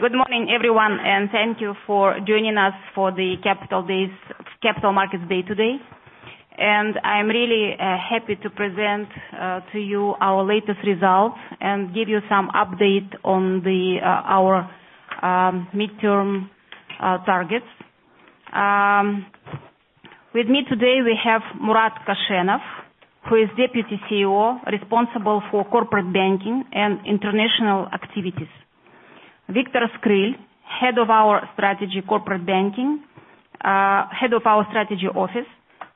Good morning everyone, thank you for joining us for the Capital Markets Day today. I'm really happy to present to you our latest results and give you some update on our midterm targets. With me today, we have Murat Koshenov, who is Deputy CEO, responsible for corporate banking and international activities. Viktor Skryl, head of our strategy office,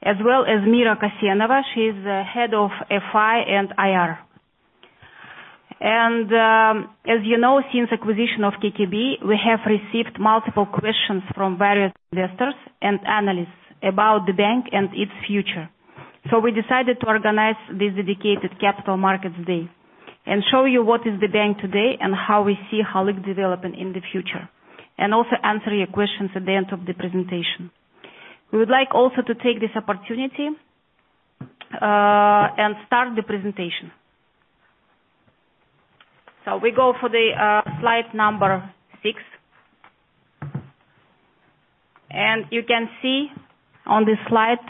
as well as Mira Kassenova, she's the Head of FI and IR. As you know, since acquisition of Kazkommertsbank, we have received multiple questions from various investors and analysts about the bank and its future. We decided to organize this dedicated Capital Markets Day and show you what is the bank today and how we see Halyk developing in the future, and also answer your questions at the end of the presentation. We would like also to take this opportunity and start the presentation. We go for the slide number six. You can see on this slide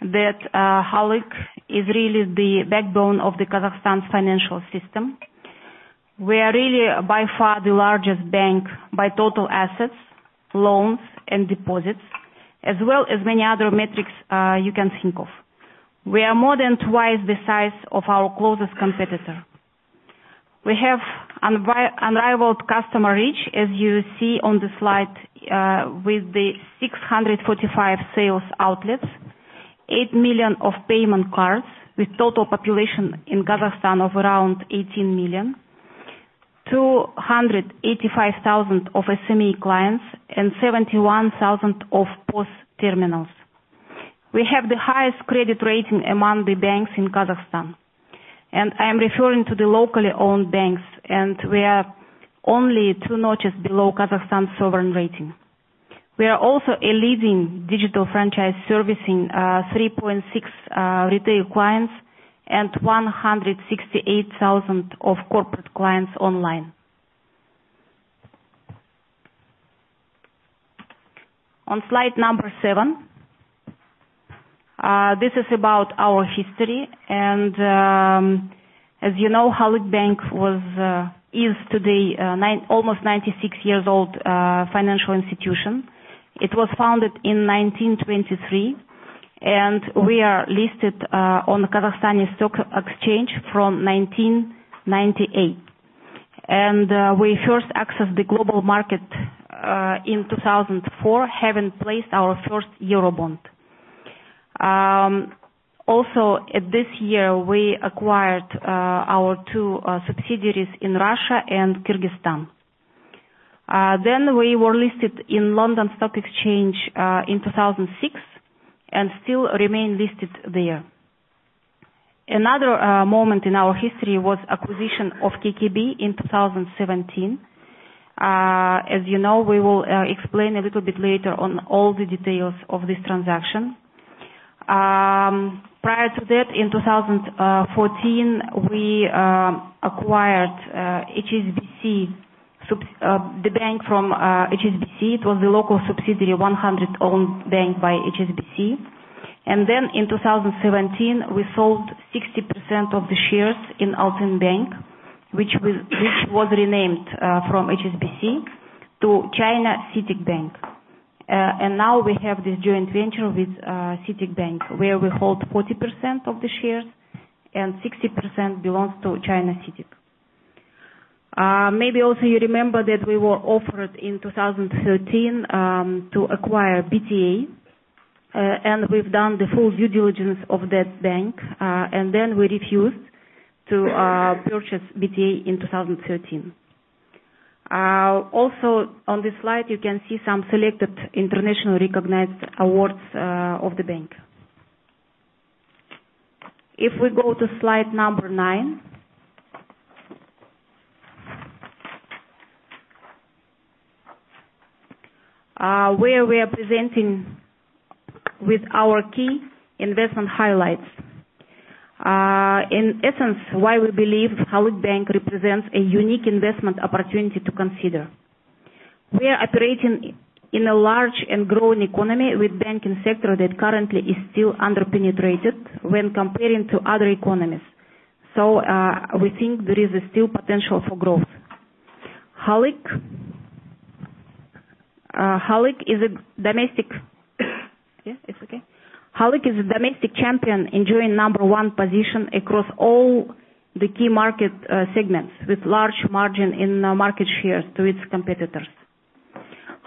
that Halyk is really the backbone of the Kazakhstan's financial system. We are really by far the largest bank by total assets, loans, and deposits, as well as many other metrics you can think of. We are more than twice the size of our closest competitor. We have unrivaled customer reach, as you see on the slide, with the 645 sales outlets, 8 million payment cards, with total population in Kazakhstan of around 18 million, 285,000 SME clients, and 71,000 POS terminals. We have the highest credit rating among the banks in Kazakhstan, I'm referring to the locally owned banks, and we are only two notches below Kazakhstan sovereign rating. We are also a leading digital franchise servicing 3.6 retail clients and 168,000 corporate clients online. On slide number seven. This is about our history, as you know, Halyk Bank is today almost a 96-year-old financial institution. It was founded in 1923, we are listed on the Kazakhstan Stock Exchange from 1998. We first accessed the global market in 2004, having placed our first Eurobond. Also, at this year, we acquired our two subsidiaries in Russia and Kyrgyzstan. We were listed in London Stock Exchange in 2006 and still remain listed there. Another moment in our history was acquisition of Kazkommertsbank in 2017. As you know, we will explain a little bit later on all the details of this transaction. Prior to that, in 2014, we acquired the bank from HSBC. It was a local subsidiary 100%-owned bank by HSBC. In 2017, we sold 60% of the shares in Altyn Bank, which was renamed from HSBC to China CITIC Bank. Now we have this joint venture with CITIC Bank where we hold 40% of the shares and 60% belongs to China CITIC. Maybe also you remember that we were offered in 2013 to acquire BTA. We've done the full due diligence of that bank. We refused to purchase BTA in 2013. Also, on this slide, you can see some selected international recognized awards of the bank. If we go to slide number nine, where we are presenting with our key investment highlights. In essence, why we believe Halyk Bank represents a unique investment opportunity to consider. We are operating in a large and growing economy with banking sector that currently is still underpenetrated when comparing to other economies. We think there is still potential for growth. Halyk is a domestic champion enjoying number 1 position across all the key market segments with large margin in market shares to its competitors.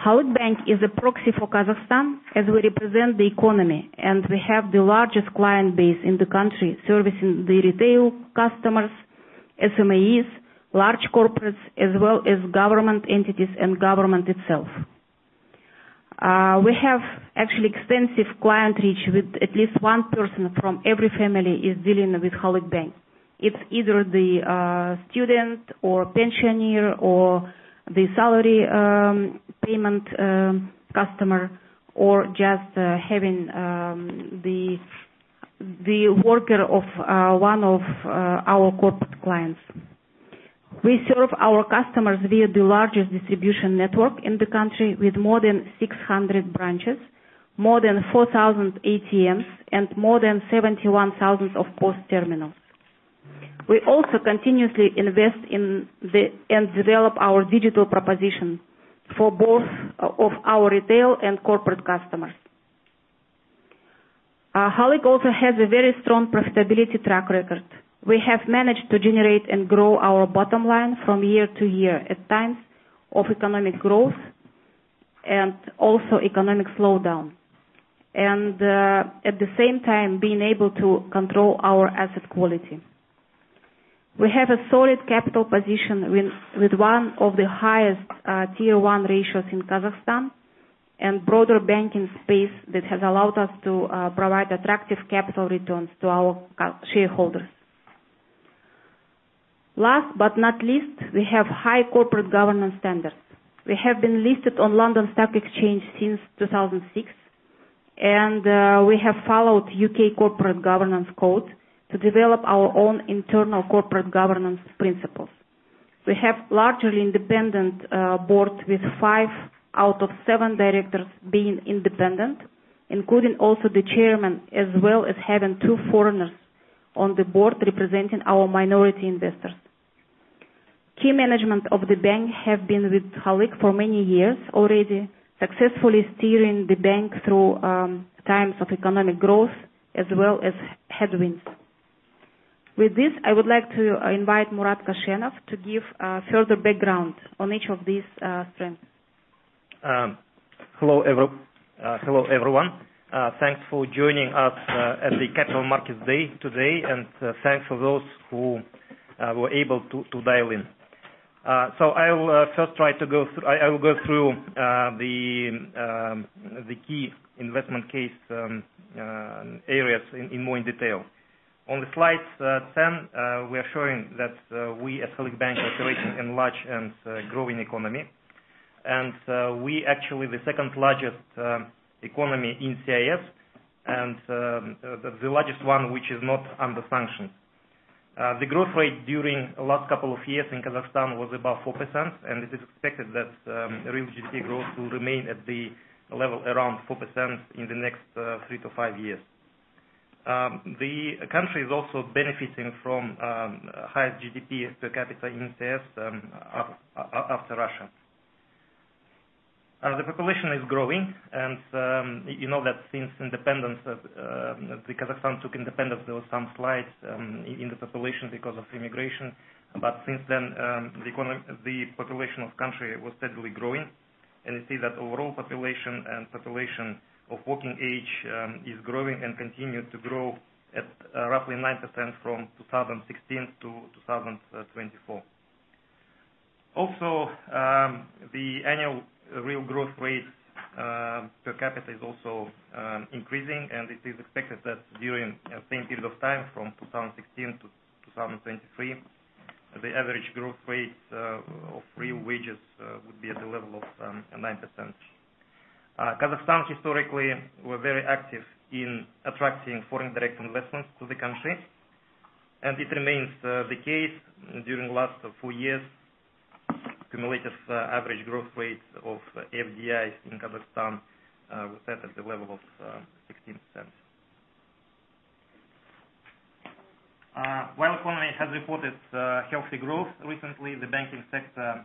Halyk Bank is a proxy for Kazakhstan as we represent the economy, and we have the largest client base in the country servicing the retail customers, SMEs, large corporates, as well as government entities and government itself. We have actually extensive client reach with at least one person from every family is dealing with Halyk Bank. It's either the student or pensioner or the salary payment customer or just having the worker of one of our corporate clients. We serve our customers via the largest distribution network in the country, with more than 600 branches, more than 4,000 ATMs, and more than 71,000 POS terminals. We also continuously invest in and develop our digital proposition for both of our retail and corporate customers. Halyk also has a very strong profitability track record. We have managed to generate and grow our bottom line from year to year at times of economic growth and also economic slowdowns, and at the same time, being able to control our asset quality. We have a solid capital position with one of the highest Tier 1 ratios in Kazakhstan and broader banking space that has allowed us to provide attractive capital returns to our shareholders. Last but not least, we have high corporate governance standards. We have been listed on London Stock Exchange since 2006, and we have followed U.K. corporate governance codes to develop our own internal corporate governance principles. We have largely independent board with five out of seven directors being independent, including also the chairman, as well as having two foreigners on the board representing our minority investors. Key management of the bank have been with Halyk for many years already, successfully steering the bank through times of economic growth as well as headwinds. With this, I would like to invite Murat Koshenov to give further background on each of these strengths. Hello, everyone. Thanks for joining us at the Capital Markets Day today, and thanks for those who were able to dial in. I will go through the key investment case areas in more detail. On slide 10, we are showing that we, as Halyk Bank, operating in large and growing economy. We actually the second-largest economy in CIS and the largest one which is not under sanctions. The growth rate during the last couple of years in Kazakhstan was above 4%, and it is expected that real GDP growth will remain at the level around 4% in the next three to five years. The country is also benefiting from highest GDP per capita in CIS after Russia. The population is growing, and you know that since Kazakhstan took independence, there was some slides in the population because of immigration. Since then, the population of country was steadily growing. We see that overall population and population of working age is growing and continue to grow at roughly 9% from 2016 to 2024. Also, the annual real growth rate per capita is also increasing. It is expected that during same period of time, from 2016 to 2023, the average growth rate of real wages would be at the level of 9%. Kazakhstan historically were very active in attracting foreign direct investments to the country. It remains the case during last four years. Cumulative average growth rate of FDIs in Kazakhstan was set at the level of 16%. While economy has reported healthy growth recently, the banking sector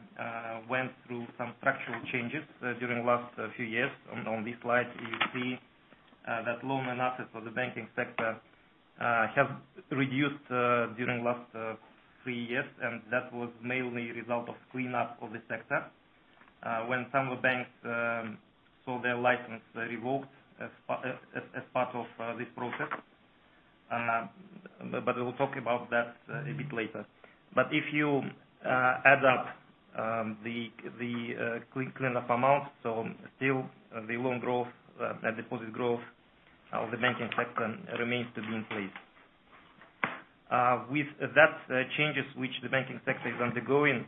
went through some structural changes during last few years. On this slide, you see that loan and assets for the banking sector have reduced during last three years. That was mainly result of cleanup of the sector when some of the banks saw their license revoked as part of this process. We'll talk about that a bit later. If you add up the cleanup amount, still the loan growth, deposit growth of the banking sector remains to be in place. With that changes which the banking sector is undergoing,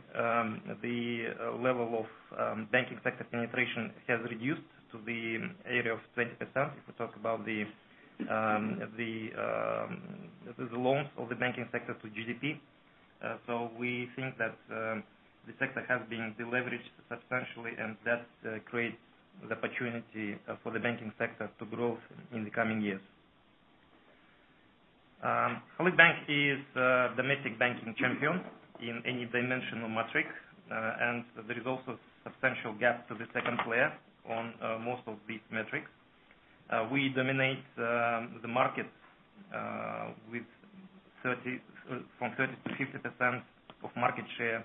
the level of banking sector penetration has reduced to the area of 20%, if we talk about the loans of the banking sector to GDP. We think that the sector has been deleveraged substantially. That creates the opportunity for the banking sector to grow in the coming years. Halyk Bank is domestic banking champion in any dimensional metric. There is also substantial gap to the second player on most of these metrics. We dominate the market from 30%-50% of market share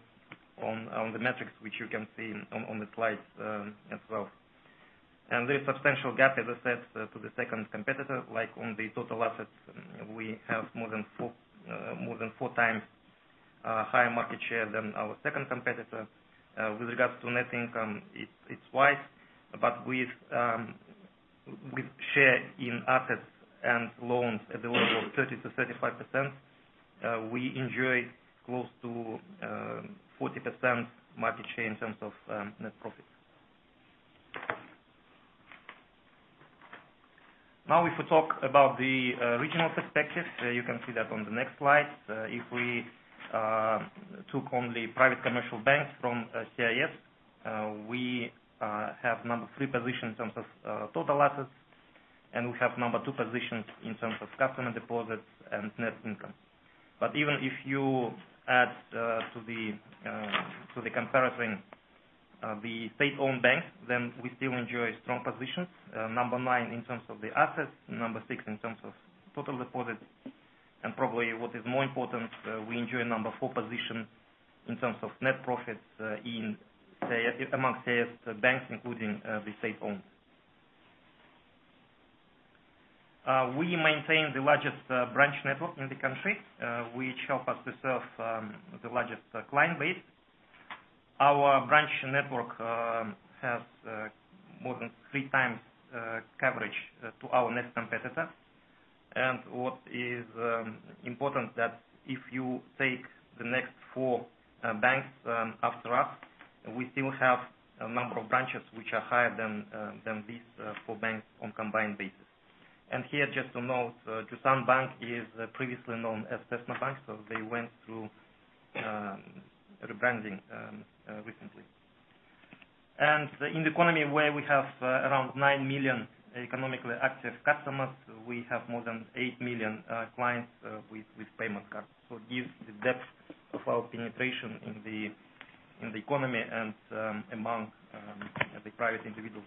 on the metrics which you can see on the slides as well. There is substantial gap, as I said, to the second competitor, like on the total assets, we have more than four times higher market share than our second competitor. With regards to net income, it's twice. With share in assets and loans at the level of 30%-35%, we enjoy close to 40% market share in terms of net profit. Now if we talk about the regional perspective, you can see that on the next slide. If we took only private commercial banks from CIS, we have number 3 position in terms of total assets. We have number 2 position in terms of customer deposits and net income. Even if you add to the comparison the state-owned banks, we still enjoy strong positions, number 9 in terms of the assets, number 6 in terms of total deposits, and probably what is more important, we enjoy number 4 position in terms of net profits amongst CIS banks, including the state-owned. We maintain the largest branch network in the country, which help us to serve the largest client base. Our branch network has more than three times coverage to our next competitor. What is important that if you take the next four banks after us, we still have a number of branches which are higher than these four banks on combined basis. Here, just to note, Jusan Bank is previously known as Tsesna Bank, they went through rebranding recently. In the economy where we have around nine million economically active customers, we have more than eight million clients with payment cards. It gives the depth of our penetration in the economy and among the private individuals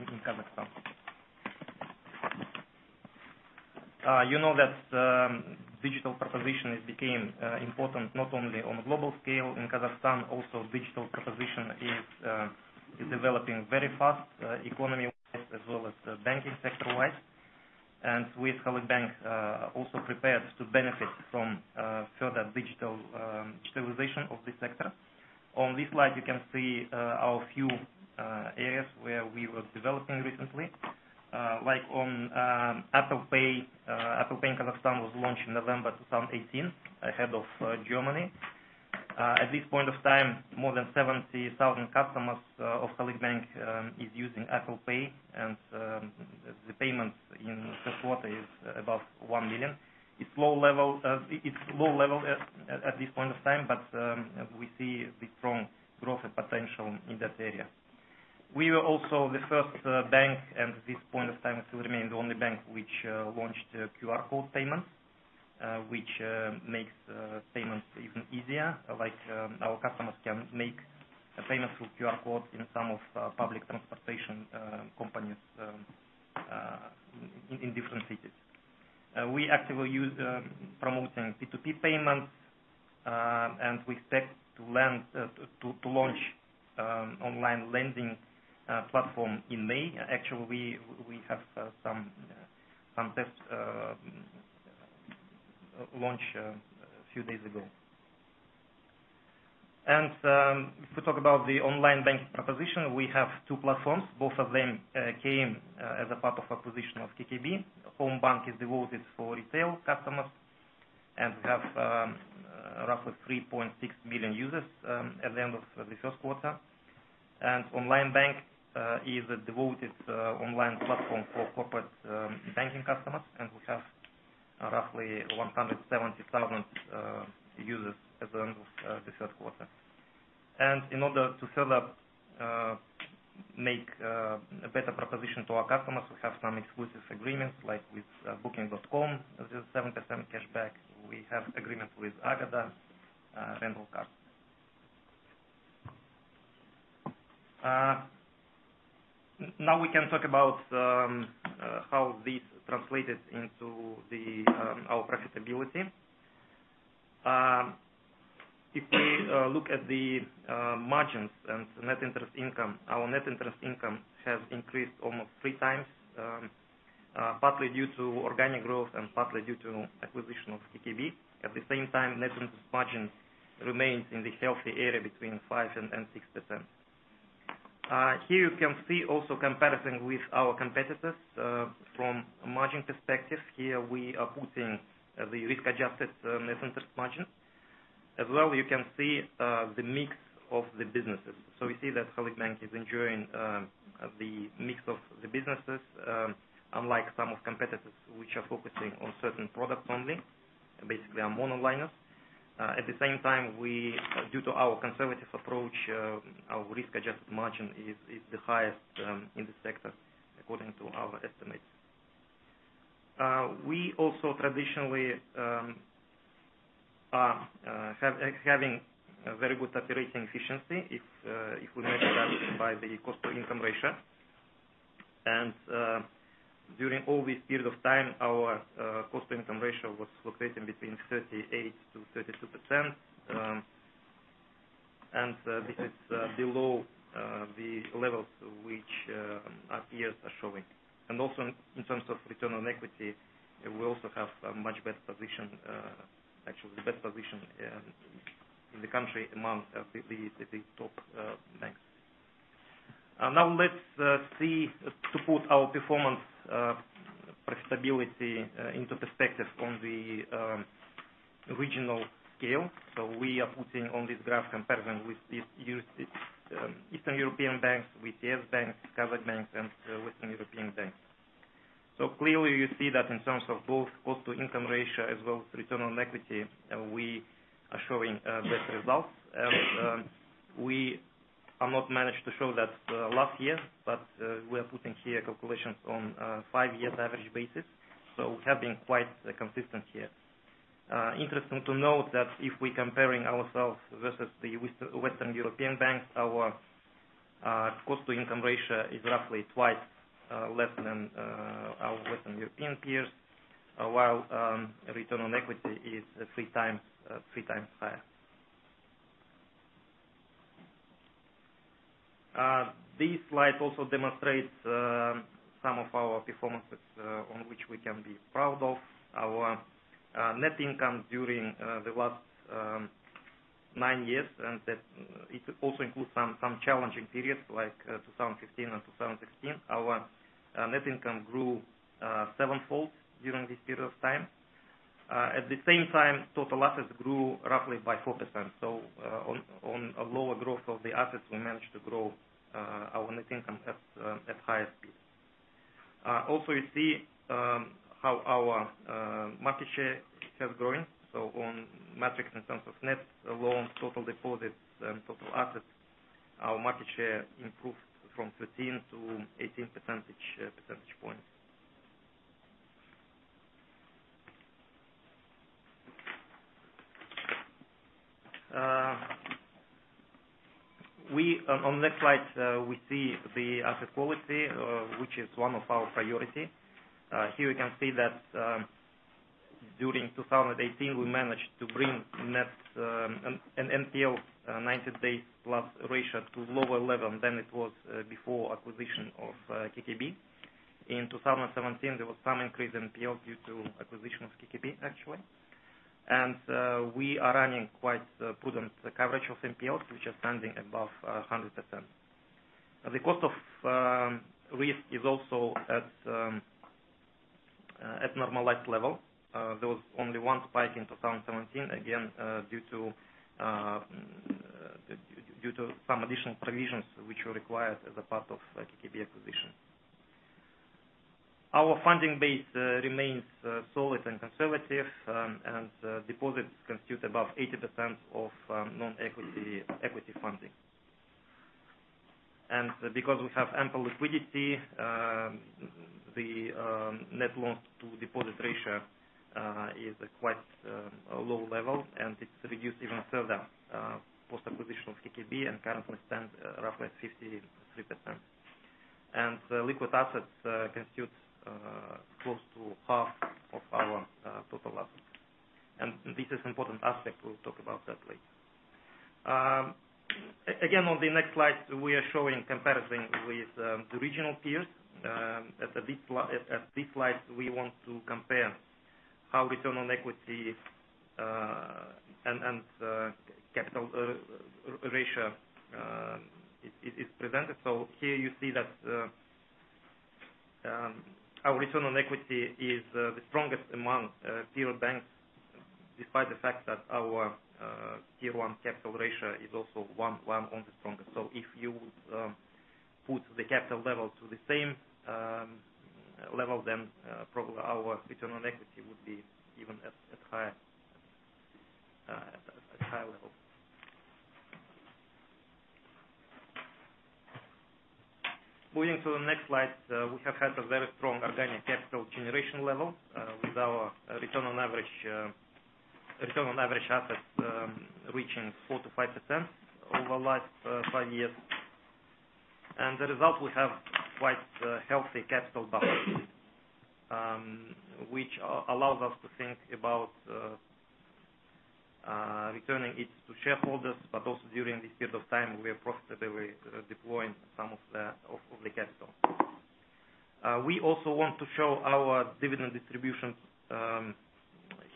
in Kazakhstan. You know that digital proposition became important not only on a global scale. In Kazakhstan also, digital proposition is developing very fast economy-wide, as well as banking sector-wide. We at Halyk Bank are also prepared to benefit from further digitalization of this sector. On this slide, you can see a few areas where we were developing recently. Like on Apple Pay. Apple Pay in Kazakhstan was launched in November 2018, ahead of Germany. At this point of time, more than 70,000 customers of Halyk Bank is using Apple Pay, and the payments in the first quarter is above one million. It's low level at this point of time, we see the strong growth potential in that area. We were also the first bank, and at this point of time still remain the only bank, which launched QR code payments, which makes payments even easier. Like our customers can make payments through QR codes in some of public transportation companies in different cities. We actively use promoting P2P payments, and we expect to launch online lending platform in May. Actually, we have some test launch a few days ago. If we talk about the online bank proposition, we have two platforms. Both of them came as a part of acquisition of KKB. Homebank is devoted for retail customers and we have roughly 3.6 million users at the end of the first quarter. Onlinebank is a devoted online platform for corporate banking customers, and we have roughly 170,000 users at the end of the third quarter. In order to further make a better proposition to our customers, we have some exclusive agreements, like with Booking.com, with 7% cashback. We have agreement with Avis Rent A Car. Now we can talk about how this translated into our profitability. If we look at the margins and net interest income, our net interest income has increased almost three times, partly due to organic growth and partly due to acquisition of KTB. At the same time, net interest margin remains in the healthy area between 5% and 6%. Here you can see also comparison with our competitors from margin perspective. Here we are putting the risk-adjusted net interest margin. As well, you can see the mix of the businesses. We see that Halyk Bank is enjoying the mix of the businesses, unlike some of competitors which are focusing on certain products only, basically are monoliners. At the same time, due to our conservative approach, our risk-adjusted margin is the highest in the sector according to our estimates. We also traditionally are having a very good operating efficiency if we measure that by the cost-to-income ratio. During all this period of time, our cost-to-income ratio was fluctuating between 38%-32%, and this is below the levels which our peers are showing. Also in terms of return on equity, we also have a much better position, actually the best position in the country among the big top banks. Now let's see to put our performance stability into perspective on the regional scale. We are putting on this graph comparison with Eastern European banks, with U.S. banks, Kazakh banks, and Western European banks. Clearly, you see that in terms of both cost to income ratio as well as return on equity, we are showing great results. We have not managed to show that last year, we are putting here calculations on a 5-year average basis, we have been quite consistent here. Interesting to note that if we're comparing ourselves versus the Western European banks, our cost to income ratio is roughly 2 times less than our Western European peers, while return on equity is 3 times higher. This slide also demonstrates some of our performances on which we can be proud of our net income during the last nine years, it also includes some challenging periods like 2015 and 2016. Our net income grew sevenfold during this period of time. At the same time, total assets grew roughly by 40%. On a lower growth of the assets, we managed to grow our net income at higher speeds. Also, you see how our market share has grown. On metrics in terms of net loans, total deposits, and total assets, our market share improved from 13-18 percentage points. On the next slide, we see the asset quality, which is one of our priorities. Here we can see that during 2018, we managed to bring an NPL 90 days plus ratio to a lower level than it was before acquisition of KKB. In 2017, there was some increase in NPL due to acquisition of KKB. We are running quite prudent coverage of NPLs, which are standing above 100%. The cost of risk is also at normalized level. There was only one spike in 2017, again, due to some additional provisions which were required as a part of KKB acquisition. Our funding base remains solid and conservative, deposits constitute about 80% of non-equity funding. Because we have ample liquidity, the net loans to deposit ratio is quite a low level, it's reduced even further post-acquisition of KKB and currently stands at roughly 53%. Liquid assets constitute close to half of our total assets. This is an important aspect, we'll talk about that later. Again, on the next slide, we are showing comparison with the regional peers. At this slide, we want to compare how return on equity and capital ratio is presented. Here you see that our return on equity is the strongest among peer banks, despite the fact that our Tier 1 capital ratio is also one of the strongest. If you put the capital level to the same level, probably our return on equity would be even at higher level. Moving to the next slide, we have had a very strong organic capital generation level with our return on average assets reaching 4%-5% over the last five years. As a result, we have quite a healthy capital buffer, which allows us to think about returning it to shareholders. Also during this period of time, we are progressively deploying some of the capital. We also want to show our dividend distribution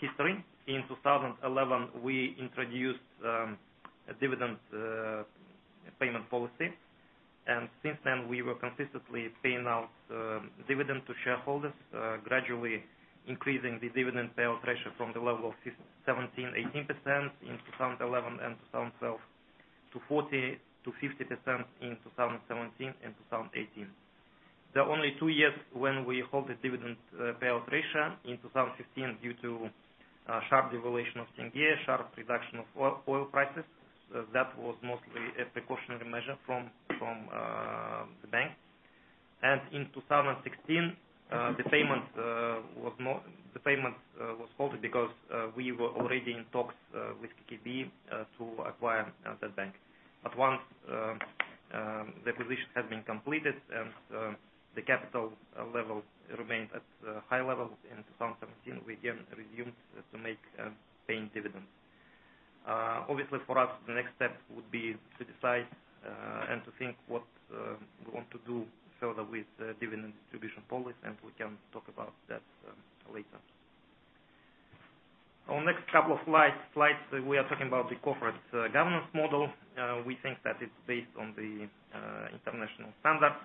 history. In 2011, we introduced a dividend payment policy, since then we were consistently paying out dividend to shareholders, gradually increasing the dividend payout ratio from the level of 17%-18% in 2011 and 2012 to 40%-50% in 2017 and 2018. There are only two years when we hold the dividend payout ratio. In 2015, due to sharp devaluation of tenge, sharp reduction of oil prices, that was mostly a precautionary measure from the bank. In 2016, the payment was halted because we were already in talks with KKB to acquire that bank. Once the acquisition had been completed and the capital level remained at high levels in 2017, we again resumed to make paying dividends. Obviously, for us, the next step would be to decide and to think what we want to do further with the dividend distribution policy, we can talk about that later. On next couple of slides, we are talking about the corporate governance model. We think that it's based on the international standards.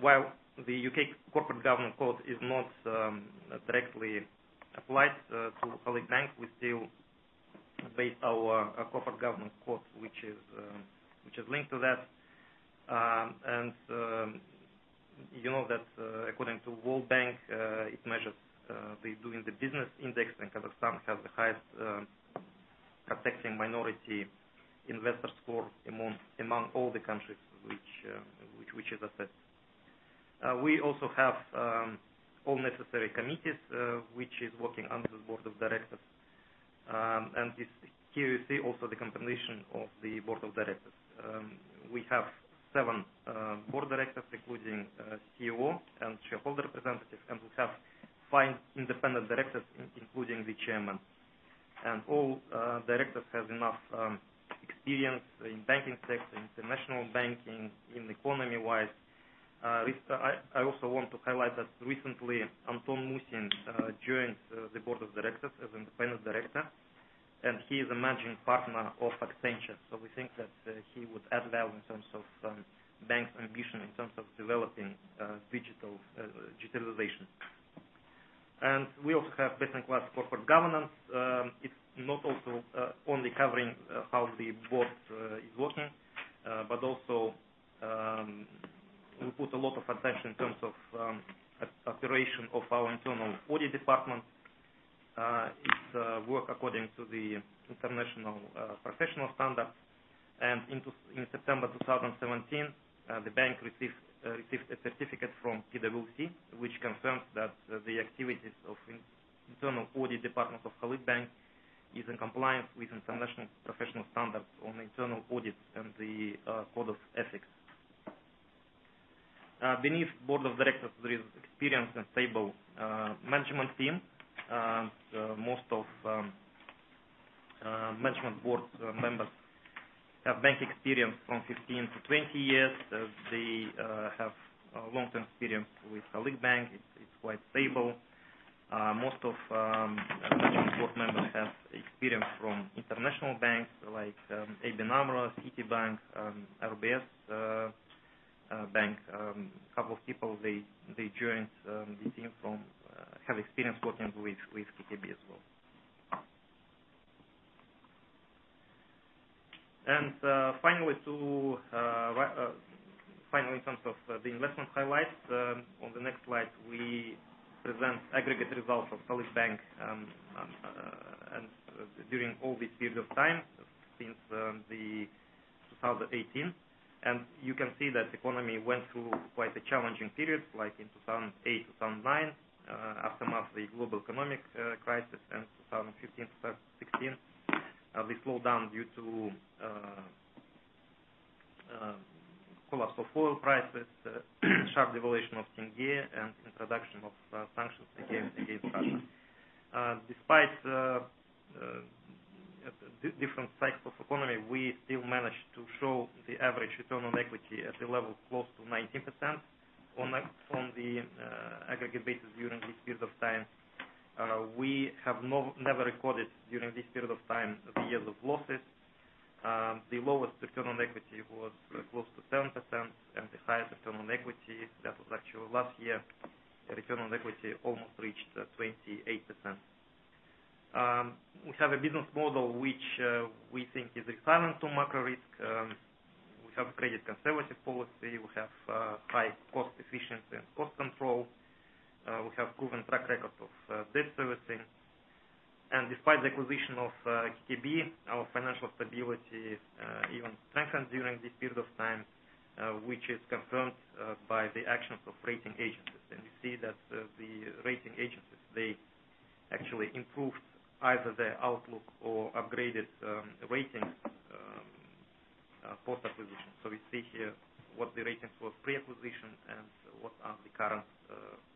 While the UK Corporate Governance Code is not directly applied to Halyk Bank, we still base our corporate governance code, which is linked to that. You know that according to World Bank, it measures the Doing Business index, and Kazakhstan has the highest protecting minority investor score among all the countries which is assessed. We also have all necessary committees, which is working under the board of directors. Here you see also the combination of the board of directors. We have seven board directors, including CEO and shareholder representatives, and we have five independent directors, including the chairman. All directors have enough experience in banking sector, international banking, in economy-wise. I also want to highlight that recently, Anton Musin joined the board of directors as an independent director, and he is a managing partner of Accenture. We think that he would add value in terms of bank's ambition, in terms of developing digitalization. We also have best-in-class corporate governance. It's not only covering how the board is working, but also, we put a lot of attention in terms of operation of our internal audit department. It works according to the international professional standards. In September 2017, the bank received a certificate from PwC, which confirms that the activities of internal audit department of Halyk Bank is in compliance with international professional standards on internal audit and the code of ethics. Beneath board of directors, there is experienced and stable management team. Most of management board members have bank experience from 15 to 20 years. They have long-term experience with Halyk Bank. It's quite stable. Most of management board members have experience from international banks like ABN AMRO, Citibank, RBS. Couple of people, they have experience working with BTA Bank as well. Finally, in terms of the investment highlights, on the next slide, we present aggregate results of Halyk Bank during all this period of time since 2018. You can see that the economy went through quite a challenging period, like in 2008, 2009, aftermath of the global economic crisis, and 2015, 2016, the slowdown due to collapse of oil prices, sharp devaluation of tenge, and introduction of sanctions against Russia. Despite different cycles of economy, we still managed to show the average return on equity at a level close to 19% on the aggregate basis during this period of time. We have never recorded during this period of time the years of losses. The lowest return on equity was close to 7%, and the highest return on equity, that was actually last year, return on equity almost reached 28%. We have a business model which we think is resilient to macro risk. We have a credit conservative policy. We have high cost efficiency and cost control. We have proven track record of debt servicing. Despite the acquisition of KTB, our financial stability even strengthened during this period of time, which is confirmed by the actions of rating agencies. You see that the rating agencies, they actually improved either their outlook or upgraded ratings post acquisition. We see here what the ratings were pre-acquisition and what are the current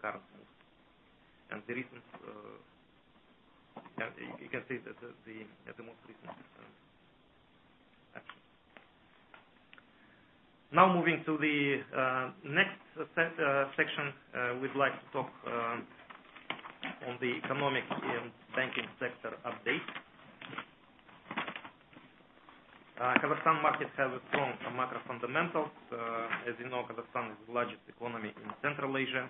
moves. You can see the most recent actions. Now moving to the next section, we'd like to talk on the economic and banking sector update. Kazakhstan market has a strong macro fundamentals. As you know, Kazakhstan is the largest economy in Central Asia.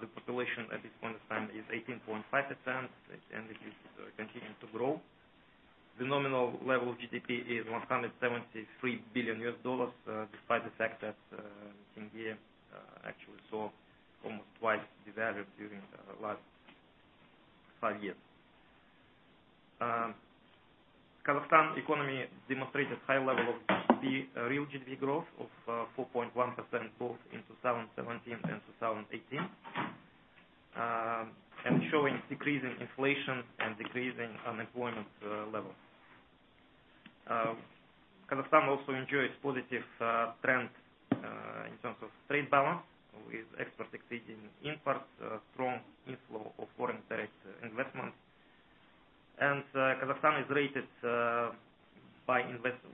The population at this point of time is 18.5%, and it is continuing to grow. The nominal level of GDP is $173 billion, despite the fact that tenge actually saw almost twice devalued during the last five years. Kazakhstan economy demonstrated high level of real GDP growth of 4.1%, both in 2017 and 2018, and showing decrease in inflation and decrease in unemployment level. Kazakhstan also enjoys positive trend in terms of trade balance, with exports exceeding imports, strong inflow of foreign direct investment. Kazakhstan is rated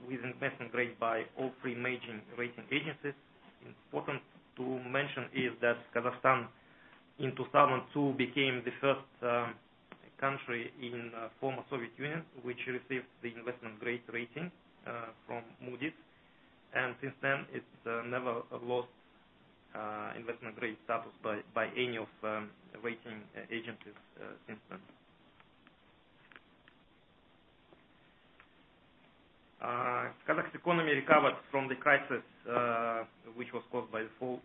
with investment grade by all three major rating agencies. Important to mention is that Kazakhstan, in 2002, became the first country in former Soviet Union, which received the investment grade rating from Moody's, and since then, it's never lost investment grade status by any of the rating agencies since then. Kazakh economy recovered from the crisis, which was caused by the fall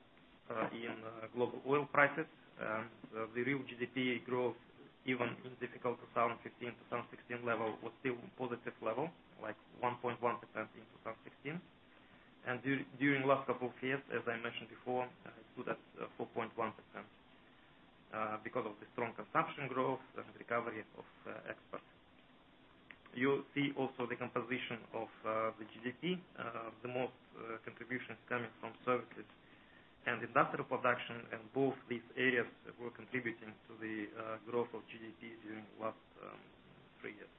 in global oil prices. The real GDP growth, even in difficult 2015, 2016 level, was still positive level, like 1.1% in 2016. During last couple of years, as I mentioned before, stood at 4.1%, because of the strong consumption growth and recovery of exports. You'll see also the composition of the GDP, the most contribution is coming from services and industrial production, and both these areas were contributing to the growth of GDP during the last three years.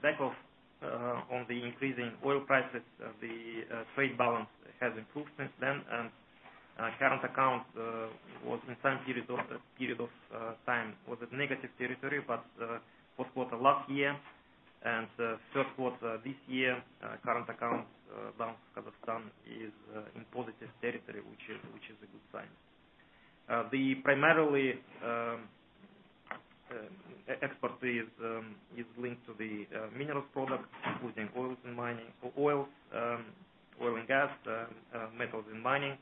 Back of on the increasing oil prices, the trade balance has improved since then, and current account was in some period of time was at negative territory. Fourth quarter last year, and first quarter this year, current account balance, Kazakhstan is in positive territory, which is a good sign. The primarily export is linked to the minerals product, including oils and mining, oil and gas, metals and mining,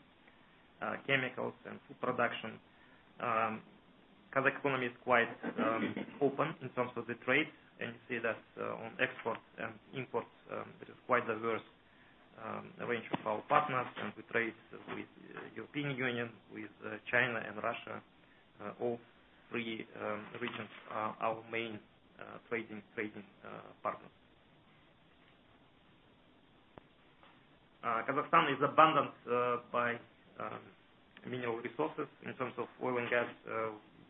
chemicals and food production. Kazakh economy is quite open in terms of the trade, and you see that on exports and imports. It is quite diverse range of our partners, and we trade with European Union, with China and Russia. All three regions are our main trading partners. Kazakhstan is abundant by mineral resources in terms of oil and gas.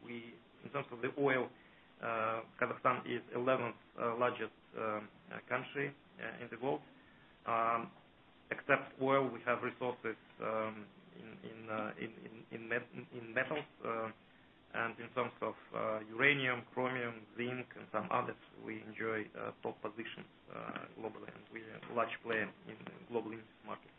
In terms of the oil, Kazakhstan is 11th largest country in the world. Except oil, we have resources in metals. In terms of uranium, chromium, zinc, and some others, we enjoy top positions globally. We are large player in global markets.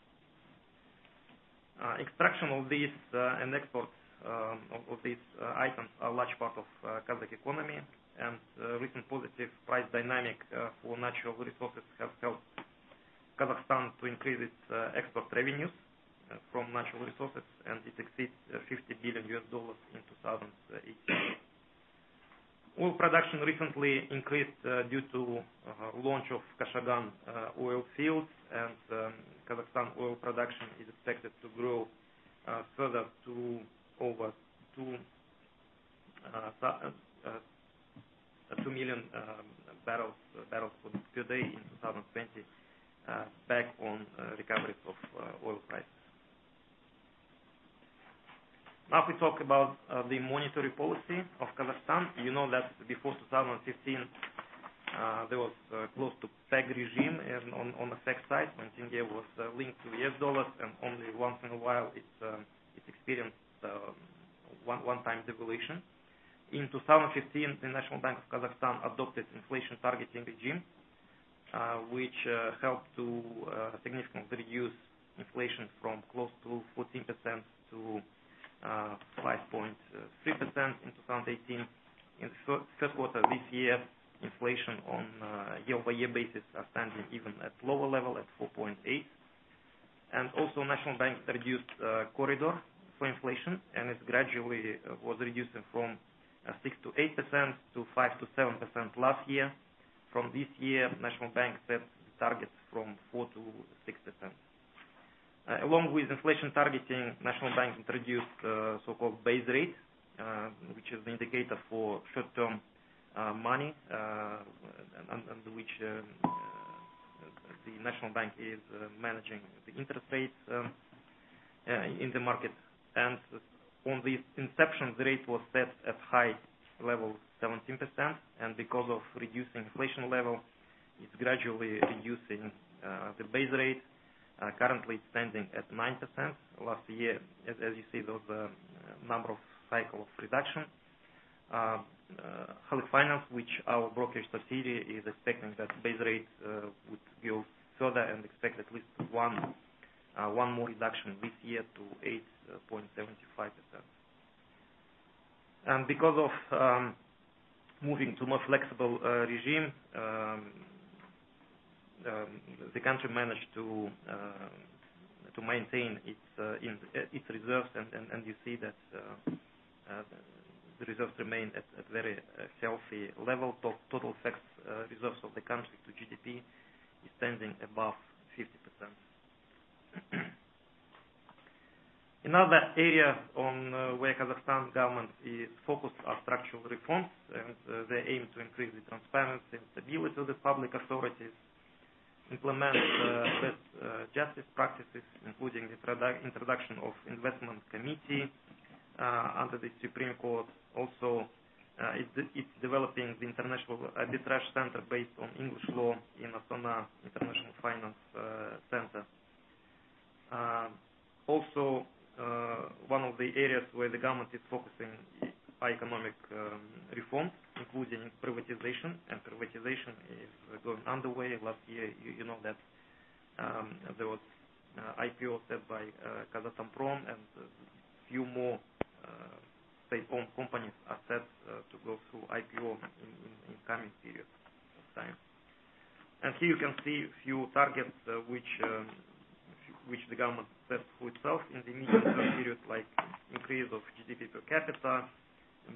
Extraction of these and exports of these items are large part of Kazakh economy. Recent positive price dynamic for natural resources have helped Kazakhstan to increase its export revenues from natural resources, and it exceeds KZT 50 billion in 2018. Oil production recently increased due to launch of Kashagan oil fields, and Kazakhstan oil production is expected to grow further to over 2 million barrels per day in 2020, back on recoveries of oil prices. If we talk about the monetary policy of Kazakhstan. You know that before 2015, there was close to peg regime on the FX side, when tenge was linked to the US dollar, and only once in a while it experienced one-time devaluation. In 2015, the National Bank of Kazakhstan adopted inflation targeting regime, which helped to significantly reduce inflation from close to 14% to 5.3% in 2018. In the first quarter this year, inflation on a year-over-year basis are standing even at lower level at 4.8%. National Bank reduced corridor for inflation, and it gradually was reducing from 6%-8% to 5%-7% last year. From this year, National Bank set the target from 4%-6%. Along with inflation targeting, National Bank introduced so-called base rate, which is the indicator for short-term money, under which the National Bank is managing the interest rates in the market. On the inception, the rate was set at high level, 17%, and because of reducing inflation level, it's gradually reducing the base rate. Currently, it's standing at 9%. Last year, as you see, those number of cycles reduction. Halyk Finance, which our brokerage facility, is expecting that base rate would go further and expect at least one more reduction this year to 8.75%. Because of moving to more flexible regime, the country managed to maintain its reserves, and you see that the reserves remain at very healthy level. Total FX reserves of the country to GDP is standing above 50%. Another area where Kazakhstan government is focused on structural reforms, they aim to increase the transparency and stability of the public authorities, implement best justice practices, including the introduction of investment committee, under the Supreme Court. It's developing the international arbitration center based on English law in Astana International Financial Centre. One of the areas where the government is focusing economic reforms, including privatization. Privatization is going underway. Last year, you know that there was IPO set by Kazatomprom and a few more state-owned companies are set to go through IPO in coming period of time. Here you can see a few targets which the government set for itself in the medium-term period, like increase of GDP per capita,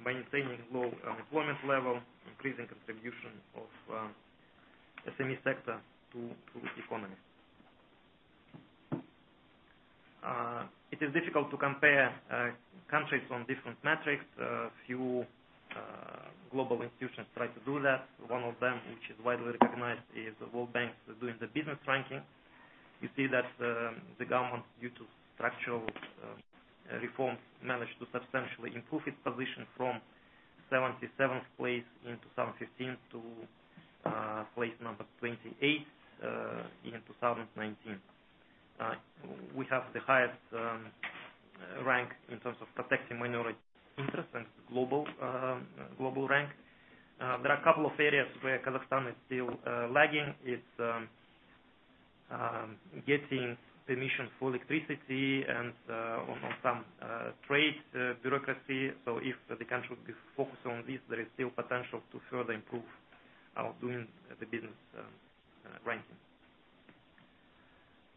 maintaining low unemployment level, increasing contribution of SME sector to economy. It is difficult to compare countries on different metrics. Few global institutions try to do that. One of them, which is widely recognized, is the World Bank Doing Business ranking. You see that the government, due to structural reforms, managed to substantially improve its position from 77th place in 2015 to place number 28 in 2019. We have the highest rank in terms of protecting minority interest and global rank. There are a couple of areas where Kazakhstan is still lagging. It's getting permission for electricity and on some trade bureaucracy. If the country would be focused on this, there is still potential to further improve our Doing Business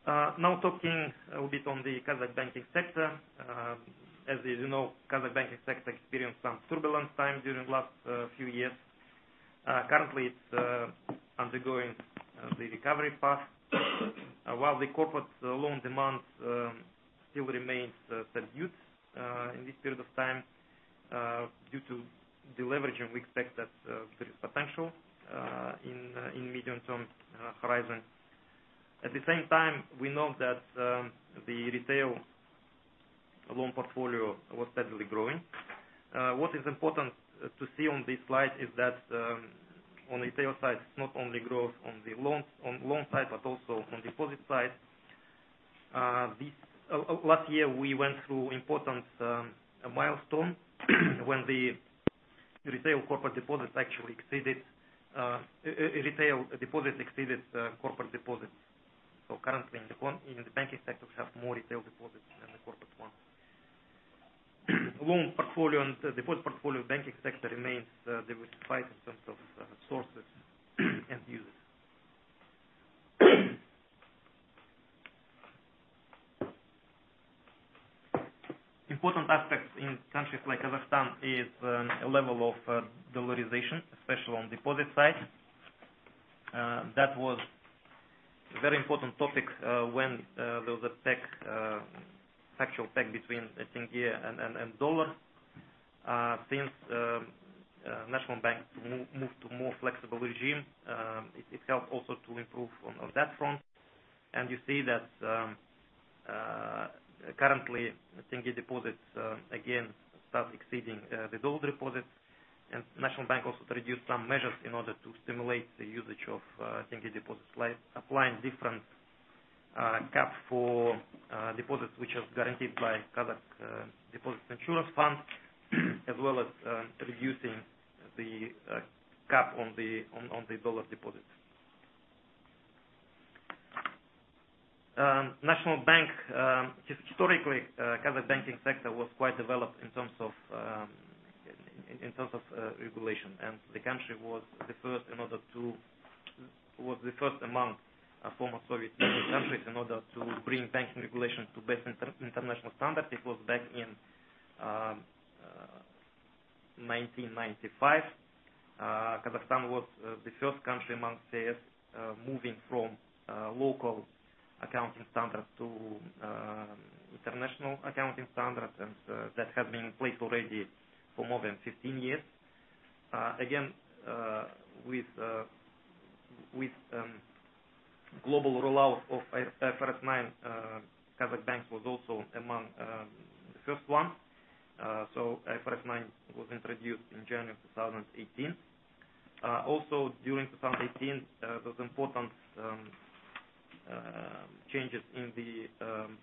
ranking. Talking a bit on the Kazakh banking sector. As you know, Kazakh banking sector experienced some turbulent time during last few years. Currently, it's undergoing the recovery path while the corporate loan demand still remains subdued in this period of time. Due to deleveraging, we expect that there is potential in medium-term horizon. At the same time, we know that the retail loan portfolio was steadily growing. What is important to see on this slide is that, on retail side, it's not only growth on loan side but also on deposit side. Last year, we went through important milestone when the retail corporate deposits actually exceeded Retail deposits exceeded corporate deposits. Currently in the banking sector, we have more retail deposits than the corporate one. Loan portfolio and deposit portfolio banking sector remains diversified in terms of sources and uses. Important aspects in countries like Kazakhstan is a level of dollarization, especially on deposit side. That was very important topic when there was a peg, factual peg between tenge and dollar. Since National Bank moved to more flexible regime, it helped also to improve on that front. You see that currently, tenge deposits again start exceeding the dollar deposits. National Bank also introduced some measures in order to stimulate the usage of tenge deposits, like applying different cap for deposits, which is guaranteed by Kazakh Deposit Insurance Fund, as well as reducing the cap on the dollar deposits. National Bank, historically, Kazakh banking sector was quite developed in terms of regulation. The country was the first among former Soviet Union countries in order to bring banking regulation to best international standard. It was back in 1995. Kazakhstan was the first country amongst them, moving from local accounting standards to international accounting standards. That has been in place already for more than 15 years. Again, with global rollout of IFRS 9, Kazakh Bank was also among the first one. IFRS 9 was introduced in January 2018. Also during 2018, there was important changes in the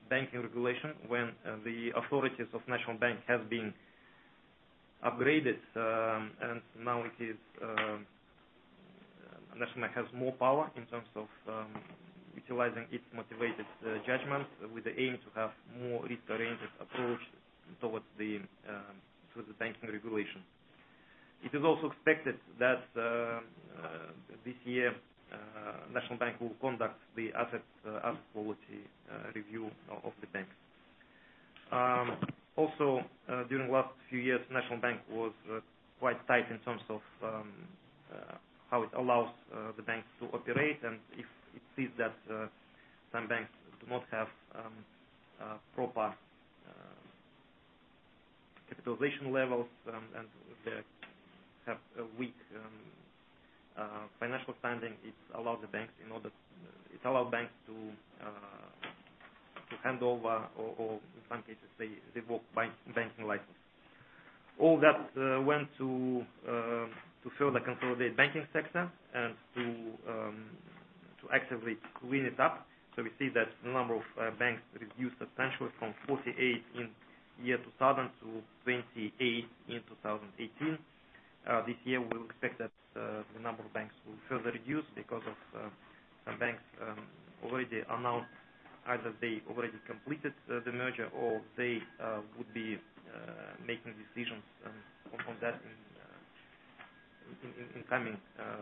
banking regulation when the authorities of National Bank have been upgraded, and now National Bank has more power in terms of utilizing its motivated judgment with the aim to have more risk-oriented approach towards the banking regulation. It is also expected that this year, National Bank will conduct the asset quality review of the banks. Also, during the last few years, the National Bank was quite tight in terms of how it allows the banks to operate, and if it sees that some banks do not have proper capitalization levels and they have a weak financial standing, it allow banks to hand over, or in some cases, they revoke banking license. All that went to further consolidate banking sector and to actively clean it up. We see that the number of banks reduced substantially from 48 in 2000 to 28 in 2018. This year, we will expect that the number of banks will further reduce because of some banks already announced either they already completed the merger or they would be making decisions on that in coming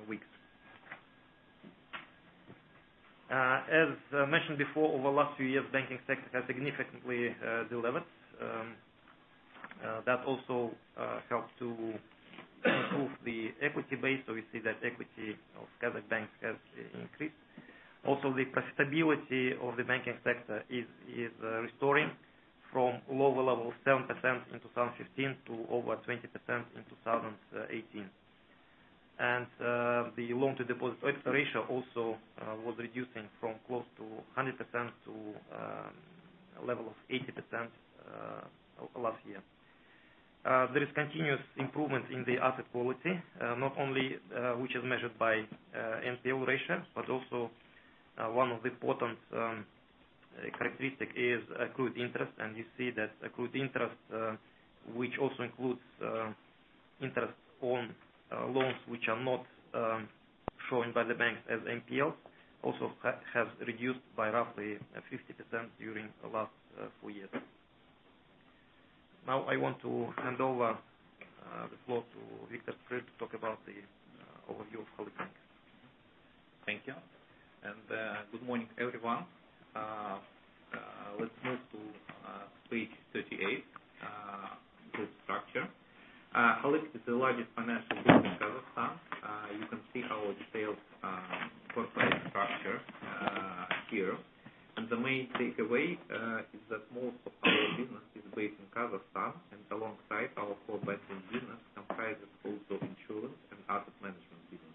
weeks. As mentioned before, over the last few years, banking sector has significantly deleveraged. That also helped to improve the equity base. We see that equity of Kazakh banks has increased. Also, the profitability of the banking sector is restoring from lower levels, 7% in 2015 to over 20% in 2018. The loan-to-deposit ratio also was reducing from close to 100% to a level of 80% last year. There is continuous improvement in the asset quality, not only which is measured by NPL ratio, but also one of the important characteristic is accrued interest. You see that accrued interest, which also includes interest on loans which are not shown by the banks as NPL, also has reduced by roughly 50% during the last four years. Now I want to hand over the floor to Viktor Skryl to talk about the overview of Halyk Bank. Thank you. Good morning, everyone. Let's move to page 38, group structure. Halyk is the largest financial group in Kazakhstan. You can see our detailed corporate structure here. The main takeaway is that most of our business is based in Kazakhstan, and alongside our core banking business comprise also insurance and asset management businesses.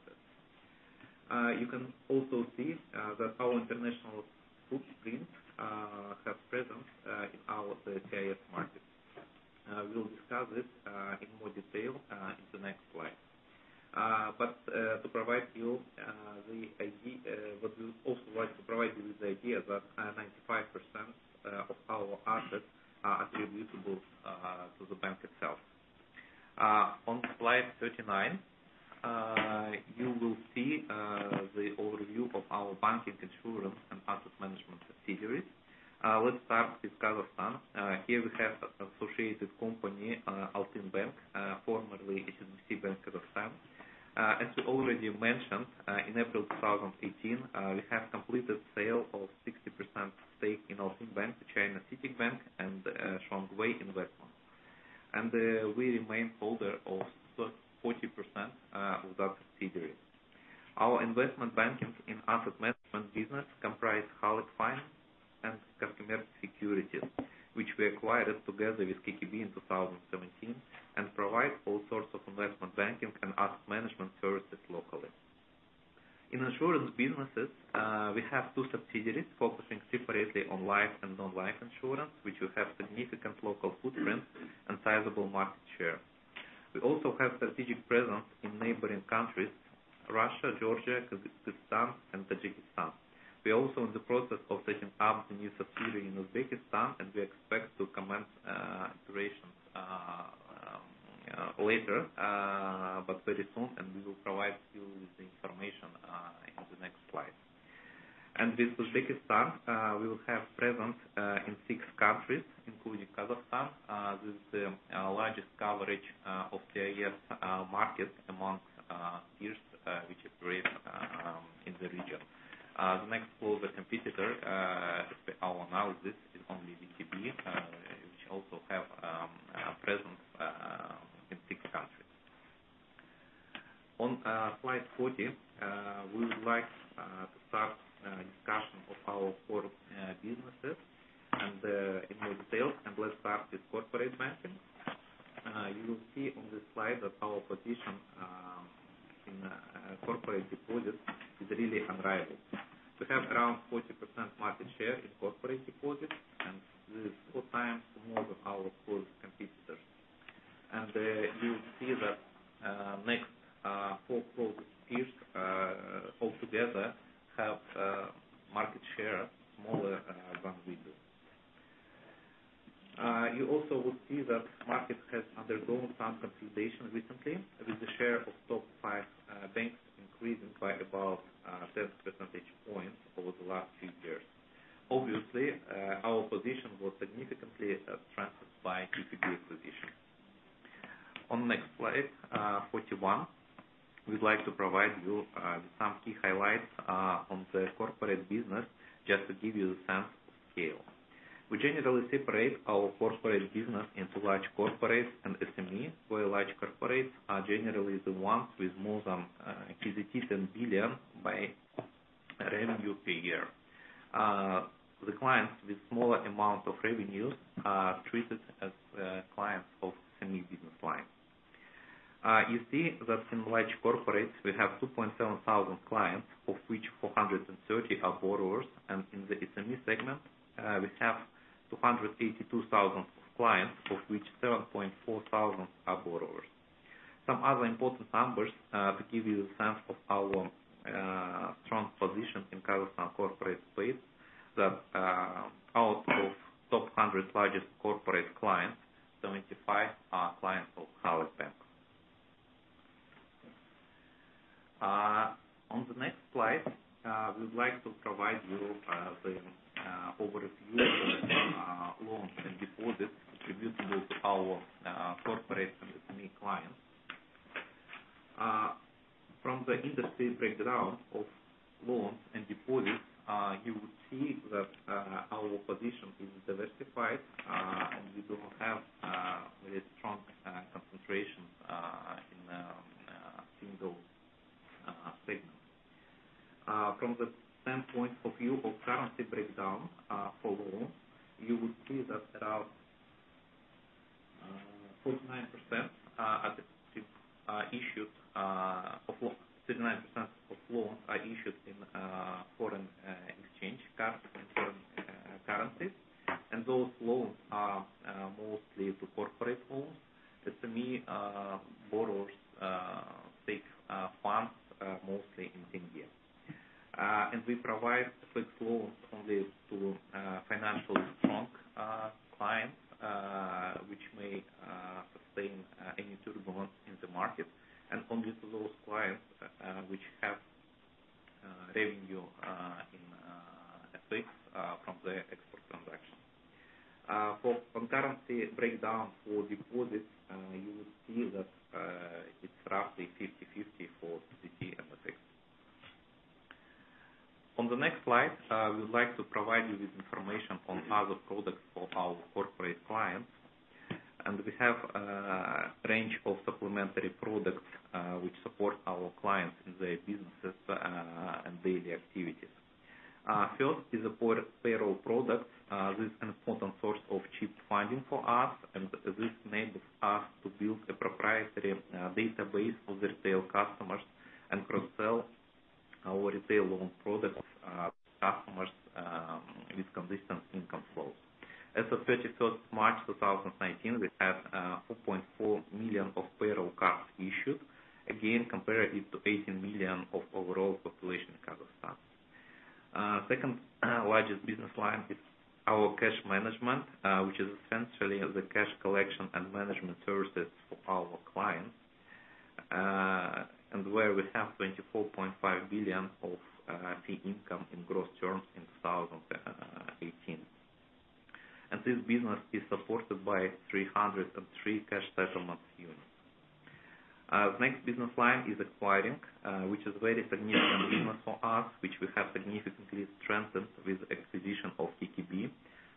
You can also see that our international footprint have presence in our CIS markets. We'll discuss this in more detail in the next slide. We would also like to provide you with the idea that 95% of our assets are attributable to the bank itself. On slide 39, you will see the overview of our banking, insurance, and asset management subsidiaries. Let's start with Kazakhstan. Here we have associated company, Altyn Bank, formerly CITIC Bank Kazakhstan. As we already mentioned, in April 2018, we have completed sale of 60% stake in Altyn Bank to China CITIC Bank and Shuangwei Investment. We remain holder of 40% of that subsidiary. Our investment banking and asset management business comprise Halyk Finance and Kazkommerts Securities, which we acquired together with KKB in 2017, and provide all sorts of investment banking and asset management services locally. In insurance businesses, we have two subsidiaries focusing separately on life and non-life insurance, which will have significant local footprint and sizable market share. We also have strategic presence in neighboring countries, Russia, Georgia, Kyrgyzstan, and Tajikistan. We're also in the process of setting up a new subsidiary in Uzbekistan, and we expect to commence operations later, but very soon. We will provide you with the information in the next slide. With Uzbekistan, we will have presence in six countries, including Kazakhstan. This is the largest coverage of CIS market among peers which operate in the region. The next closest competitor, as per our analysis, is only VTB, which also have presence in six countries. On slide 40, we would like to start discussion of our core businesses in more detail. Let's start with corporate banking. You will see on this slide that our position in corporate deposits is really unrivaled. We have around 40% market share in corporate deposits, and this is four times more than our closest competitors. You will see the next four closest peers all together have market share smaller than we do. You also would see that market has undergone some consolidation recently, with the share of top five banks increasing by about seven percentage points over the last few years. Obviously, our position was significantly strengthened by VTB. On next slide, 41. We'd like to provide you some key highlights on the corporate business, just to give you a sense of scale. We generally separate our corporate business into large corporates and SMEs, where large corporates are generally the ones with more than KZT 10 billion by revenue per year. The clients with smaller amounts of revenues are treated as clients of SME business line. You see that in large corporates, we have 2,700 clients, of which 430 are borrowers, and in the SME segment, we have 282,000 clients, of which 7,400 are borrowers. Some other important numbers to give you a sense of our strong position in Kazakhstan corporate space that out of top 100 largest corporate clients, 75 are clients of Halyk Bank. On the next slide, we would like to provide you the overview of loans and deposits attributable to our corporate and SME clients. From the industry breakdown of loans and deposits, you would see that our position is diversified, and we do not have very strong concentration in a single segment. From the standpoint of view of currency breakdown for loans, you would see that around 39% of loans are issued in foreign exchange currency, in foreign currencies, and those loans are mostly to corporate loans. SME borrowers take funds mostly in tenge. We provide fixed loans only to financially strong clients, which may sustain any turbulence in the market, and only to those clients which have revenue in Fx from their export transactions. For currency breakdown for deposits, you would see that it's roughly 50/50 for KZT and Fx. On the next slide, we would like to provide you with information on other products for our corporate clients. We have a range of supplementary products which support our clients in their businesses and daily activities. First is the payroll product. This is an important source of cheap funding for us, and this enables us to build a proprietary database of retail customers and cross-sell our retail loan products to customers with consistent income flows. As of 31st March 2019, we had 4.4 million of payroll cards issued, again, comparative to 18 million of overall population in Kazakhstan. Second largest business line is our cash management, which is essentially the cash collection and management services for our clients, and where we have KZT 24.5 billion of fee income in gross terms in 2018. This business is supported by 303 cash settlement units. Next business line is acquiring, which is very significant business for us, which we have significantly strengthened with acquisition of Kazkommertsbank.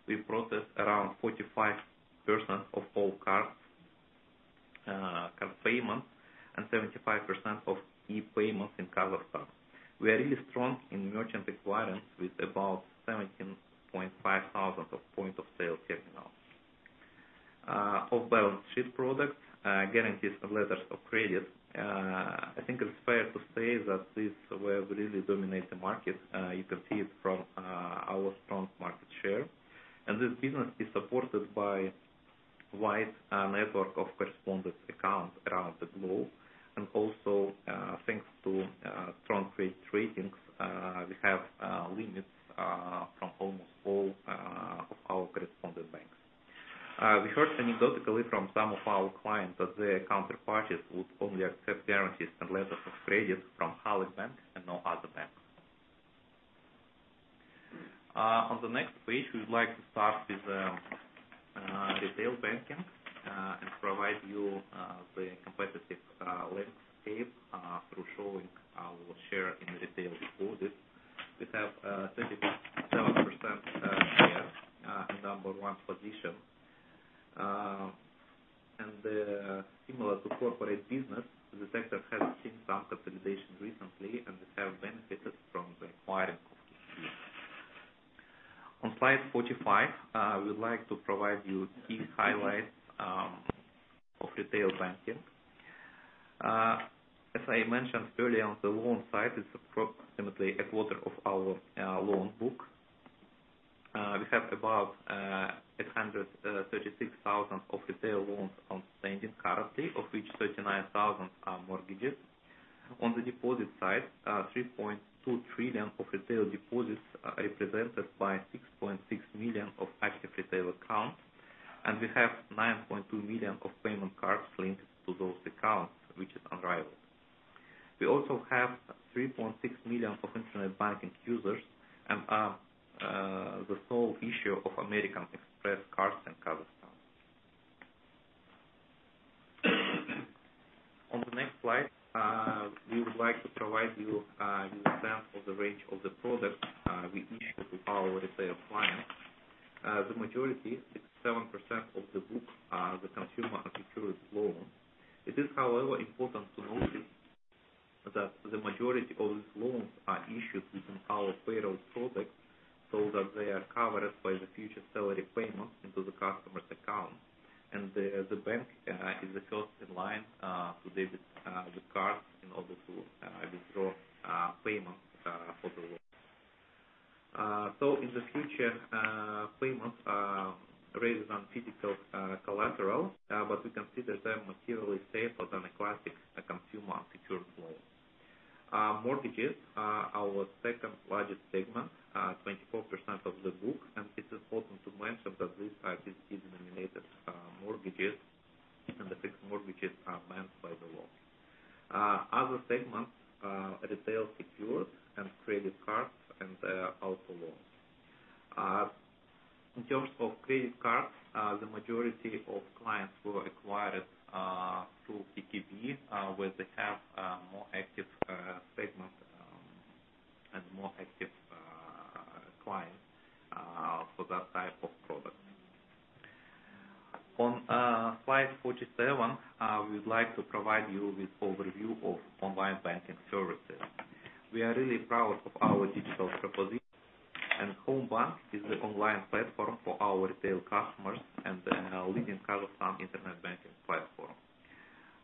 We process around 45% of all card payments and 75% of e-payments in Kazakhstan. We are really strong in merchant acquiring with about 17,500 of point of sale terminals. Off-balance-sheet products, guarantees and letters of credit. I think it's fair to say that this is where we really dominate the market. You can see it from our strong market share. This business is supported by wide network of correspondent accounts around the globe. Also, thanks to strong trade ratings, we have limits from almost all of our correspondent banks. We heard anecdotally from some of our clients that their counterparties would only accept guarantees and letters of credit from Halyk Bank and no other bank. On the next page, we would like to start with retail banking and provide you the competitive landscape through showing our share in retail deposits. We have 37% share, number one position. Similar to corporate business, the sector has seen some consolidation recently, and we have benefited from the acquiring of Kazkommertsbank. On slide 45, I would like to provide you key highlights of retail banking. As I mentioned earlier, on the loan side, it is approximately a quarter of our loan book. We have about 836,000 of retail loans outstanding currently, of which 39,000 are mortgages. On the deposit side, KZT 3.2 trillion of retail deposits are represented by 6.6 million of active retail accounts, and we have 9.2 million of payment cards linked to those accounts, which is unrivaled. We also have 3.6 million of internet banking users and are the sole issuer of American Express cards in Kazakhstan. On the next slide, we would like to provide you with a sense of the range of the products we issue to our retail clients. The majority, 67% of the book, are the consumer unsecured loans. It is, however, important to notice that the majority of these loans are issued within our payroll product so that they are covered by the future salary payment into the customer's account. The bank is the first in line to debit the card in order to withdraw payments for the loan. In the future, payments raised on physical collateral, but we consider them materially safer than a classic consumer secured loan. Mortgages are our second largest segment, 24% of the book, and it is important to mention that these are tenge-denominated mortgages, and the fixed mortgages are lent by the law. Other segments are retail secured and credit cards and auto loans. In terms of credit cards, the majority of clients were acquired through Kazkommertsbank, where they have a more active segment and more active clients for that type of product. On slide 47, we would like to provide you with overview of online banking services. We are really proud of our digital proposition. Homebank is the online platform for our retail customers and the leading Kazakhstan internet banking platform.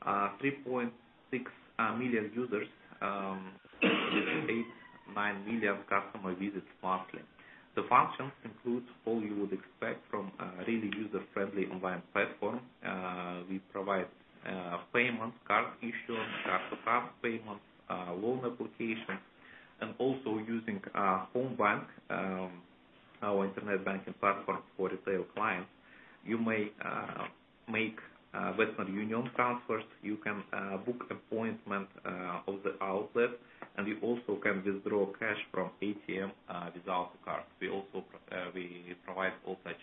3.6 million users with 8 million to 9 million customer visits monthly. The functions include all you would expect from a really user-friendly online platform. We provide payments, card issuance, card-to-card payments, loan applications, and also using Homebank, our internet banking platform for retail clients. You may make Western Union transfers, you can book appointments at the outlet, and you also can withdraw cash from ATM without a card. We provide all such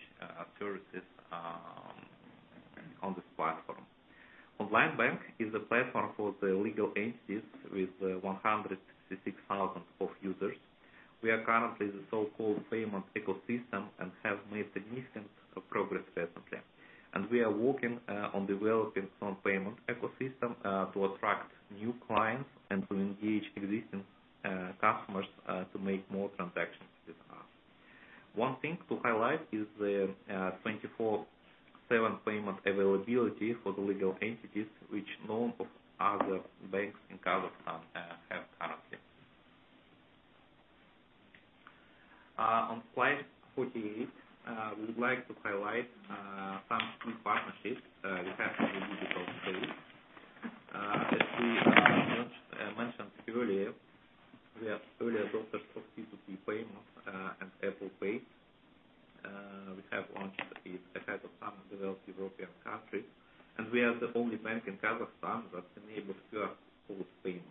services on this platform. Onlinebank is a platform for the legal entities with 166,000 users. We are currently the so-called payment ecosystem and have made significant progress recently. We are working on developing some payment ecosystem to attract new clients and to engage existing customers to make more transactions with us. One thing to highlight is the 24/7 payment availability for the legal entities, which none of other banks in Kazakhstan have currently. On slide 48, we would like to highlight some key partnerships we have in the digital space. As we mentioned earlier, we are early adopters of QR Payments and Apple Pay. We have launched it ahead of some developed European countries, and we are the only bank in Kazakhstan that enables QR code payments.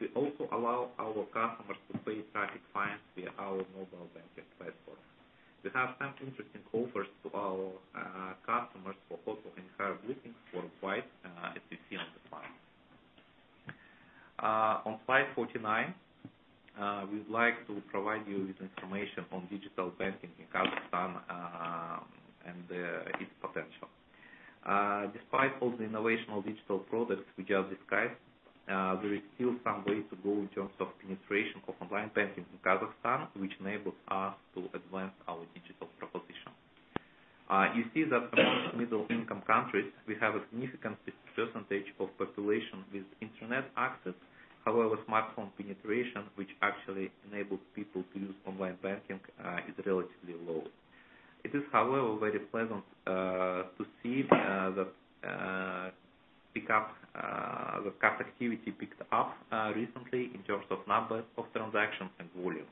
We also allow our customers to pay traffic fines via our mobile banking platform. We have some interesting offers to our customers for hotel and car bookings for quite a on the platform. On slide 49, we would like to provide you with information on digital banking in Kazakhstan and its potential. Despite all the innovational digital products we just described, there is still some way to go in terms of penetration of online banking in Kazakhstan, which enables us to advance our digital proposition. You see that among middle income countries, we have a significant percentage of population with internet access. However, smartphone penetration, which actually enables people to use online banking, is relatively low. It is, however, very pleasant to see that the activity picked up recently in terms of numbers of transactions and volume.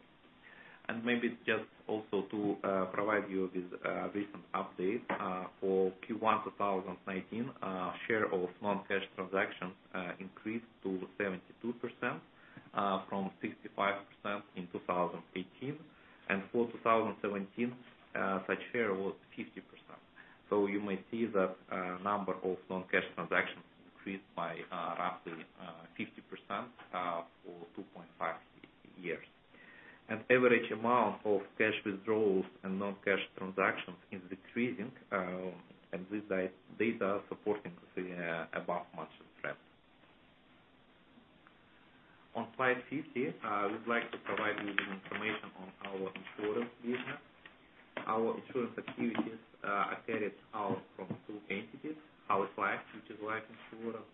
Maybe just also to provide you with recent updates, for Q1 2019, share of non-cash transactions increased to 72% from 65% in 2018. For 2017, such share was 50%. You may see that number of non-cash transactions increased by roughly 50% for 2.5 years. Average amount of cash withdrawals and non-cash transactions is decreasing, and these are data supporting the above mentioned trend. On slide 50, we'd like to provide you with information on our insurance business. Our insurance activities are carried out from two entities, Halyk-Life, which is life insurance,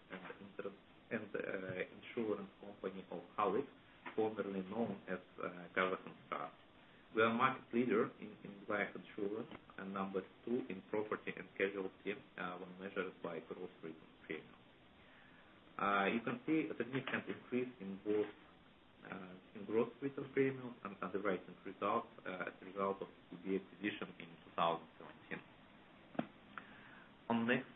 and insurance company called Halyk, formerly known as Kazakhinstrakh. We are market leader in life insurance and number two in property and casualty when measured by gross written premium. You can see a significant increase in both, in gross written premiums and underwriting results as a result of the acquisition in 2017. On next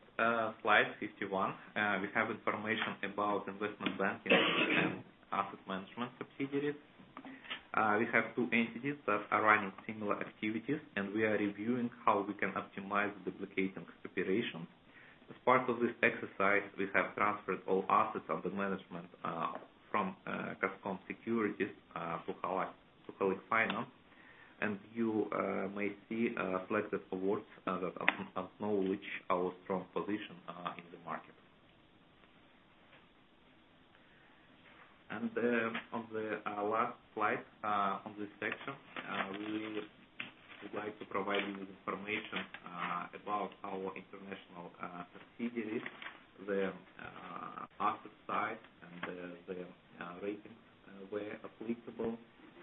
slide 51, we have information about investment banking and asset management subsidiaries. We have two entities that are running similar activities, and we are reviewing how we can optimize duplicating preparations. As part of this exercise, we have transferred all assets under management from Kazkommerts Securities to Halyk Finance. You may see selected awards that acknowledge our strong position in the market. On the last slide on this section, we would like to provide you with information about our international subsidiaries, the asset size, and the ratings where applicable,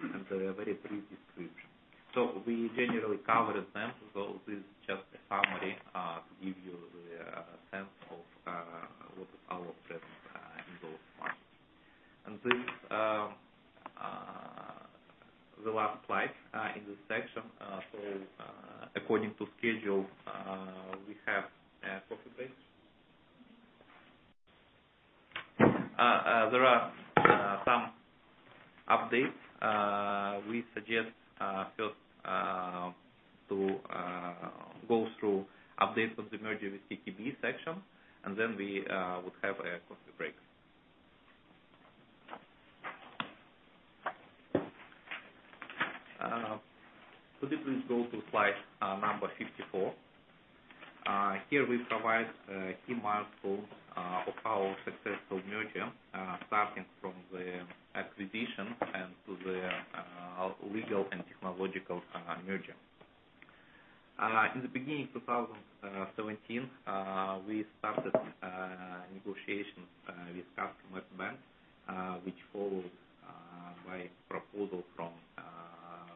and a very brief description. We generally cover them. This is just a summary to give you the sense of our presence in those markets. This is the last slide in this section. According to schedule, we have a coffee break. There are some updates. We suggest first to go through updates of the merger with KKB section, then we would have a coffee break. Could you please go to slide number 54? Here we provide key milestones of our successful merger, starting from the acquisition and to the legal and technological merger. In the beginning of 2017, we started negotiations with Kazkommertsbank, which followed by a proposal from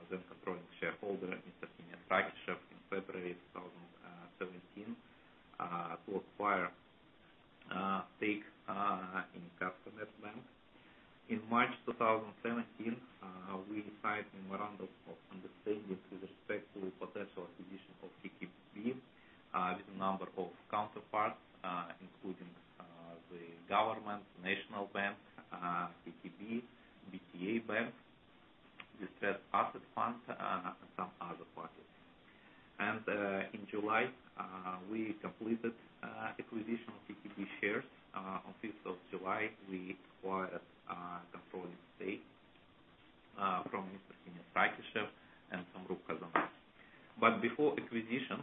the controlling shareholder, Mr. Kenes Rakishev, in February 2017, to acquire a stake in Kazkommertsbank. In March 2017, we signed a memorandum of understanding with respect to the potential acquisition of CTB with a number of counterparts, including the government, the National Bank, CTB, BTA Bank, the distressed asset fund, and some other parties. In July, we completed acquisition of CTB shares. On fifth of July, we acquired a controlling stake from Mr. Kenes Rakishev and Samruk-Kazyna. Before acquisition,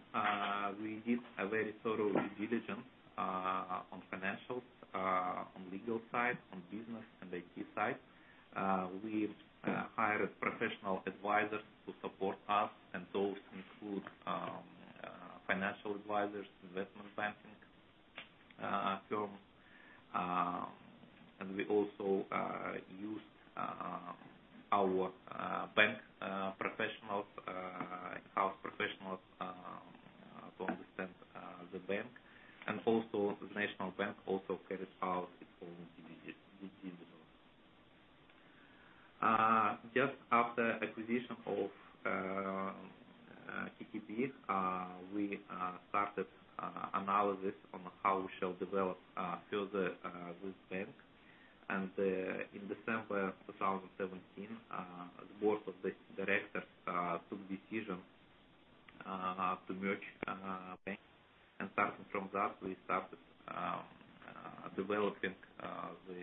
we did a very thorough due diligence on financials, on legal side, on business, and IT side. We hired professional advisors to support us, and those include financial advisors, investment banking firm, and we also used our bank professionals, in-house professionals to understand the bank. The National Bank also carried out its own due diligence. After acquisition of Kazkommertsbank, we started analysis on how we shall develop further this bank. In December 2017, the board of directors took decision to merge banks. Starting from that, we started developing the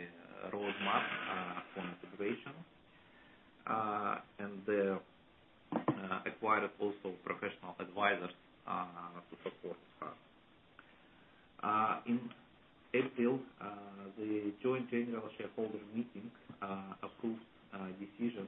roadmap for integration, and acquired also professional advisors to support us. In April, the joint general shareholder meeting approved a decision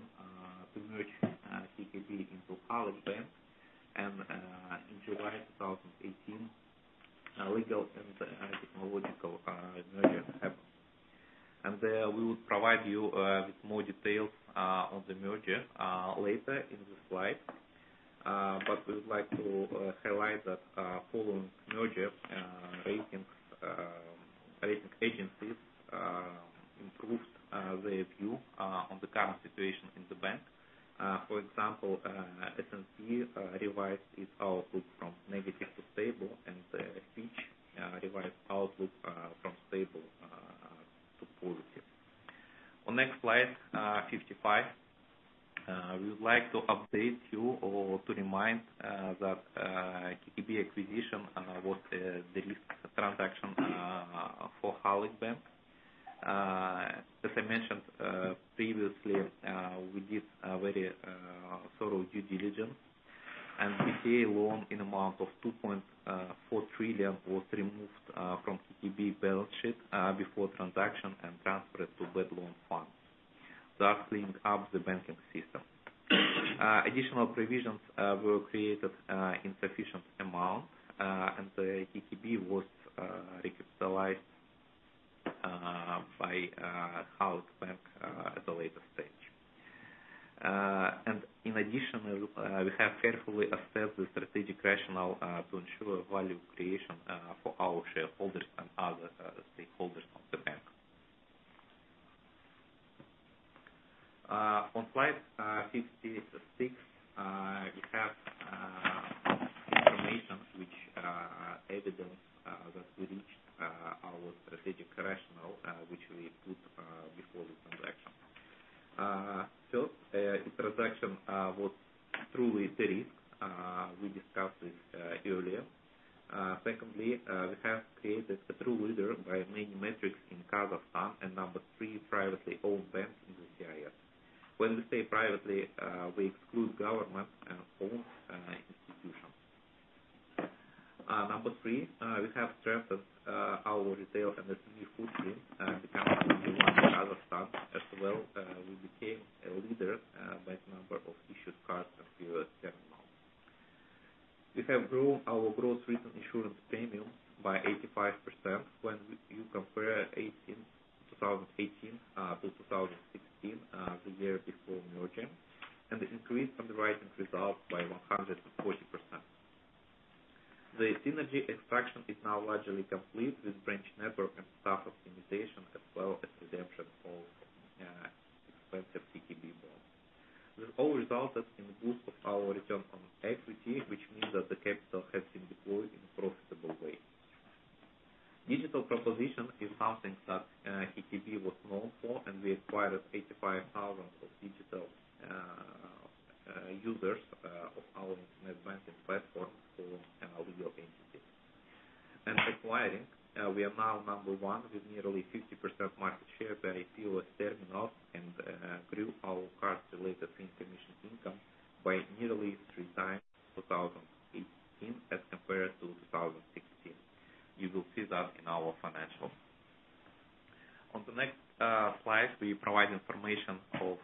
provide information of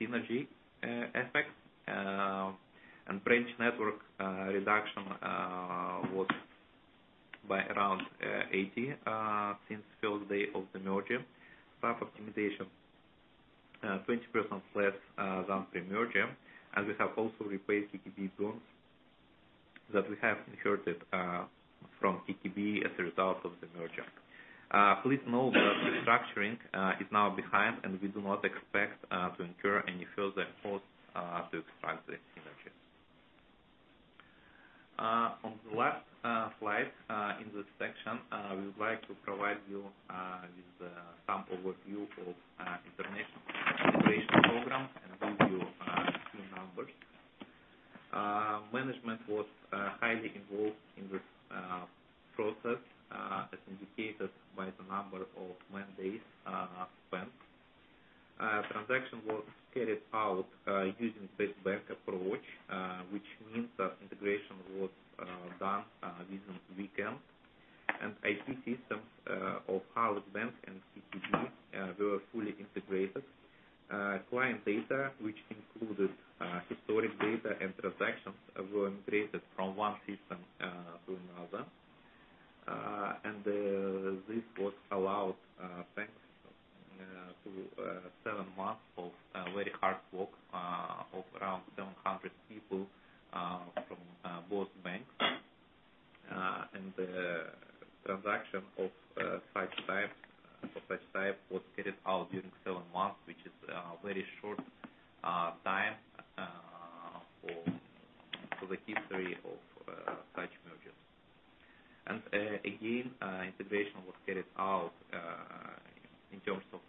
synergy effects. Branch network reduction was by around 80% since first day of the merger. Staff optimization 20% less than pre-merger. We have also replaced Kazkommertsbank bonds that we have inherited from Kazkommertsbank as a result of the merger. Please note that restructuring is now behind, and we do not expect to incur any further costs to extract the synergies. On the last slide in this section, we would like to provide you with some overview of integration program and give you a few numbers. Management was highly involved in this process, as indicated by the number of man days spent. Transaction was carried out using phase bank approach, which means that integration was done within weekend. IT systems of Halyk Bank and KTB were fully integrated. Client data, which included historic data and transactions, were integrated from one system to another. This was allowed thanks to seven months of very hard work of around 700 people from both banks. The transaction of such type was carried out during seven months, which is a very short time for the history of such mergers. Again, integration was carried out in terms of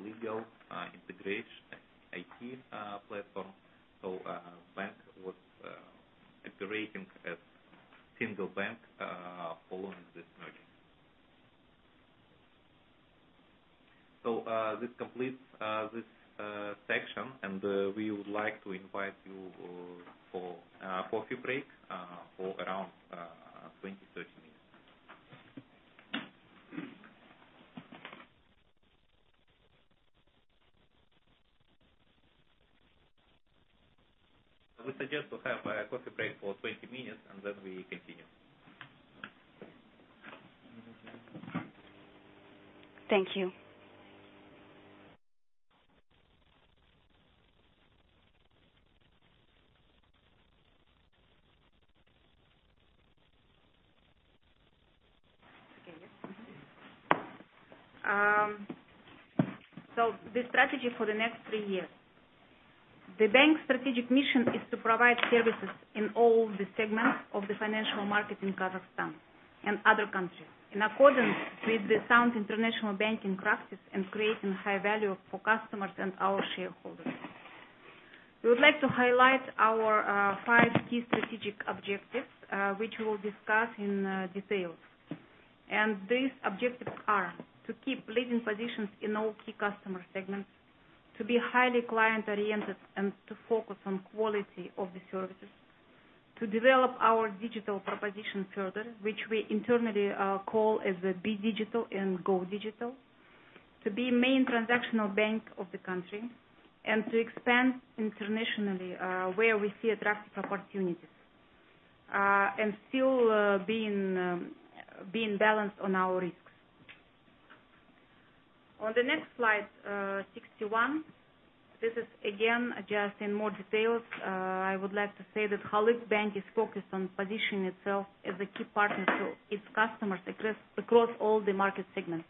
legal integration IT platform. Bank was operating as single bank following this merger. This completes this section, and we would like to invite you for a coffee break for around 20-30 minutes. We suggest to have a coffee break for 20 minutes, and then we continue. Thank you. Okay. The strategy for the next three years. The bank's strategic mission is to provide services in all the segments of the financial market in Kazakhstan and other countries, in accordance with the sound international banking practice and creating high value for customers and our shareholders. We would like to highlight our five key strategic objectives, which we'll discuss in details. These objectives are to keep leading positions in all key customer segments, to be highly client-oriented and to focus on quality of the services, to develop our digital proposition further, which we internally call as be digital and go digital, to be main transactional bank of the country, and to expand internationally, where we see attractive opportunities, and still being balanced on our risks. On the next slide 61. This is again, just in more details. I would like to say that Halyk Bank is focused on positioning itself as a key partner to its customers across all the market segments.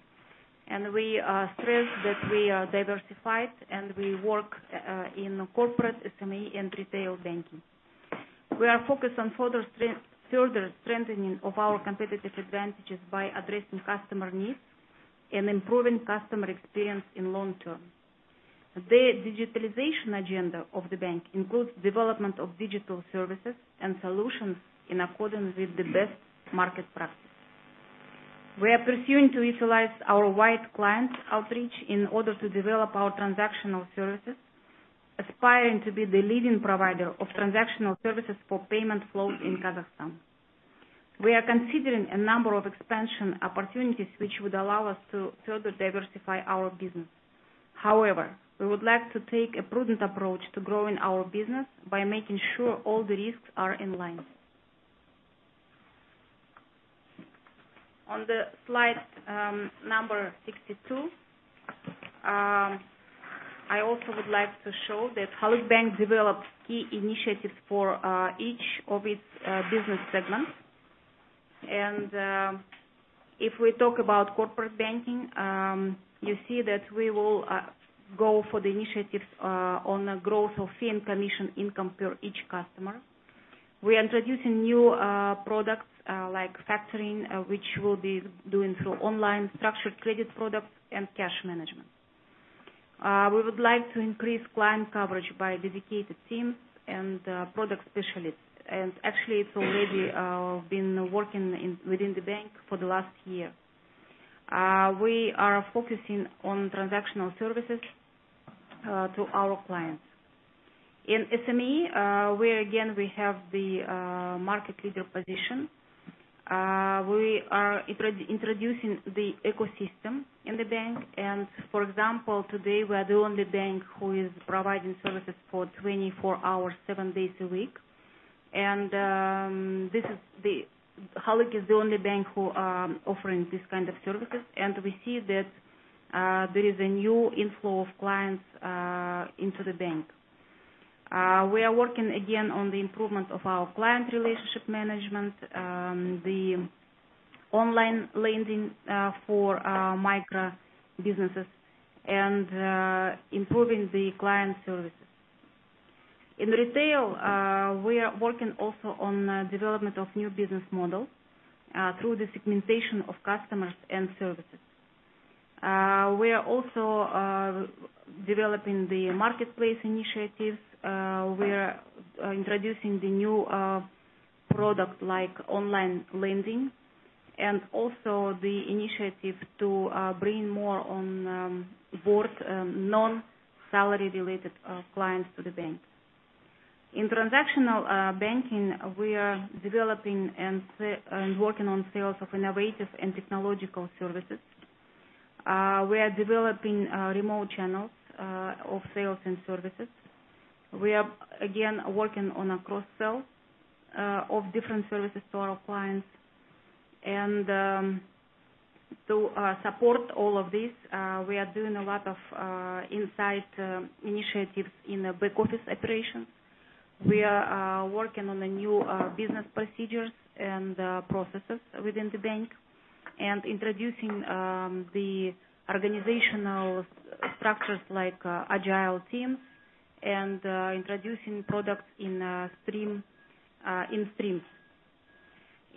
We are stressed that we are diversified, and we work in corporate, SME, and retail banking. We are focused on further strengthening of our competitive advantages by addressing customer needs and improving customer experience in long term. The digitalization agenda of the bank includes development of digital services and solutions in accordance with the best market practice. We are pursuing to utilize our wide client outreach in order to develop our transactional services, aspiring to be the leading provider of transactional services for payment flow in Kazakhstan. We are considering a number of expansion opportunities, which would allow us to further diversify our business. However, we would like to take a prudent approach to growing our business by making sure all the risks are in line. On the slide number 62, I also would like to show that Halyk Bank develops key initiatives for each of its business segments. If we talk about corporate banking, you see that we will go for the initiatives on the growth of fee and commission income per each customer. We are introducing new products like factoring, which we'll be doing through online structured credit products and cash management. We would like to increase client coverage by dedicated teams and product specialists. Actually, it's already been working within the bank for the last year. We are focusing on transactional services to our clients. In SME, where again, we have the market leader position. We are introducing the ecosystem in the bank, for example, today we are the only bank who is providing services for 24 hours, seven days a week. Halyk is the only bank who are offering this kind of services. We see that there is a new inflow of clients into the bank. We are working again on the improvement of our client relationship management, the online lending for micro businesses, and improving the client services. In retail, we are working also on development of new business models through the segmentation of customers and services. We are also developing the marketplace initiatives. We are introducing the new product like online lending, and also the initiative to bring more on board non-salary related clients to the bank. In transactional banking, we are developing and working on sales of innovative and technological services. We are developing remote channels of sales and services. We are again, working on a cross sell of different services to our clients. To support all of this, we are doing a lot of inside initiatives in the back office operations. We are working on the new business procedures and processes within the bank, and introducing the organizational structures like agile teams and introducing products in streams.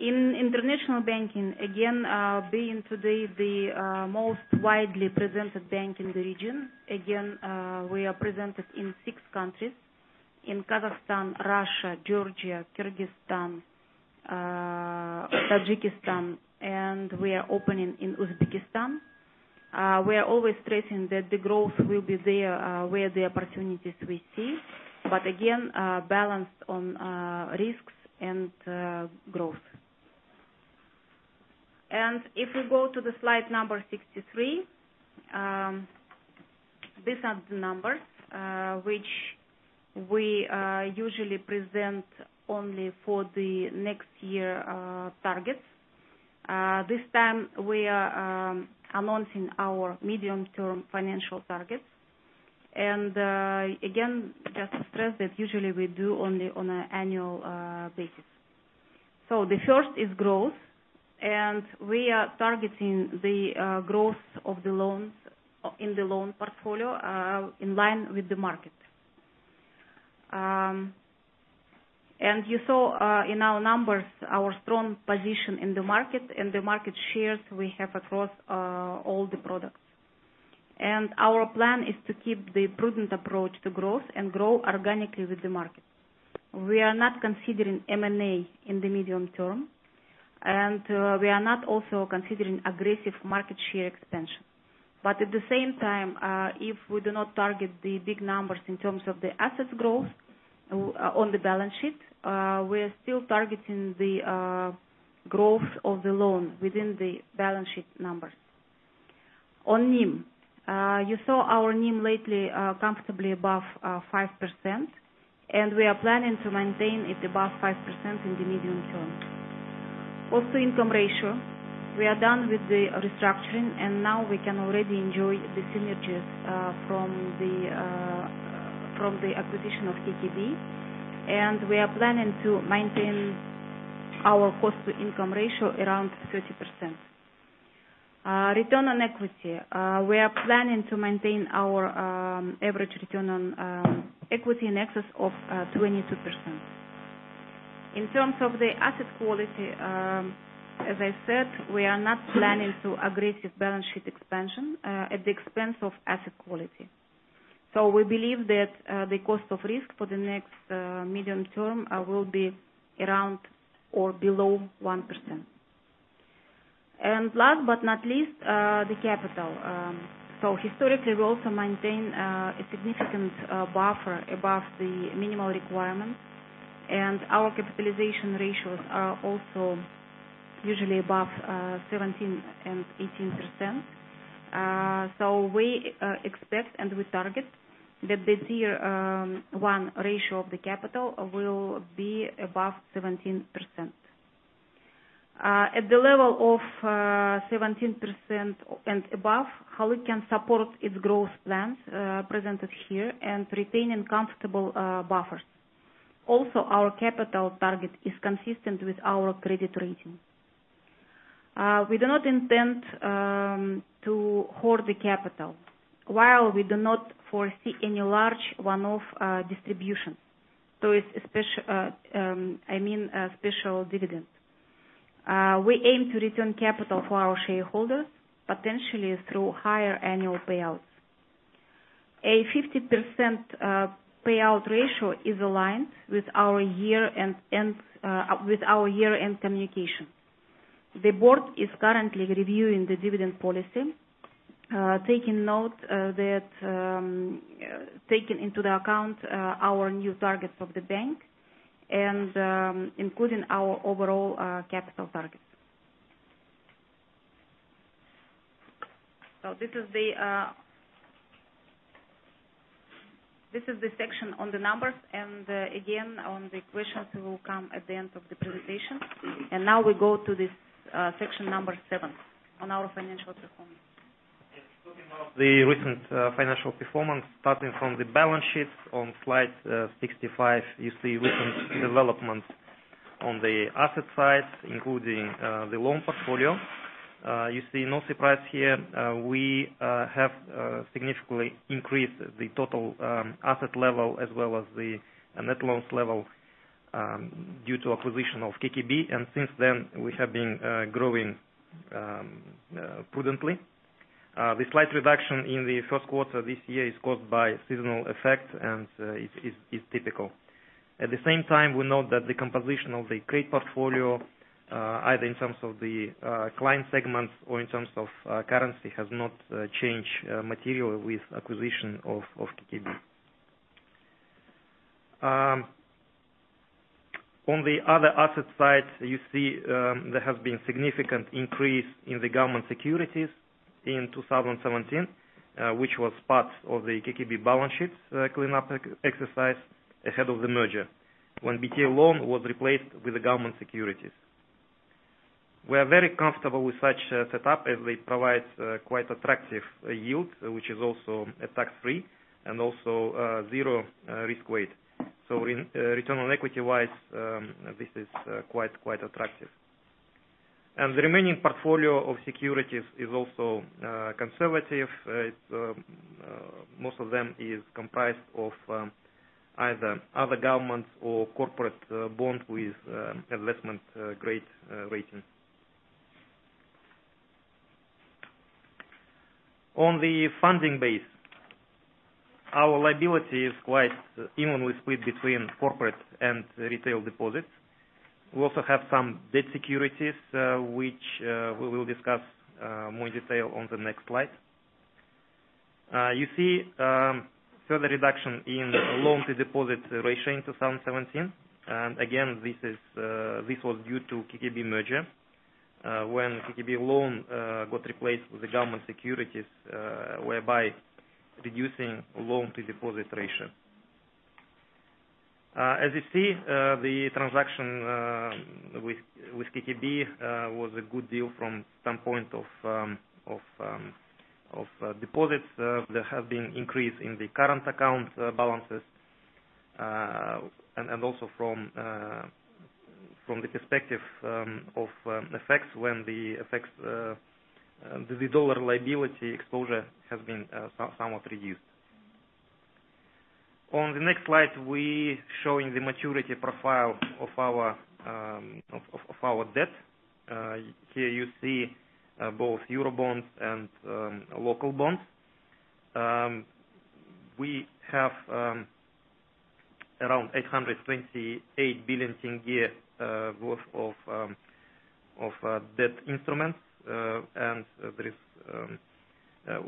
In international banking, again, being today the most widely presented bank in the region. Again, we are presented in six countries. In Kazakhstan, Russia, Georgia, Kyrgyzstan, Tajikistan, and we are opening in Uzbekistan. We are always stressing that the growth will be there, where the opportunities we see, but again, balanced on risks and growth. If we go to the slide number 63, these are the numbers, which we usually present only for the next year targets. This time, we are announcing our medium-term financial targets. Again, just to stress that usually we do only on an annual basis. The first is growth. We are targeting the growth of the loans in the loan portfolio, in line with the market. You saw in our numbers, our strong position in the market and the market shares we have across all the products. Our plan is to keep the prudent approach to growth and grow organically with the market. We are not considering M&A in the medium term. We are not also considering aggressive market share expansion. But at the same time, if we do not target the big numbers in terms of the assets growth on the balance sheet, we are still targeting the growth of the loan within the balance sheet numbers. On NIM. You saw our NIM lately comfortably above 5% and we are planning to maintain it above 5% in the medium term. Cost to income ratio. We are done with the restructuring, and now we can already enjoy the synergies from the acquisition of KTB. We are planning to maintain our cost to income ratio around 30%. Return on equity. We are planning to maintain our average return on equity in excess of 22%. In terms of the asset quality, as I said, we are not planning too aggressive balance sheet expansion at the expense of asset quality. We believe that the cost of risk for the next medium term will be around or below 1%. Last but not least, the capital. Historically, we also maintain a significant buffer above the minimal requirements, and our capitalization ratios are also usually above 17% and 18%. We expect, and we target, the Basel I ratio of the capital will be above 17%. At the level of 17% and above, how we can support its growth plans presented here and retain comfortable buffers. Also, our capital target is consistent with our credit rating. We do not intend to hoard the capital, while we do not foresee any large one-off distributions. I mean special dividends. We aim to return capital for our shareholders, potentially through higher annual payouts. A 50% payout ratio is aligned with our year-end communication. The board is currently reviewing the dividend policy taking into account our new targets of the bank and including our overall capital targets. This is the section on the numbers, and again, the questions will come at the end of the presentation. Now we go to this section number 7 on our financial performance. Yes. Talking about the recent financial performance, starting from the balance sheet on slide 65, you see recent development on the asset side, including the loan portfolio. You see no surprise here. We have significantly increased the total asset level as well as the net loans level due to acquisition of Kazkommertsbank. Since then, we have been growing prudently. The slight reduction in the first quarter this year is caused by seasonal effect and it's typical. At the same time, we know that the composition of the credit portfolio either in terms of the client segment or in terms of currency, has not changed materially with acquisition of Kazkommertsbank. On the other asset side, you see there has been significant increase in the government securities in 2017, which was part of the Kazkommertsbank balance sheet cleanup exercise ahead of the merger when BTA loan was replaced with the government securities. We are very comfortable with such a setup as it provides quite attractive yield, which is also a tax-free and also zero risk weight. Return on equity-wise, this is quite attractive. The remaining portfolio of securities is also conservative. Most of them are comprised of either other governments or corporate bonds with investment grade ratings. On the funding base, our liabilities are quite evenly split between corporate and retail deposits. We also have some debt securities which we will discuss more in detail on the next slide. You see further reduction in loan-to-deposit ratio in 2017. This was due to Kazkommertsbank merger, when Kazkommertsbank loan got replaced with the government securities, whereby reducing loan-to-deposit ratio. As you see, the transaction with Kazkommertsbank was a good deal from standpoint of deposits. There have been increase in the current account balances, and also from the perspective of effects when the dollar liability exposure has been somewhat reduced. On the next slide, we're showing the maturity profile of our debt. Here you see both Eurobonds and local bonds. We have around KZT 828 billion worth of debt instruments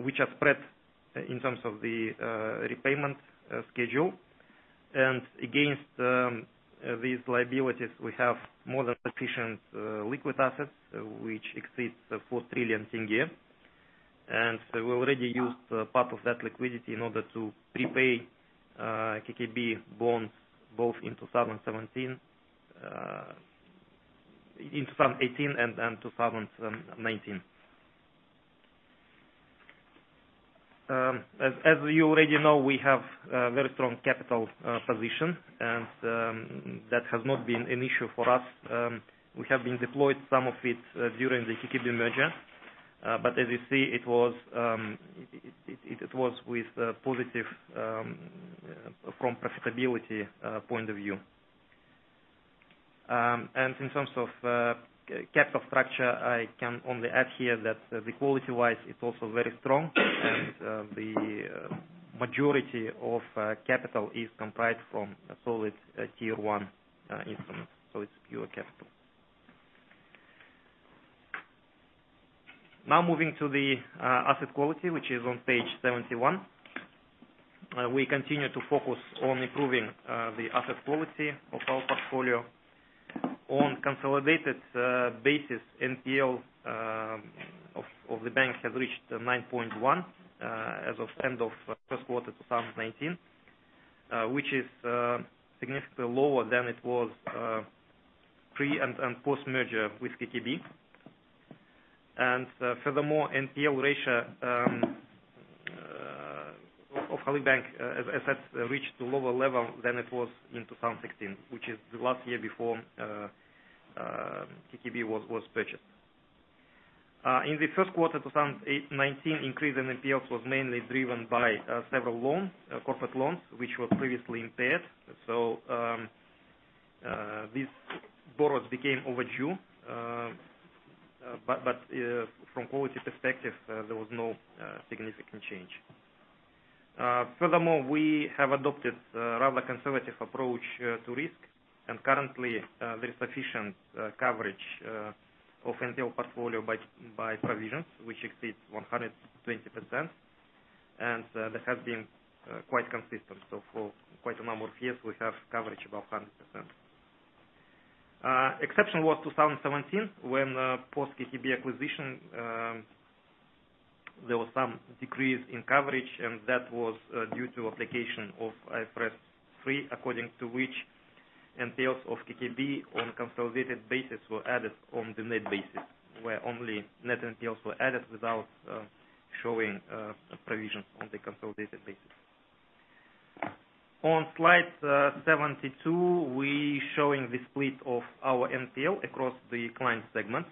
which are spread in terms of the repayment schedule. Against these liabilities, we have more than sufficient liquid assets, which exceeds KZT 4 trillion. We already used part of that liquidity in order to prepay Kazkommertsbank bonds, both in 2018 and 2019. As you already know, we have a very strong capital position, that has not been an issue for us. We have been deployed some of it during the Kazkommertsbank merger. As you see, it was with positive from profitability point of view. In terms of capital structure, I can only add here that the quality-wise, it's also very strong, and the majority of capital is comprised from a solid Tier 1 instrument, so it's pure capital. Moving to the asset quality, which is on page 71. We continue to focus on improving the asset quality of our portfolio. On consolidated basis, NPL of the bank has reached 9.1% as of end of first quarter 2019, which is significantly lower than it was pre and post-merger with Kazkommertsbank. Furthermore, NPL ratio of Halyk Bank has reached a lower level than it was in 2016, which is the last year before Kazkommertsbank was purchased. In the first quarter 2019, increase in NPLs was mainly driven by several corporate loans, which were previously impaired. These borrowers became overdue. From quality perspective, there was no significant change. Furthermore, we have adopted a rather conservative approach to risk, and currently there is sufficient coverage of NPL portfolio by provisions which exceeds 120%, that has been quite consistent. For quite a number of years, we have coverage above 100%. Exception was 2017 when post Kazkommertsbank acquisition, there was some decrease in coverage, that was due to application of IFRS 3, according to which NPLs of Kazkommertsbank on consolidated basis were added on the net basis, where only net NPLs were added without showing provisions on the consolidated basis. On slide 72, we're showing the split of our NPL across the client segments.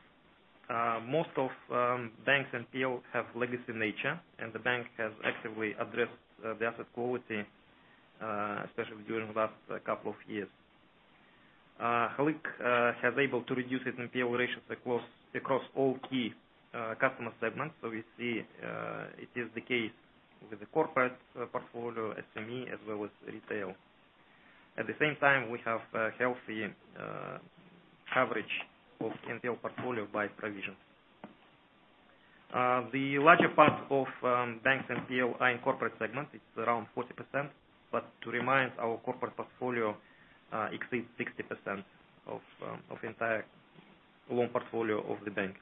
Most of bank's NPL have legacy nature, and the bank has actively addressed the asset quality, especially during the last couple of years. Halyk has able to reduce its NPL ratios across all key customer segments. We see it is the case with the corporate portfolio, SME, as well as retail. At the same time, we have a healthy coverage of NPL portfolio by provision. The larger part of bank's NPL are in corporate segment. It's around 40%. To remind, our corporate portfolio exceeds 60% of entire loan portfolio of the bank.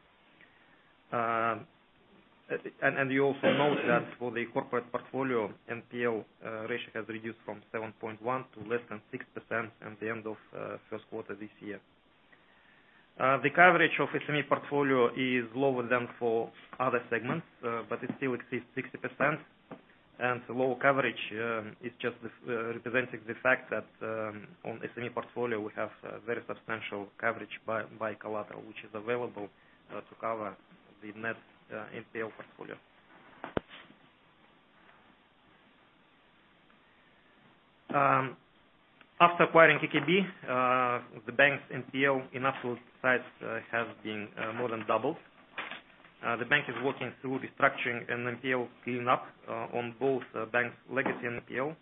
You also note that for the corporate portfolio, NPL ratio has reduced from 7.1% to less than 6% at the end of first quarter this year. The coverage of SME portfolio is lower than for other segments, but it still exceeds 60%, and the lower coverage is just representing the fact that on SME portfolio, we have very substantial coverage by collateral, which is available to cover the net NPL portfolio. After acquiring Kazkommertsbank, the bank's NPL in absolute size has been more than doubled. The bank is working through restructuring and NPL clean up on both banks' legacy NPL,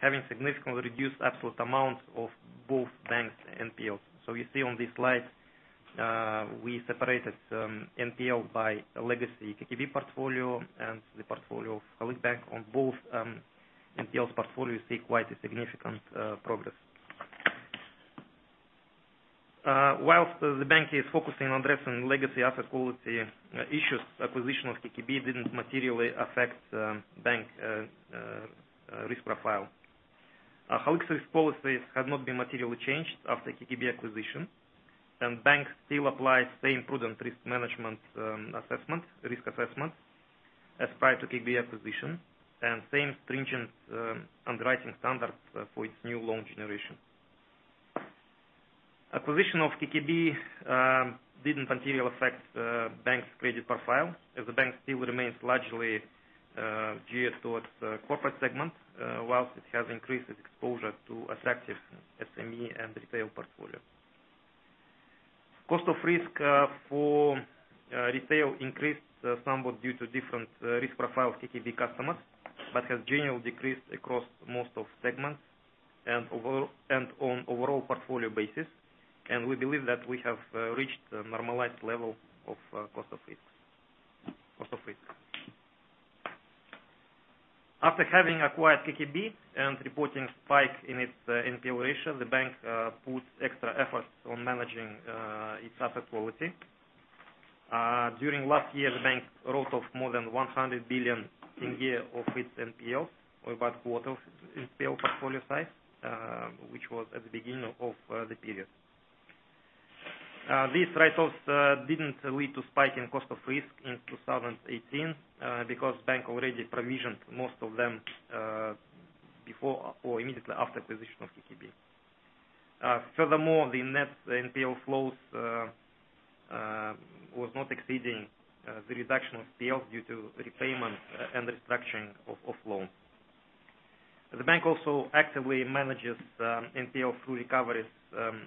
having significantly reduced absolute amount of both banks' NPLs. You see on this slide, we separated NPL by legacy Kazkommertsbank portfolio and the portfolio of Halyk Bank. On both NPLs portfolio, you see quite a significant progress. Whilst the bank is focusing on addressing legacy asset quality issues, acquisition of Kazkommertsbank didn't materially affect bank risk profile. Halyk's risk policies have not been materially changed after Kazkommertsbank acquisition, and bank still applies same prudent risk management risk assessment as prior to Kazkommertsbank acquisition, and same stringent underwriting standards for its new loan generation. Acquisition of Kazkommertsbank didn't materially affect the bank's credit profile, as the bank still remains largely geared towards the corporate segment, whilst it has increased its exposure to attractive SME and retail portfolio. Cost of risk for retail increased somewhat due to different risk profile of Kazkommertsbank customers but has generally decreased across most of segments and on overall portfolio basis. We believe that we have reached a normalized level of cost of risk. After having acquired Kazkommertsbank and reporting spike in its NPL ratio, the bank put extra efforts on managing its asset quality. During last year, the bank wrote off more than KZT 100 billion of its NPL or about quarter of NPL portfolio size, which was at the beginning of the period. These write-offs didn't lead to spike in cost of risk in 2018 because bank already provisioned most of them before or immediately after acquisition of Kazkommertsbank. Furthermore, the net NPL flows was not exceeding the reduction of NPL due to repayment and restructuring of loans. The bank also actively manages NPL through recoveries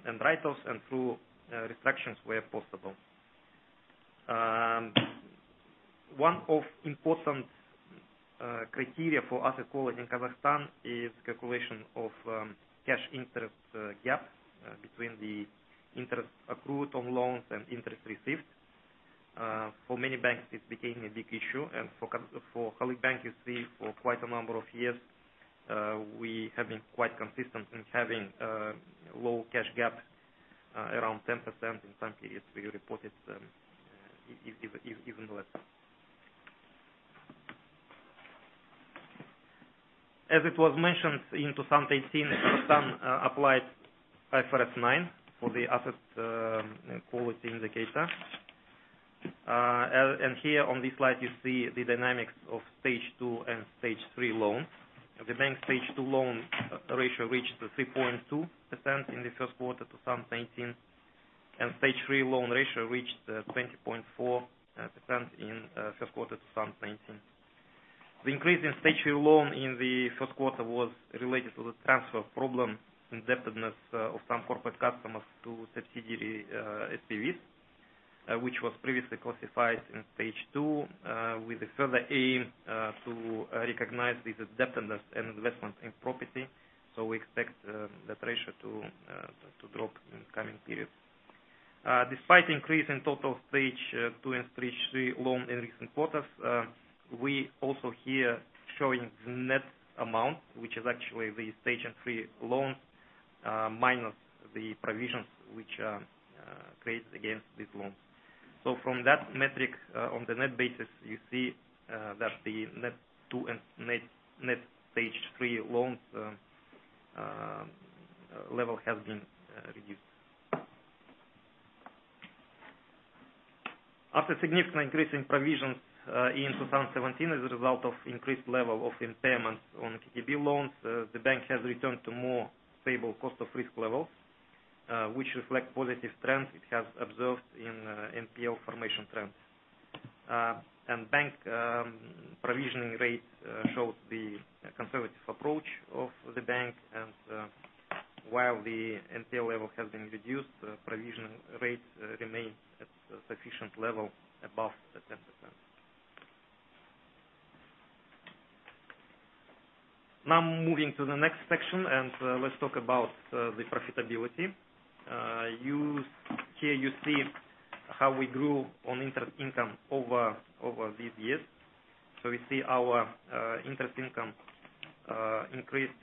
and write-offs and through restructurings where possible. One of important criteria for asset quality in Kazakhstan is calculation of cash interest gap between the interest accrued on loans and interest received. For many banks, it became a big issue. For Halyk Bank, you see for quite a number of years, we have been quite consistent in having low cash gap around 10%. In some periods, we reported even less. As it was mentioned, in 2018, Kazakhstan applied IFRS 9 for the asset quality indicator. Here on this slide, you see the dynamics of Stage 2 and Stage 3 loans. The bank Stage 2 loan ratio reached 3.2% in the first quarter 2019, and Stage 3 loan ratio reached 20.4% in first quarter 2019. The increase in Stage 3 loan in the first quarter was related to the transfer of problem indebtedness of some corporate customers to subsidiary SPVs, which was previously classified in Stage 2, with a further aim to recognize this indebtedness an investment in property. We expect that ratio to drop in coming periods. Despite increase in total Stage 2 and Stage 3 loan in recent quarters, we also here showing the net amount, which is actually the Stage 3 loans minus the provisions which are created against these loans. From that metric, on the net basis, you see that the net 2 and net Stage 3 loans level has been reduced. After significant increase in provisions in 2017 as a result of increased level of impairment on Kazkommertsbank loans, the bank has returned to more stable cost of risk levels, which reflect positive trends it has observed in NPL formation trends. Bank provisioning rates shows the conservative approach of the bank. While the NPL level has been reduced, provision rates remain at sufficient level above the 10%. Now moving to the next section, let's talk about the profitability. Here, you see how we grew on interest income over these years. We see our interest income increased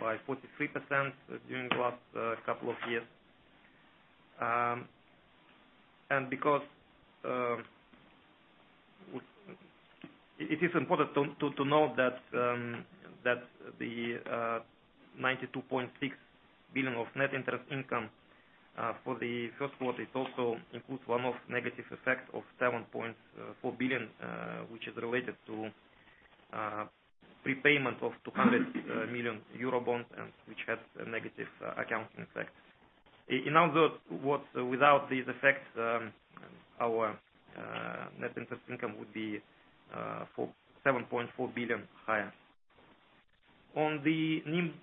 by 43% during the last couple of years. It is important to note that the KZT 92.6 billion of net interest income for the first quarter, it also includes one-off negative effect of KZT 7.4 billion, which is related to prepayment of 200 million euro bonds, which has a negative accounting effect. In other words, without this effect, our net interest income would be KZT 7.4 billion higher. On the NIM,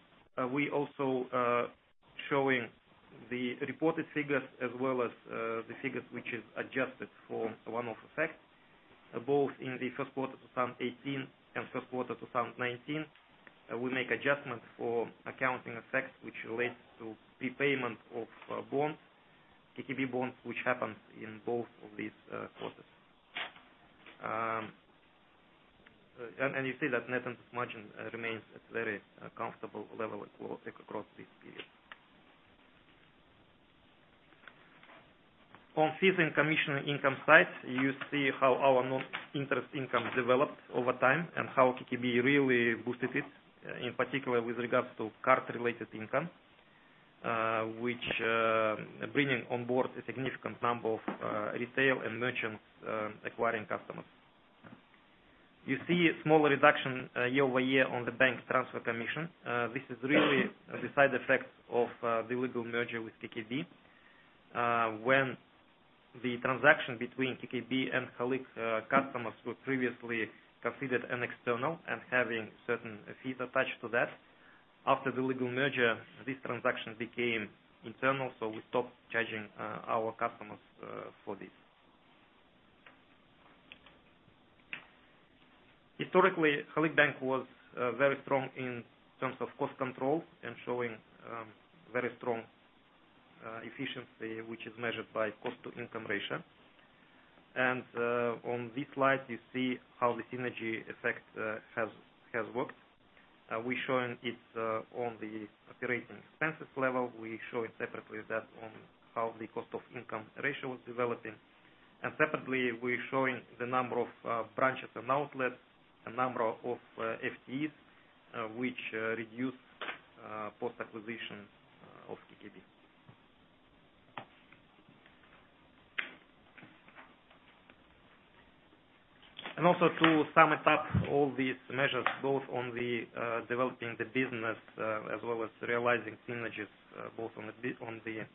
we also showing the reported figures as well as the figures which is adjusted for one-off effects, both in the first quarter 2018 and first quarter 2019. We make adjustments for accounting effects, which relates to prepayment of bonds, Kazkommertsbank bonds, which happened in both of these quarters. You see that net interest margin remains at very comfortable level across this period. On fees and commission income side, you see how our non-interest income developed over time and how Kazkommertsbank really boosted it, in particular, with regards to card-related income, which bringing on board a significant number of retail and merchants acquiring customers. You see a small reduction year-over-year on the bank's transfer commission. This is really a side effect of the legal merger with Kazkommertsbank. When the transaction between Kazkommertsbank and Halyk's customers were previously considered an external and having certain fees attached to that, after the legal merger, this transaction became internal, we stopped charging our customers for this. Historically, Halyk Bank was very strong in terms of cost control and showing very strong efficiency, which is measured by cost to income ratio. On this slide, you see how the synergy effect has worked. We're showing it on the operating expenses level. We show it separately that on how the cost of income ratio is developing. Separately, we're showing the number of branches and outlets, the number of FTEs, which reduced post-acquisition of KTB. Also to sum it up, all these measures, both on the developing the business as well as realizing synergies, both on the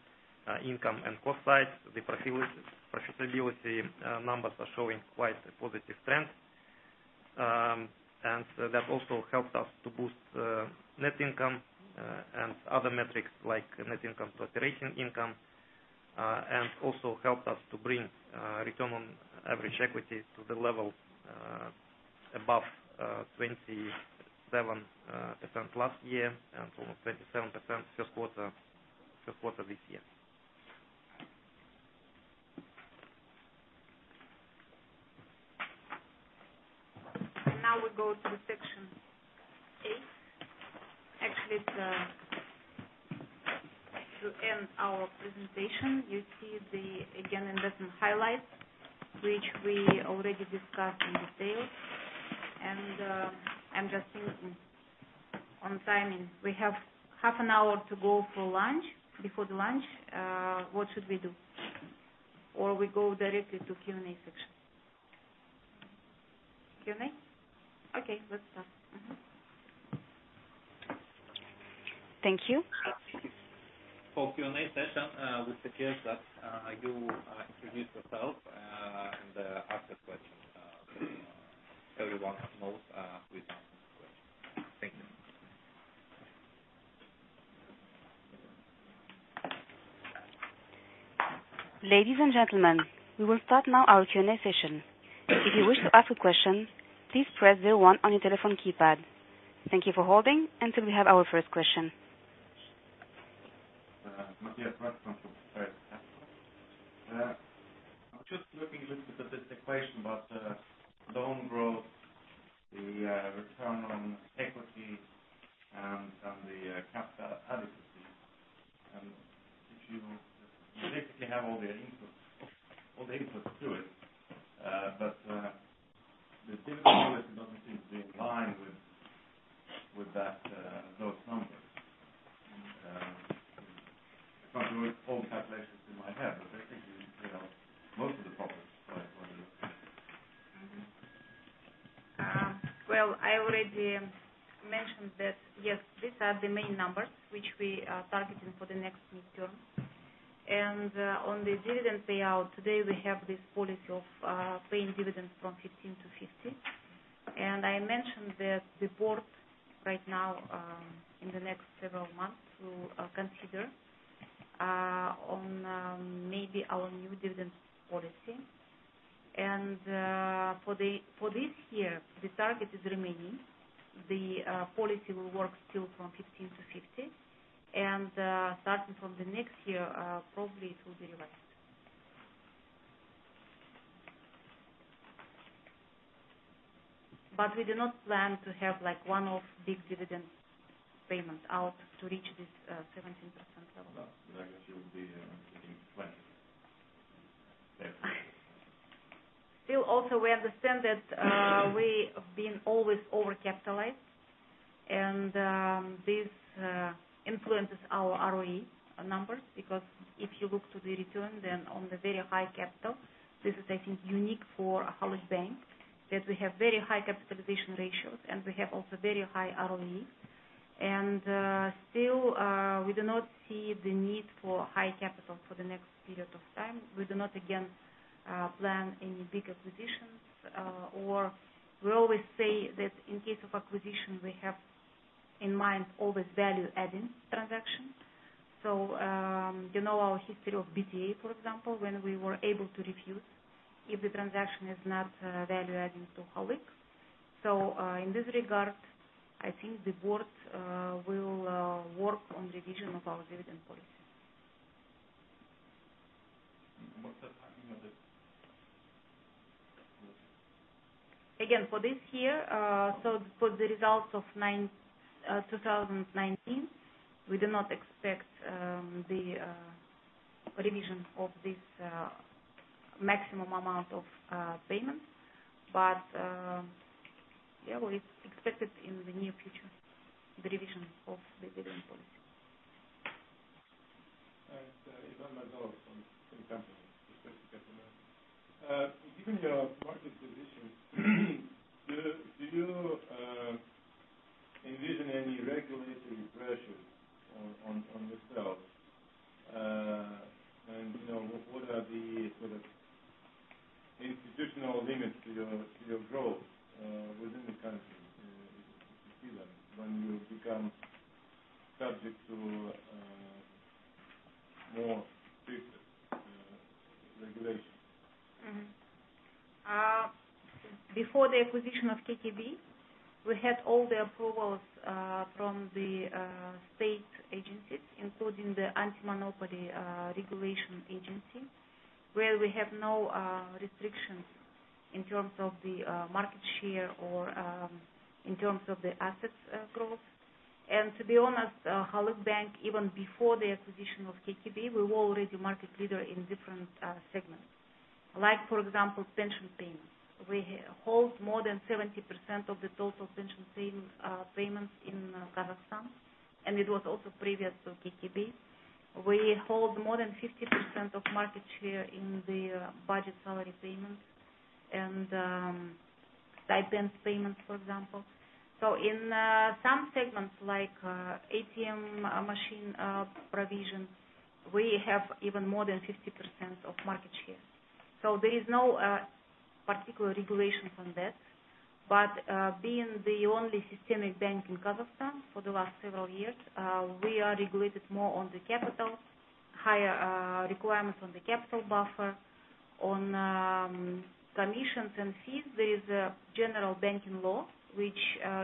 income and cost side, the profitability numbers are showing quite a positive trend. That also helped us to boost net income and other metrics like net income to operating income, and also helped us to bring return on average equity to the level above 27% last year and almost 27% first quarter this year. Now we go to section eight. Actually, to end our presentation, you see the, again, investment highlights, which we already discussed in detail. I'm just thinking on timing. We have half an hour to go for lunch. Before the lunch, what should we do? We go directly to Q&A section. Q&A? Okay. Let's start. Thank you. For Q&A session, we suggest that you introduce yourself and ask a question. Everyone knows we don't have questions. Thank you. Ladies and gentlemen, we will start now our Q&A session. If you wish to ask a question, please press one on your telephone keypad. Thank you for holding until we have our first question. Martin Roth from Ferret Capital. I'm just looking a little bit at this equation about the loan growth, the return on equity, and the capital adequacy. If you basically have all the inputs to it, but the dividend policy doesn't seem to be in line with those numbers. Not with all the calculations you might have, but I think you've cleared up most of the problems by what it looks like. Well, I already mentioned that, yes, these are the main numbers which we are targeting for the next midterm. On the dividend payout today, we have this policy of paying dividends from 15% to 15%. I mentioned that the board right now, in the next several months will consider on maybe our new dividend policy. For this year, the target is remaining. The policy will work still from 15% to 15%. Starting from the next year, probably it will be revised. We do not plan to have one of big dividend payments out to reach this 17% level. No, I guess you would be thinking 20. Yeah. Still, also, we understand that we have been always overcapitalized, and this influences our ROE numbers, because if you look to the return then on the very high capital, this is, I think, unique for a Halyk Bank, that we have very high capitalization ratios, and we have also very high ROE. Still, we do not see the need for high capital for the next period of time. We do not, again, plan any big acquisitions. We always say that in case of acquisition, we have in mind always value-adding transactions. You know our history of BTA, for example, when we were able to refuse if the transaction is not value-adding to Halyk. In this regard, I think the board will work on revision of our dividend policy. What's the timing of this? For this year, so for the results of 2019, we do not expect the revision of this maximum amount of payments. We expect it in the near future, the revision of the dividend policy. Ivan Margelov from [SberCIB]. Given your market position, do you envision any regulatory pressure on yourselves? What are the sort of institutional limits to your growth within the country, if you see them, when you become subject to more strict regulation? Before the acquisition of KTB, we had all the approvals from the state agencies, including the Antimonopoly Regulation Agency, where we have no restrictions in terms of the market share or in terms of the assets growth. To be honest, Halyk Bank, even before the acquisition of KTB, we were already market leader in different segments. Like, for example, pension payments. We hold more than 70% of the total pension payments in Kazakhstan, and it was also previous to KTB. We hold more than 50% of market share in the budget salary payments and stipends payments, for example. In some segments, like ATM machine provisions, we have even more than 50% of market share. There is no particular regulation on that. Being the only systemic bank in Kazakhstan for the last several years, we are regulated more on the capital, higher requirements on the capital buffer. On commissions and fees, there is a general banking law which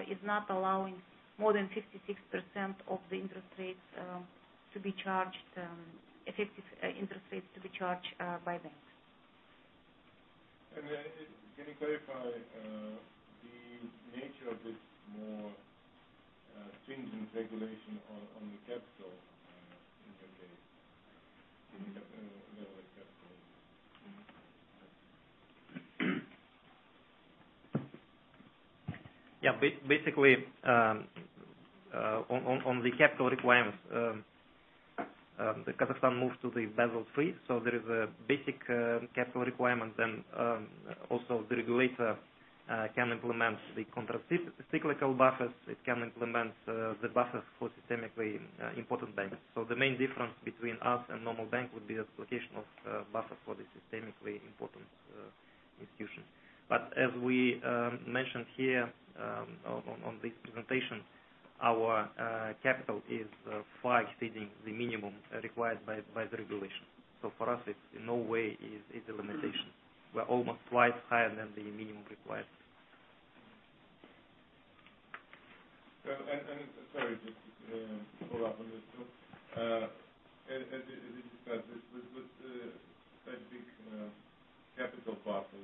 is not allowing more than 56% of the interest rates to be charged, effective interest rates to be charged by banks. Can you clarify the nature of this more stringent regulation on the capital interface? Can you elaborate, capital? Basically, on the capital requirements, Kazakhstan moved to the Basel III, there is a basic capital requirement. Also the regulator can implement the countercyclical buffers, it can implement the buffers for systemically important banks. The main difference between us and normal banks would be application of buffers for the systemically important institutions. As we mentioned here on this presentation, our capital is far exceeding the minimum required by the regulation. For us, it's in no way is a limitation. We're almost twice higher than the minimum required. Sorry, just to follow up on this too. As we discussed, with that big capital buffer,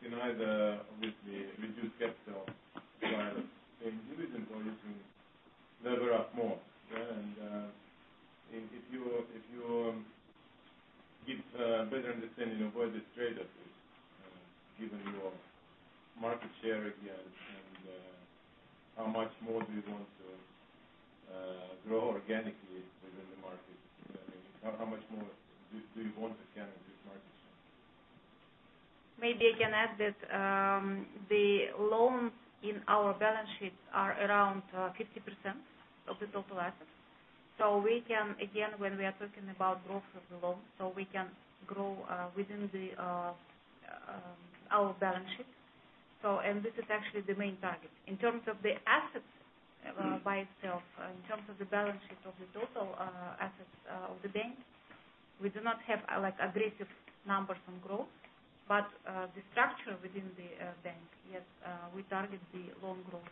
you can either obviously reduce capital requirements and dividend, or you can lever up more. If you give a better understanding of where this trade-off is, given your market share here and how much more do you want to grow organically within the market? How much more do you want to gain in this market share? Maybe I can add that the loans in our balance sheets are around 50% of the total assets. We can, again, when we are talking about growth of the loan, we can grow within our balance sheet. This is actually the main target. In terms of the assets by itself, in terms of the balance sheet of the total assets of the bank, we do not have aggressive numbers on growth. The structure within the bank, yes, we target the loan growth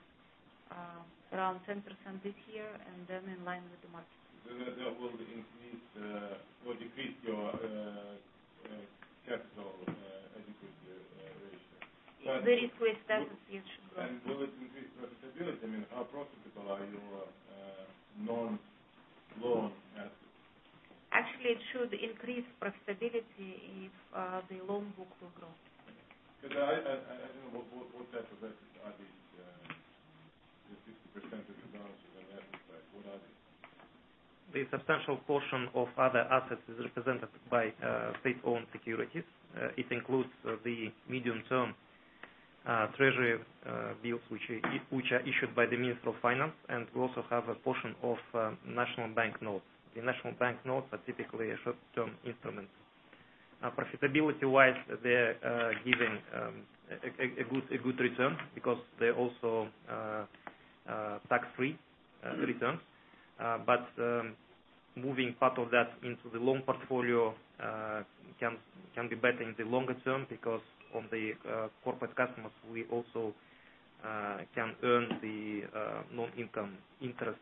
around 10% this year, and then in line with the market. That will decrease your capital adequacy ratio. Very quick, that should grow. Will it increase profitability? How profitable are your non-loan assets? Actually, it should increase profitability if the loan book will grow. I don't know what type of assets are these, the 50% of the balance sheet on the asset side. What are they? The substantial portion of other assets is represented by state-owned securities. It includes the medium-term treasury bills, which are issued by the Ministry of Finance, and we also have a portion of National Bank notes. The National Bank notes are typically a short-term instrument. Profitability-wise, they're giving a good return because they're also tax-free returns. Moving part of that into the loan portfolio can be better in the longer term because on the corporate customers, we also can earn the non-income interest,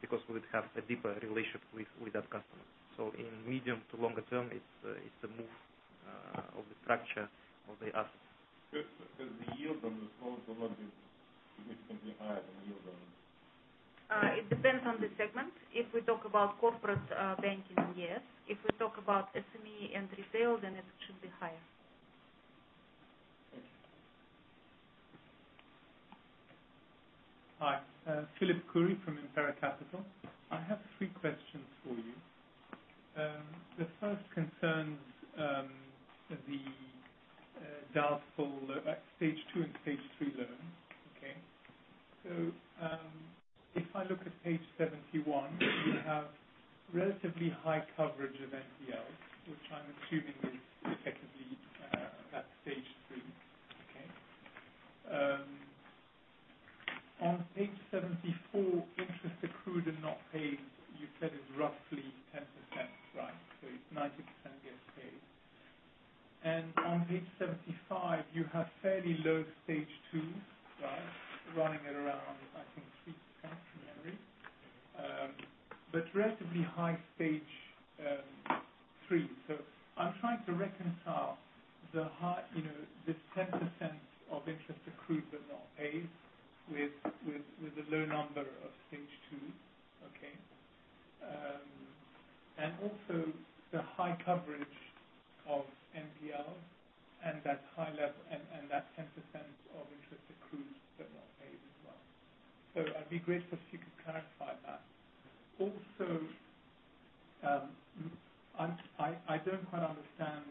because we'd have a deeper relationship with that customer. In medium to longer term, it's a move of the structure of the assets. The yield on this loan is a lot, significantly higher than yield on It depends on the segment. If we talk about corporate banking, yes. If we talk about SME and retail, it should be higher. Thank you. Hi. Phillip Khoury from Impera Capital. I have three questions for you. The first concerns the doubtful stage 2 and stage 3 loans. Okay? If I look at page 71, you have relatively high coverage of NPLs, which I'm assuming is effectively at stage 3. Okay. On page 74, interest accrued and not paid, you said is roughly 10%, right? It's 90% gets paid. On page 75, you have fairly low stage 2, right? Running at around, I think, 3%. Relatively high stage 3. I'm trying to reconcile this 10% of interest accrued but not paid with the low number of stage 2s. Okay? Also the high coverage of NPL and that 10% of interest accrued but not paid as well. I'd be grateful if you could clarify that. Also, I don't quite understand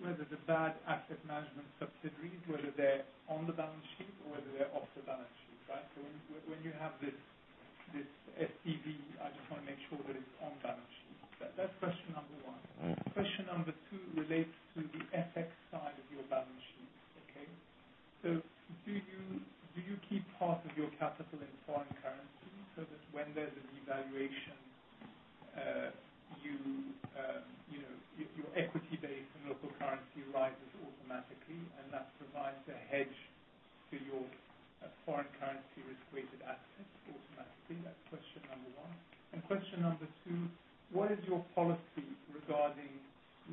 whether the bad asset management subsidiaries, whether they're on the balance sheet or whether they're off the balance sheet, right? When you have this SPV, I just want to make sure that it's on balance sheet. That's question number one. Question number two relates to the FX side of your balance sheet. Okay? Do you keep part of your capital in foreign currency so that when there's a devaluation, your equity base in local currency rises automatically, and that provides a hedge to your foreign currency risk-weighted assets automatically? That's question number one. Question number two, what is your policy regarding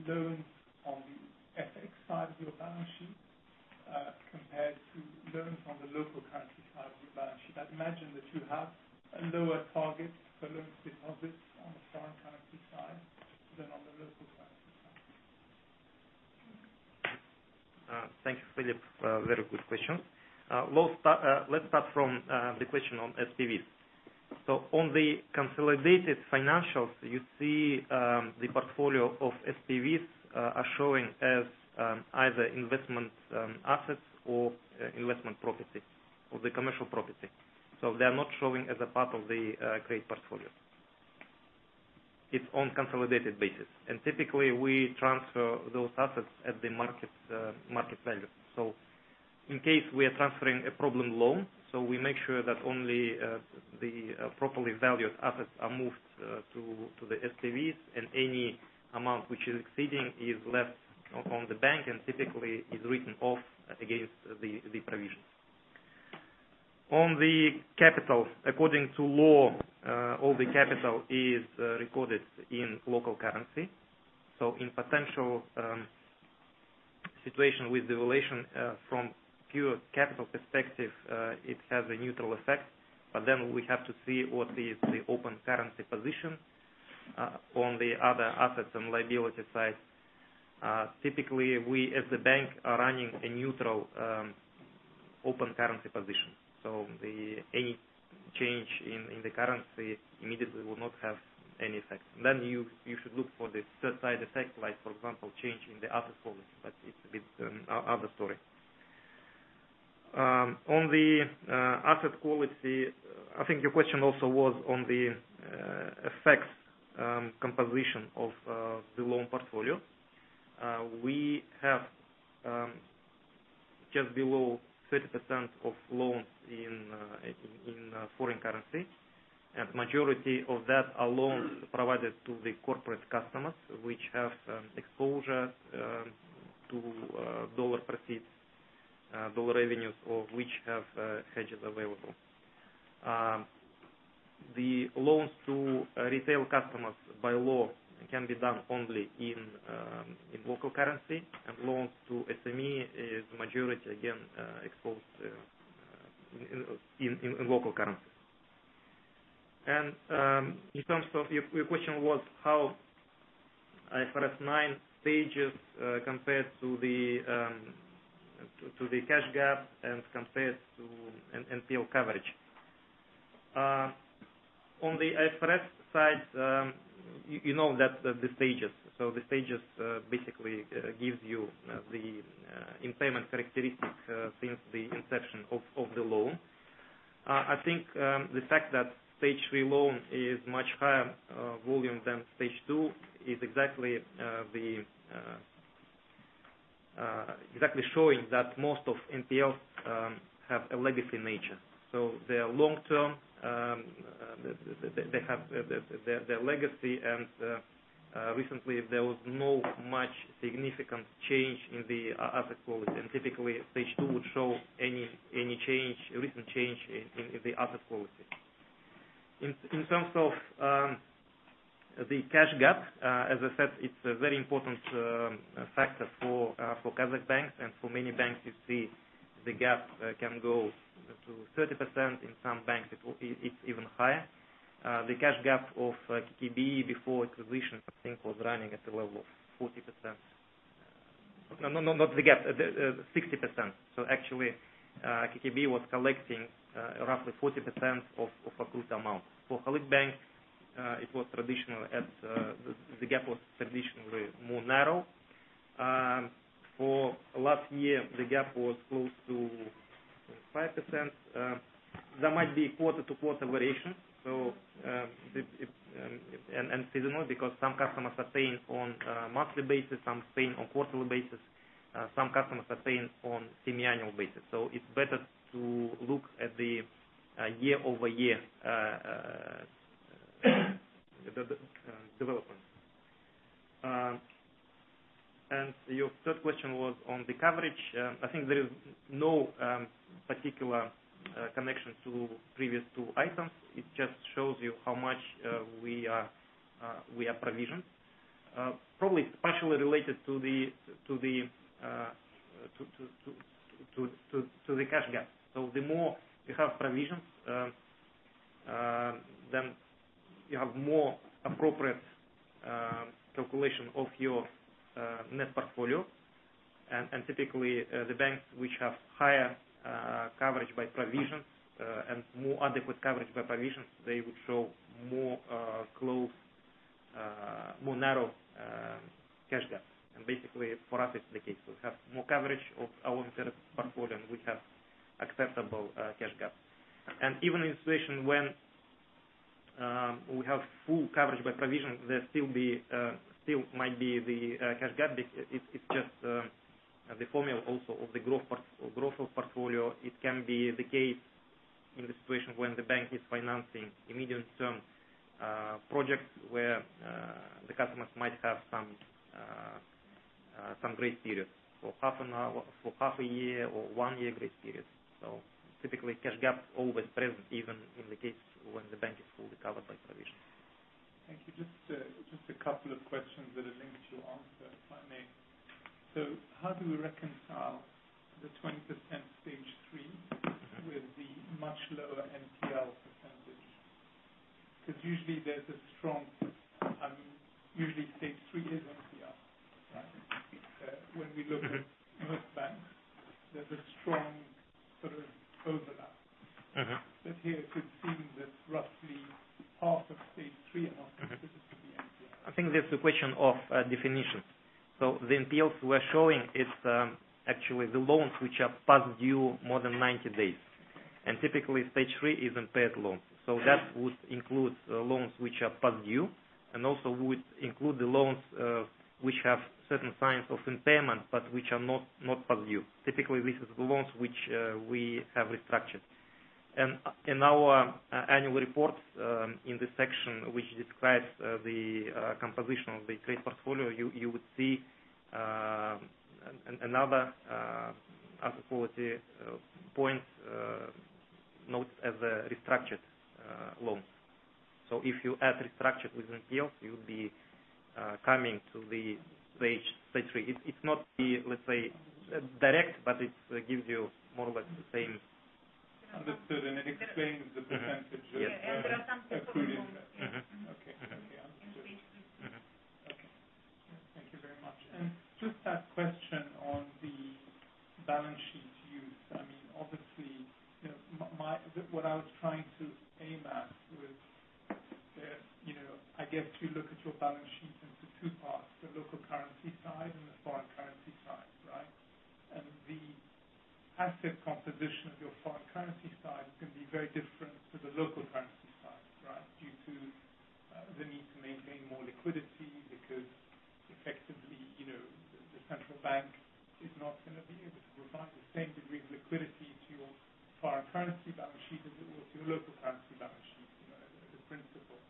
loans on the FX side of your balance sheet, compared to loans on the local currency side of your balance sheet? I'd imagine that you have a lower target for loans with deposits on the foreign currency side than on the local currency side. Thank you, Philip. Very good question. Let's start from the question on SPVs. On the consolidated financials, you see the portfolio of SPVs are showing as either investment assets or investment property or the commercial property. They are not showing as a part of the trade portfolio. It's on consolidated basis. Typically, we transfer those assets at the market value. In case we are transferring a problem loan, so we make sure that only the properly valued assets are moved to the SPVs, and any amount which is exceeding is left on the bank and typically is written off against the provisions. On the capital, according to law, all the capital is recorded in local currency. In potential situation with devaluation, from pure capital perspective, it has a neutral effect, but then we have to see what is the open currency position on the other assets and liability side. Typically, we as the bank are running a neutral open currency position. Any change in the currency immediately will not have any effect. You should look for the third side effect, like, for example, change in the asset policy, but it's a bit other story. On the asset quality, I think your question also was on the effects composition of the loan portfolio. We have just below 30% of loans in foreign currency, and majority of that are loans provided to the corporate customers, which have exposure to dollar proceeds, dollar revenues or which have hedges available. The loans to retail customers, by law, can be done only in local currency. Loans to SME is majority, again, exposed in local currency. In terms of your question was how IFRS 9 stages compared to the cash gap and compared to NPL coverage. On the IFRS side, you know that the stages. The stages basically gives you the impairment characteristics since the inception of the loan. I think the fact that Stage 3 loan is much higher volume than Stage 2 is exactly showing that most of NPL have a legacy nature. They are long-term, they have their legacy, and recently there was no much significant change in the asset quality. Typically, Stage 2 would show any recent change in the asset quality. In terms of the cash gap, as I said, it's a very important factor for Kazakh banks and for many banks you see the gap can go up to 30%. In some banks, it's even higher. The cash gap of Kazkommertsbank before acquisition, I think, was running at a level of 40%. No, not the gap, 60%. Actually, Kazkommertsbank was collecting roughly 40% of accrued amount. For Halyk Bank, the gap was traditionally more narrow. For last year, the gap was close to 5%. There might be quarter-over-quarter variation and seasonality because some customers are paying on a monthly basis, some paying on quarterly basis, some customers are paying on semi-annual basis. It's better to look at the year-over-year development. Your third question was on the coverage. I think there is no particular connection to previous two items. It just shows you how much we are provisioned. Probably, it's partially related to the cash gap. The more you have provisions, then you have more appropriate calculation of your net portfolio. Typically, the banks which have higher coverage by provisions and more adequate coverage by provisions, they would show more narrow cash gaps. Basically, for us, it's the case. We have more coverage of our entire portfolio, and we have acceptable cash gap. Even in a situation when we have full coverage by provisions, there still might be the cash gap. It's just the formula also of the growth of portfolio. It can be the case in the situation when the bank is financing immediate term projects where the customers might have some grace periods for half a year or one-year grace periods. Typically, cash gap always present, even in the case when the bank is fully covered by provisions. Thank you. Just a couple of questions that I think you answered, if I may. How do we reconcile the 20% Stage 3 with the much lower NPL percentage? Because usually Stage 3 is NPL, right? When we look at most banks, there's a strong sort of overlap. Here it could seem that roughly half of Stage 3 and half of this is the NPL. I think that's the question of definitions. The NPLs we're showing is actually the loans which are past due more than 90 days. Typically, Stage 3 is impaired loans. That would include loans which are past due, and also would include the loans which have certain signs of impairment but which are not past due. Typically, this is the loans which we have restructured. In our annual report, in the section which describes the composition of the trade portfolio, you would see another asset quality point, not as a restructured loan. If you add restructured with NPLs, you'll be coming to the Stage 3. It's not, let's say, direct, but it gives you more or less the same- Understood. It explains the % accrued in there. There are some personal loans in Stage 3. Okay. Understood. Okay. Thank you very much. Just that question on the balance sheet use. Obviously, what I was trying to aim at was, I guess you look at your balance sheet into two parts, the local currency side and the foreign currency side, right? The asset composition of your foreign currency side can be very different to the local currency side, right? Due to the need to maintain more liquidity because effectively, the central bank is not going to be able to provide the same degree of liquidity to your foreign currency balance sheet as it will to your local currency balance sheet, the principle.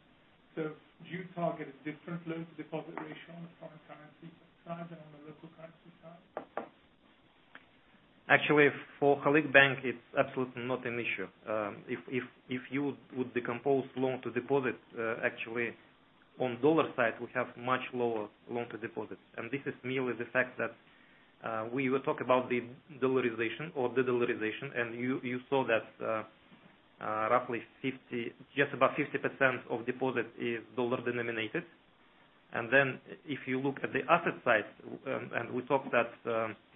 Do you target a different loan-to-deposit ratio on the foreign currency side than on the local currency side? Actually, for Halyk Bank, it's absolutely not an issue. If you would decompose loan-to-deposit, actually, on dollar side, we have much lower loan-to-deposits. This is merely the fact that we will talk about the dollarization or de-dollarization, and you saw that just about 50% of deposit is dollar denominated. If you look at the asset side, and we talked that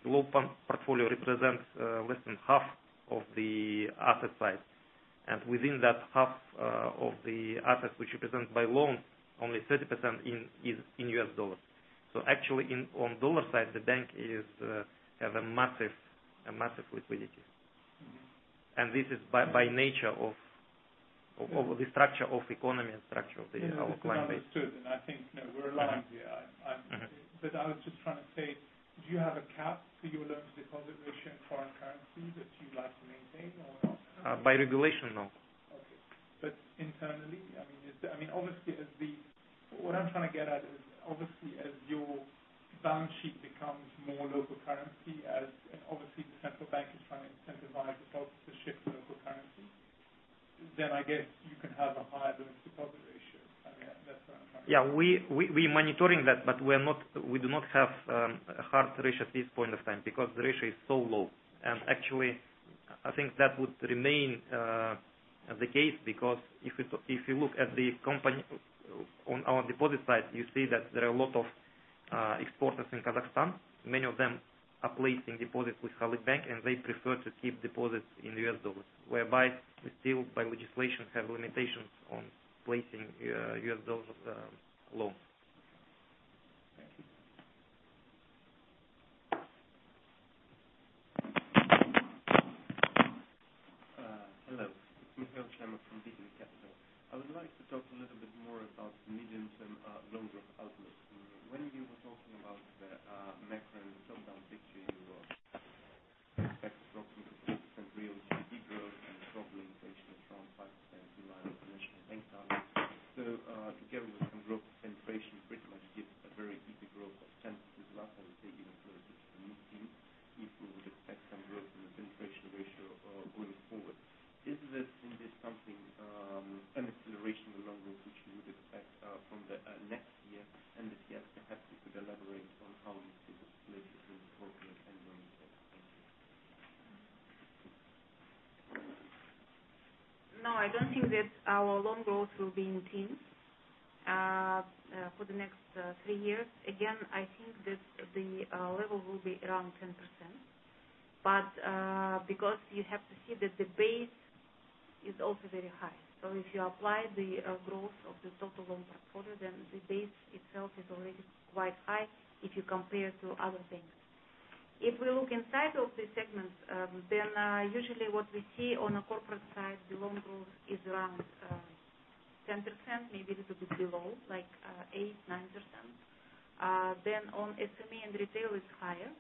loan portfolio represents less than half of the asset side. Within that half of the assets which represent by loan, only 30% is in US dollars. Actually, on dollar side, the bank have a massive liquidity. This is by nature of the structure of economy and structure of our client base. Yeah. This is understood. I think we're aligned here. I was just trying to say, do you have a cap to your loan-to-deposit ratio in foreign currency that you'd like to maintain or not? By regulation, no. Okay. Internally? What I'm trying to get at is, obviously, as your balance sheet becomes more local currency, as obviously the National Bank of Kazakhstan is trying to incentivize deposits to shift to local currency, then I guess you can have a higher loan-to-deposit ratio. We're monitoring that, but we do not have a hard ratio at this point of time because the ratio is so low. Actually, I think that would remain the case because if you look at the company on our deposit side, you see that there are a lot of exporters in Kazakhstan. Many of them are placing deposits with Halyk Bank, and they prefer to keep deposits in US dollars, whereby we still, by legislation, have limitations on placing US dollar loans. Thank you. Hello. It is Mikhail Shchemo from VTB Capital. I would like to talk a little bit more about medium term loan growth outlook. When you were talking about the macro. Expect approximately 4% real GDP growth and a troubling inflation of around 5% in line with the National Bank target. Together with some growth, inflation pretty much gives a very easy growth of 10% plus, I would say even closer to mid-teens if we would expect some growth in the inflation ratio going forward. Is this something, an acceleration of the loan growth, which you would expect from the next year and the year after? Perhaps you could elaborate on how you see this relationship between corporate and loan growth. Thank you. No, I don't think that our loan growth will be in teens for the next three years. Again, I think that the level will be around 10%, because you have to see that the base is also very high. If you apply the growth of the total loan portfolio, the base itself is already quite high if you compare to other banks. If we look inside of the segments, usually what we see on a corporate side, the loan growth is around 10%, maybe a little bit below, like 8%, 9%. On SME and retail is higher.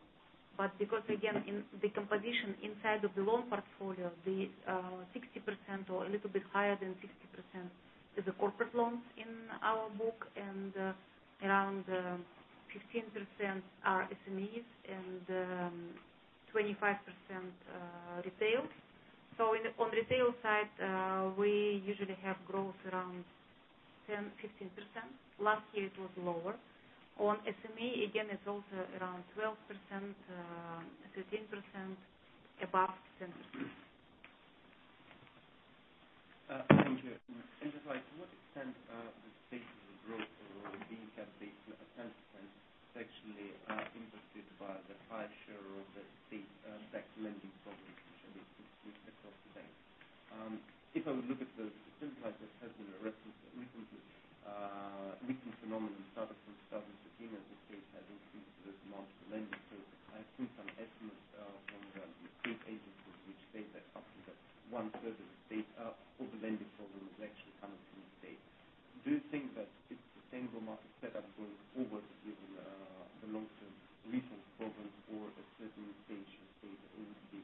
Because, again, the composition inside of the loan portfolio, the 60% or a little bit higher than 60% is the corporate loans in our book, and around 15% are SMEs and 25% retail. On retail side, we usually have growth around 10%, 15%. Last year it was lower. On SME, again, it's also around 12%, 13%, above 10%. Thank you. Just like to what extent the pace of the growth being at base of 10% is actually impacted by the high share of the state tax lending programs, which exist across the bank. If I would look at the things like this has been a recent phenomenon started from 2015, as the state has increased the amount of lending. I've seen some estimates from the state agencies which say that up to that one third of all the lending programs is actually coming from the state. Do you think that it's sustainable model setup going forward given the long term recent programs or a certain stage of state would be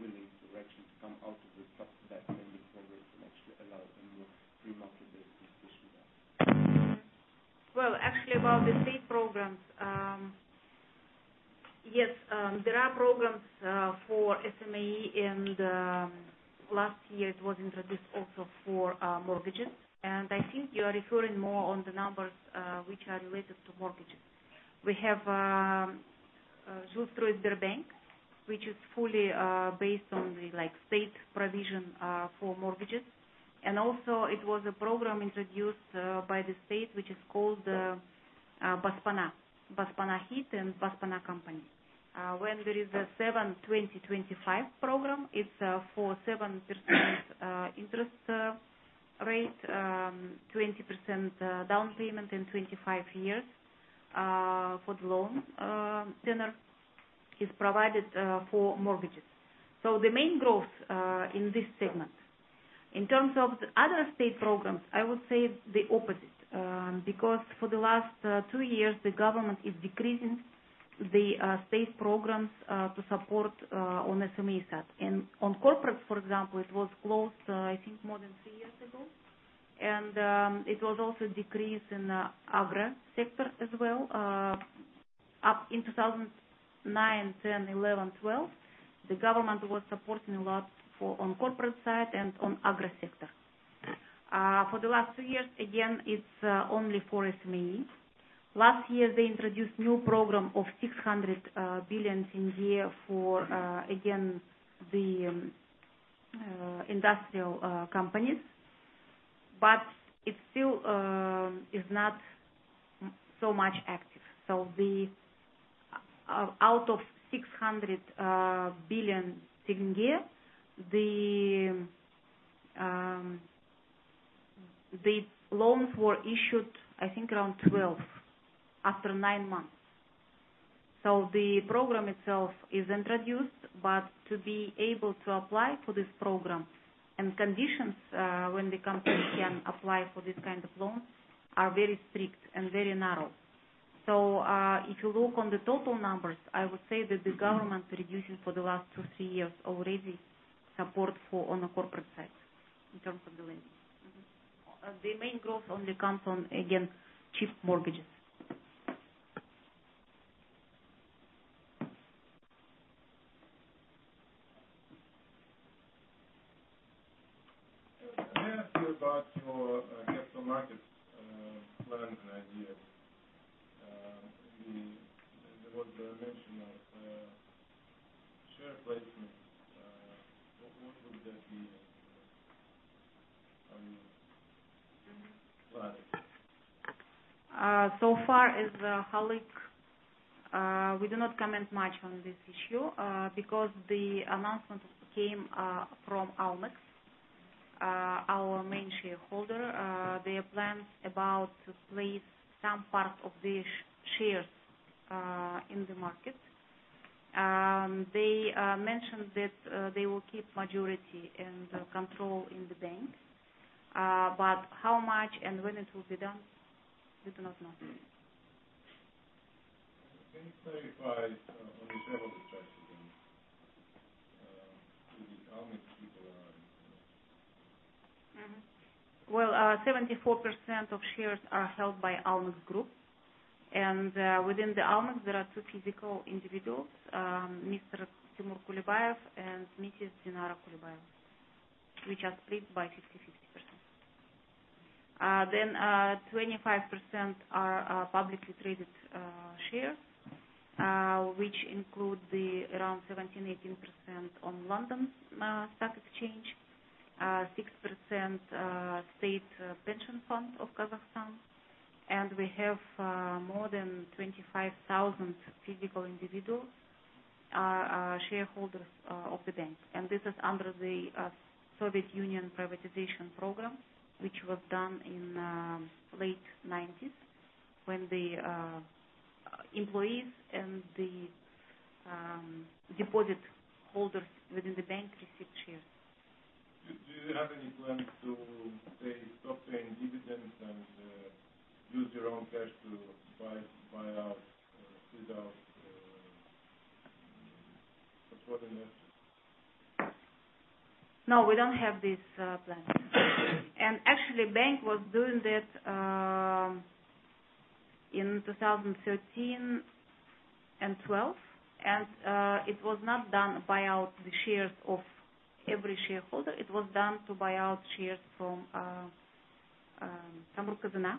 willing to actually come out of the tax lending programs and actually allow a more free market-based distribution? Well, actually about the state programs. Yes, there are programs for SME and last year it was introduced also for mortgages. I think you are referring more on the numbers which are related to mortgages. We have Zhilstroysberbank, which is fully based on the state provision for mortgages. Also it was a program introduced by the state, which is called Baspana. Baspana Hit and Baspana Company. When there is a 7-20-25 program, it's for 7% interest rate, 20% down payment in 25 years for the loan tenure. It's provided for mortgages. The main growth in this segment. In terms of the other state programs, I would say the opposite. For the last 2 years, the government is decreasing the state programs to support on SME side. On corporate, for example, it was closed I think more than 3 years ago. It was also decreased in the agro sector as well. Up in 2009, 2010, 2011, 2012, the government was supporting a lot on corporate side and on agro sector. For the last 2 years, again, it's only for SME. Last year, they introduced new program of KZT 600 billion for again, the industrial companies. It still is not so much active. Out of KZT 600 billion, the loans were issued I think around 12 after 9 months. The program itself is introduced, but to be able to apply for this program and conditions when the company can apply for this kind of loans are very strict and very narrow. If you look on the total numbers, I would say that the government reducing for the last 2, 3 years already support on the corporate side in terms of the lending. The main growth only comes on, again, cheap mortgages. Can I ask you about your capital markets plans and ideas? There was the mention of share placement. What would that be on your plans? Far as Halyk, we do not comment much on this issue because the announcement came from Almex, our main shareholder. Their plans about to place some part of the shares in the market. They mentioned that they will keep majority and control in the bank. How much and when it will be done? We do not know. Can you clarify on the shareholder structure then, who the Almex people are? Well, 74% of shares are held by Almaz Group. Within the Almaz, there are two physical individuals, Mr. Timur Kulibayev and Mrs. Dinara Kulibayeva, which are split by 50/50. 25% are publicly traded shares, which include around 17%-18% on London Stock Exchange, 6% State Pension Fund of Kazakhstan. We have more than 25,000 physical individuals are shareholders of the bank. This is under the Soviet Union privatization program, which was done in late 1990s when the employees and the deposit holders within the bank received shares. Do you have any plans to, say, stop paying dividends and use your own cash to buy out, squeeze out portfolio? No, we don't have these plans. Actually, bank was doing that in 2013 and 2012, and it was not done to buy out the shares of every shareholder. It was done to buy out shares from Samruk-Kazyna.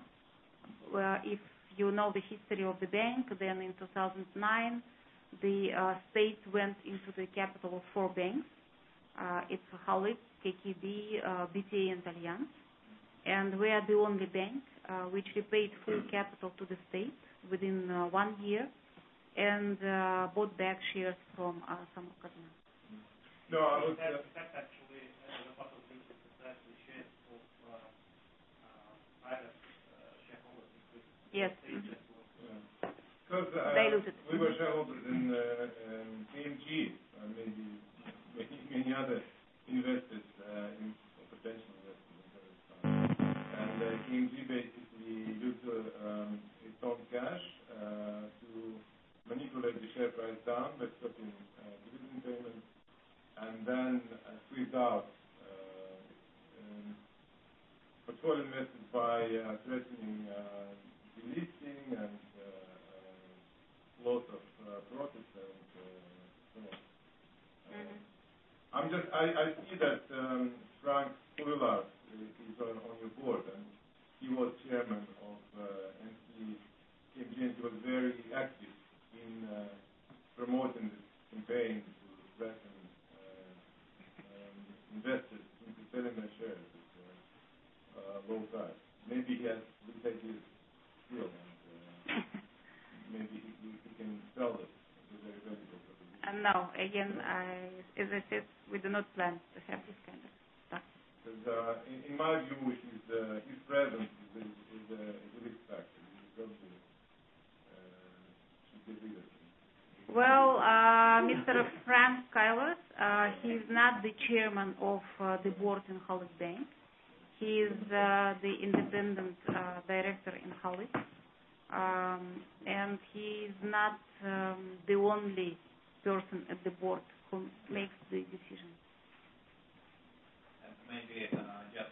Well, if you know the history of the bank, then in 2009, the state went into the capital of four banks. It's Halyk, KTB, BTA, and Alliance. We are the only bank which repaid full capital to the state within one year and bought back shares from Samruk-Kazyna. No. That's actually a couple of things. The shares of private shareholders. Yes. They just lost. We were shareholders in KazMunayGas, and maybe many other investors in potential investment there is. KazMunayGas basically used its own cash to manipulate the share price down by stopping dividend payment and then squeezed out portfolio investors by threatening delisting and loss of profits and so on. I see that Frank Gilus is on your board, and he was chairman of KazMunayGas and was very active in promoting this campaign to threaten investors into selling their shares at low price. Maybe he has repeated skill, and maybe he can sell it. We are very grateful for him. No. Again, as I said, we do not plan to have this kind of stuff. In my view, his presence is a risk factor. He is going to keep the leadership. Well, Mr. Frank Gilus, he is not the chairman of the board in Halyk Bank. He is the independent director in Halyk, and he is not the only person at the board who makes the decisions. Maybe just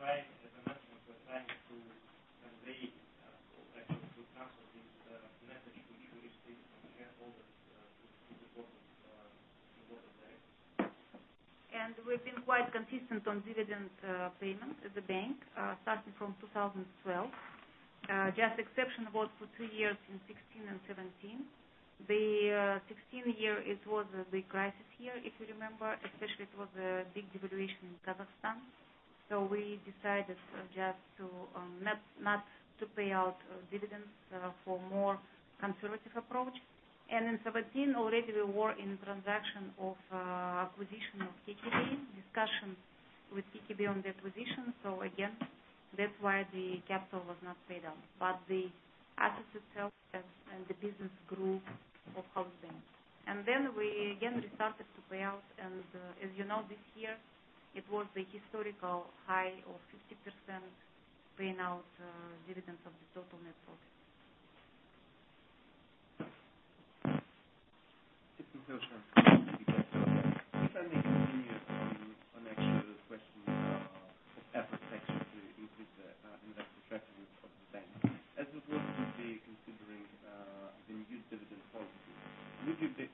and we try to collect the feedback from various aspects. One of the consistent feedback which we are receiving during the last two years, actually, is that the banking sector is likely to receive, which of certain sectors either to increase their stake or to enter the position altogether. As a management, we are trying to convey or actually to transfer this message, which we receive from shareholders to the board of directors. We've been quite consistent on dividend payment as a bank, starting from 2012. Just exception was for two years, in 2016 and 2017. The 2016 year, it was a big crisis year, if you remember. Especially, it was a big devaluation in Kazakhstan. We decided just to not to pay out dividends for more conservative approach. In 2017, already we were in transaction of acquisition of Kazkommertsbank, discussions with Kazkommertsbank on the acquisition. Again, that's why the capital was not paid out. The assets itself and the business grew or helped them. Then we again restarted to pay out. As you know, this year, it was the historical high of 50% paying out dividends of the total net profit. If I may continue on actual question of asset section to increase the investor tracking for the bank. As the board will be considering the new dividend policy, would you be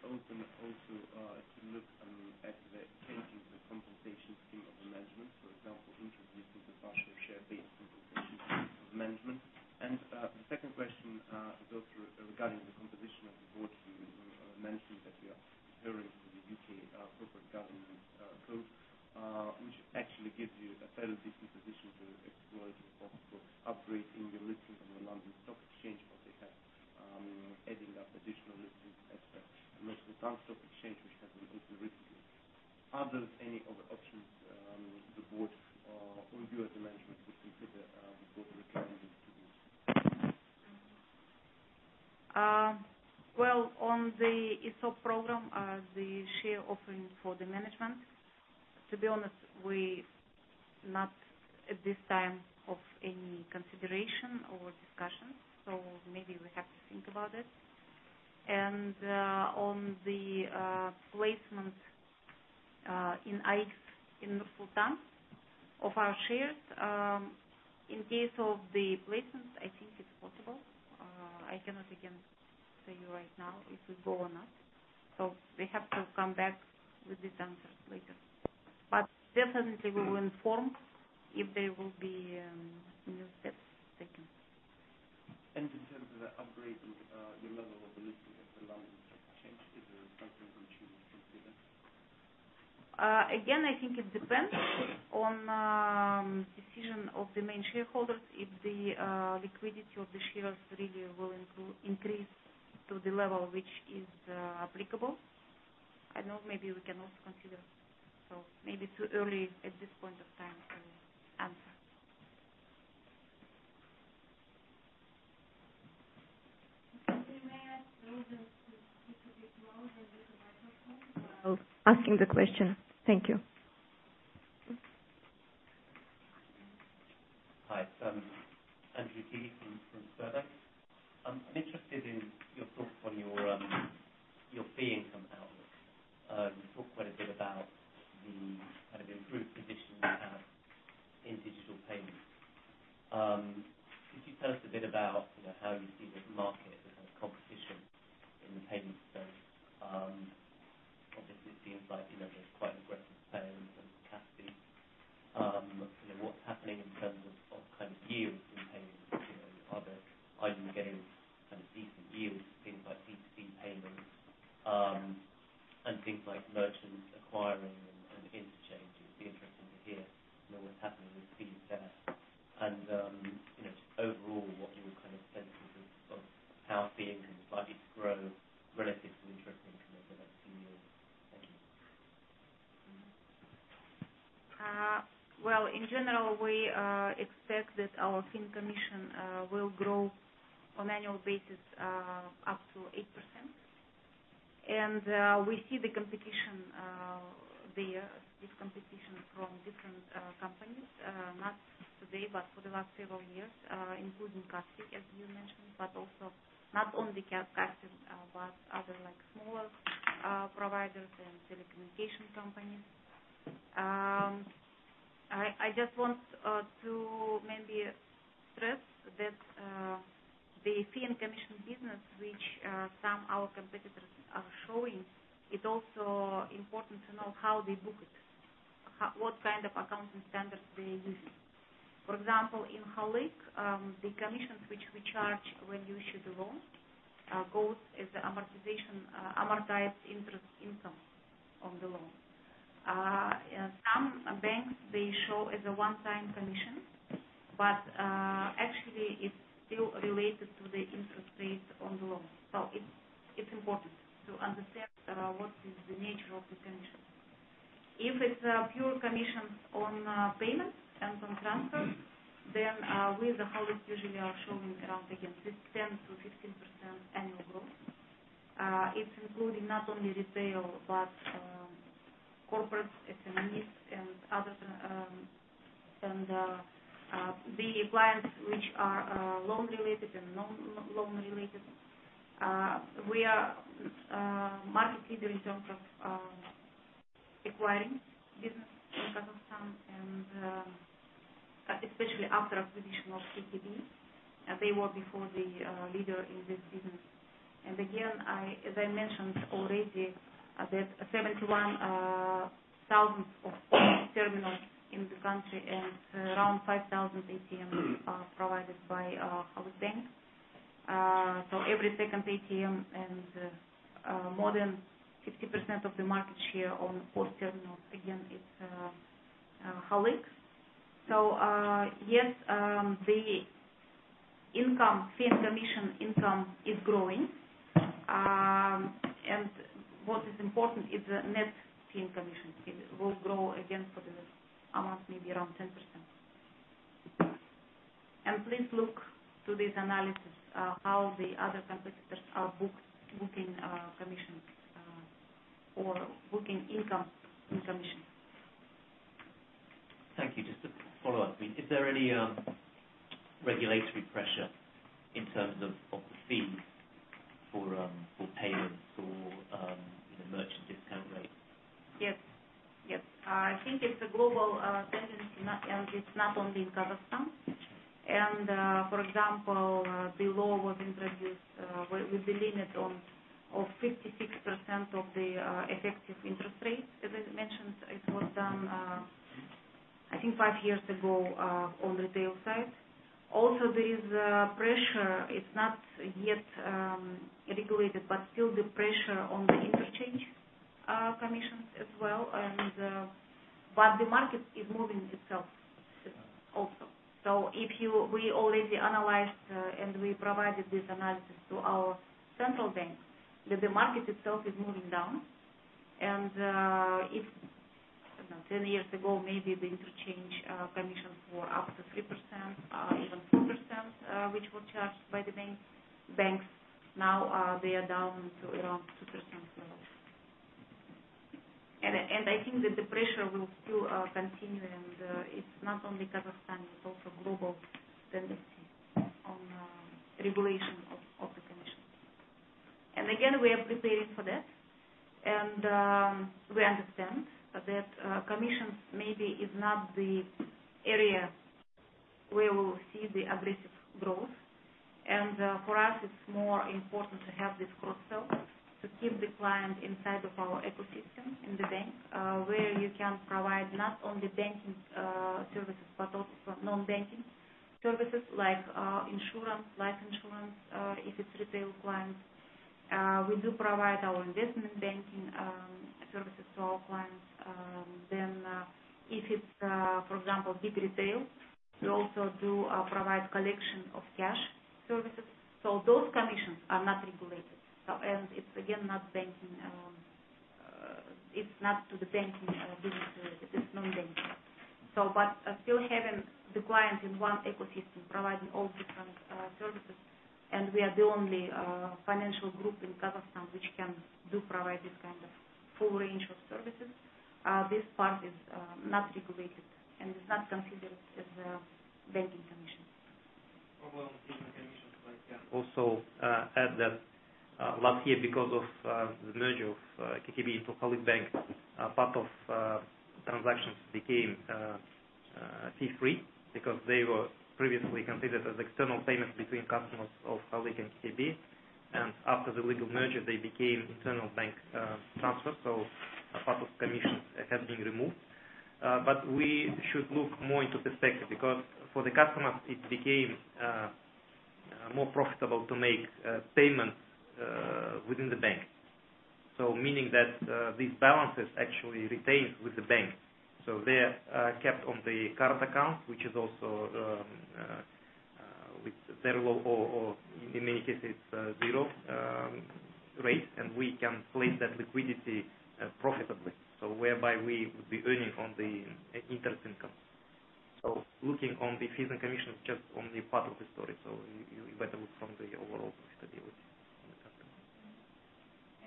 of the board, you mentioned that you are adhering to the U.K. Corporate Governance Code, which actually gives you a fairly decent position to explore the prospect of upgrading your listing on the London Stock Exchange or perhaps adding up additional listings as per the Nursultan Stock Exchange. Are there any other options the board or you as the management would consider trying to do? Well, on the ESOP program, the share offering for the management, to be honest, we not at this time of any consideration or discussion, maybe we have to think about it. On the placement in AIX in Nursultan of our shares, in case of the placement, I think it's possible. I cannot, again, say right now if we go or not. We have to come back with this answer later. Definitely, we will inform if there will be new steps taken. In terms of the upgrading, your level of listing at the London Stock Exchange, is there something which you would consider? I think it depends on decision of the main shareholders if the liquidity of the shares really will increase to the level which is applicable. I know maybe we can also consider. Maybe too early at this point of time to answer. We may ask those of you to speak a bit closer to the microphone while asking the question. Thank you. Hi. Andrew Keeley from Sberbank. I'm interested in your thoughts on your fee income outlook. You talked quite a bit about the improved position you have in digital payments. Could you tell us a bit about how you see this market as a competition in the payment space? Obviously, it seems like there's quite aggressive players like Kaspi. What's happening in terms of yields in payments? Are you getting decent yields in things like P2P payments and things like merchants acquiring and interchange? It would be interesting to hear what's happening with fees there. Just overall, what you would sense in terms of how fee income is likely to grow relative to interest income over the next few years. Thank you. Well, in general, we expect that our fee and commission will grow on annual basis up to 8%. We see the competition there, this competition from different companies, not today, but for the last several years, including Kaspi.kz, as you mentioned, but also not only Kaspi.kz, but other smaller providers and telecommunication companies. I just want to maybe stress that the fee and commission business, which some our competitors are showing, it's also important to know how they book it, what kind of accounting standards they're using. For example, in Halyk, the commissions which we charge when you issue the loan goes as amortized interest income of the loan. Some banks, they show as a one-time commission, but actually, it's still related to the interest rate on the loan. It's important to understand what is the nature of the commission. If it's pure commissions on payments and on transfers, we, the Halyk, usually are showing around, again, 10%-15% annual growth. It's including not only retail but corporate SMEs and the clients which are loan related and non-loan related. We are market leader in terms of acquiring business in Kazakhstan and especially after acquisition of Kazkommertsbank. They were, before, the leader in this business. Again, as I mentioned already, that 71,000 of POS terminals in the country and around 5,000 ATMs are provided by Halyk Bank. Every second ATM and more than 50% of the market share on POS terminals, again, it's Halyk's. Yes, the fee and commission income is growing. What is important is the net fee and commission will grow again for this amount, maybe around 10%. Please look to this analysis of how the other competitors are booking commission or booking income in commission. Thank you. Just to follow up, is there any regulatory pressure in terms of the fees for payments or merchant discount rates? Yes. I think it's a global tendency, and it's not only in Kazakhstan. For example, the law was introduced with the limit of 56% of the effective interest rate, as I mentioned. It was done, I think, five years ago, on retail side. Also, there is pressure. It's not yet regulated, but still the pressure on the interchange commissions as well. The market is moving itself also. We already analyzed, and we provided this analysis to our central bank, that the market itself is moving down. If, I don't know, 10 years ago, maybe the interchange commissions were up to 3%, even 4%, which were charged by the banks, now they are down to around 2% level. I think that the pressure will still continue. It's not only Kazakhstan. It's also global tendency on regulation of the commissions. Again, we are preparing for that. We understand that commissions maybe is not the area where we'll see the aggressive growth. For us, it's more important to have this cross-sell, to keep the client inside of our ecosystem in the bank, where you can provide not only banking services, but also non-banking services like insurance, life insurance, if it's retail clients. We do provide our investment banking services to our clients. If it's, for example, big retail, we also do provide collection of cash services. Those commissions are not regulated. It's, again, not banking. It's not to the banking business related. It's non-banking. Still having the client in one ecosystem providing all different services, and we are the only financial group in Kazakhstan which can do provide this kind of full range of services. This part is not regulated and is not considered as a banking commission. Well, different commissions, but I can also add that last year, because of the merger of Kazkommertsbank to Halyk Bank, part of transactions became fee-free because they were previously considered as external payments between customers of Halyk and Kazkommertsbank. After the legal merger, they became internal bank transfers, so a part of commissions have been removed. We should look more into perspective because for the customers, it became more profitable to make payments within the bank. Meaning that these balances actually retained with the bank, so they're kept on the card account, which is also very low, or in many cases, zero rate, and we can place that liquidity profitably. Whereby we would be earning on the interest income. Looking on the fees and commissions is just only part of the story. You better look from the overall perspective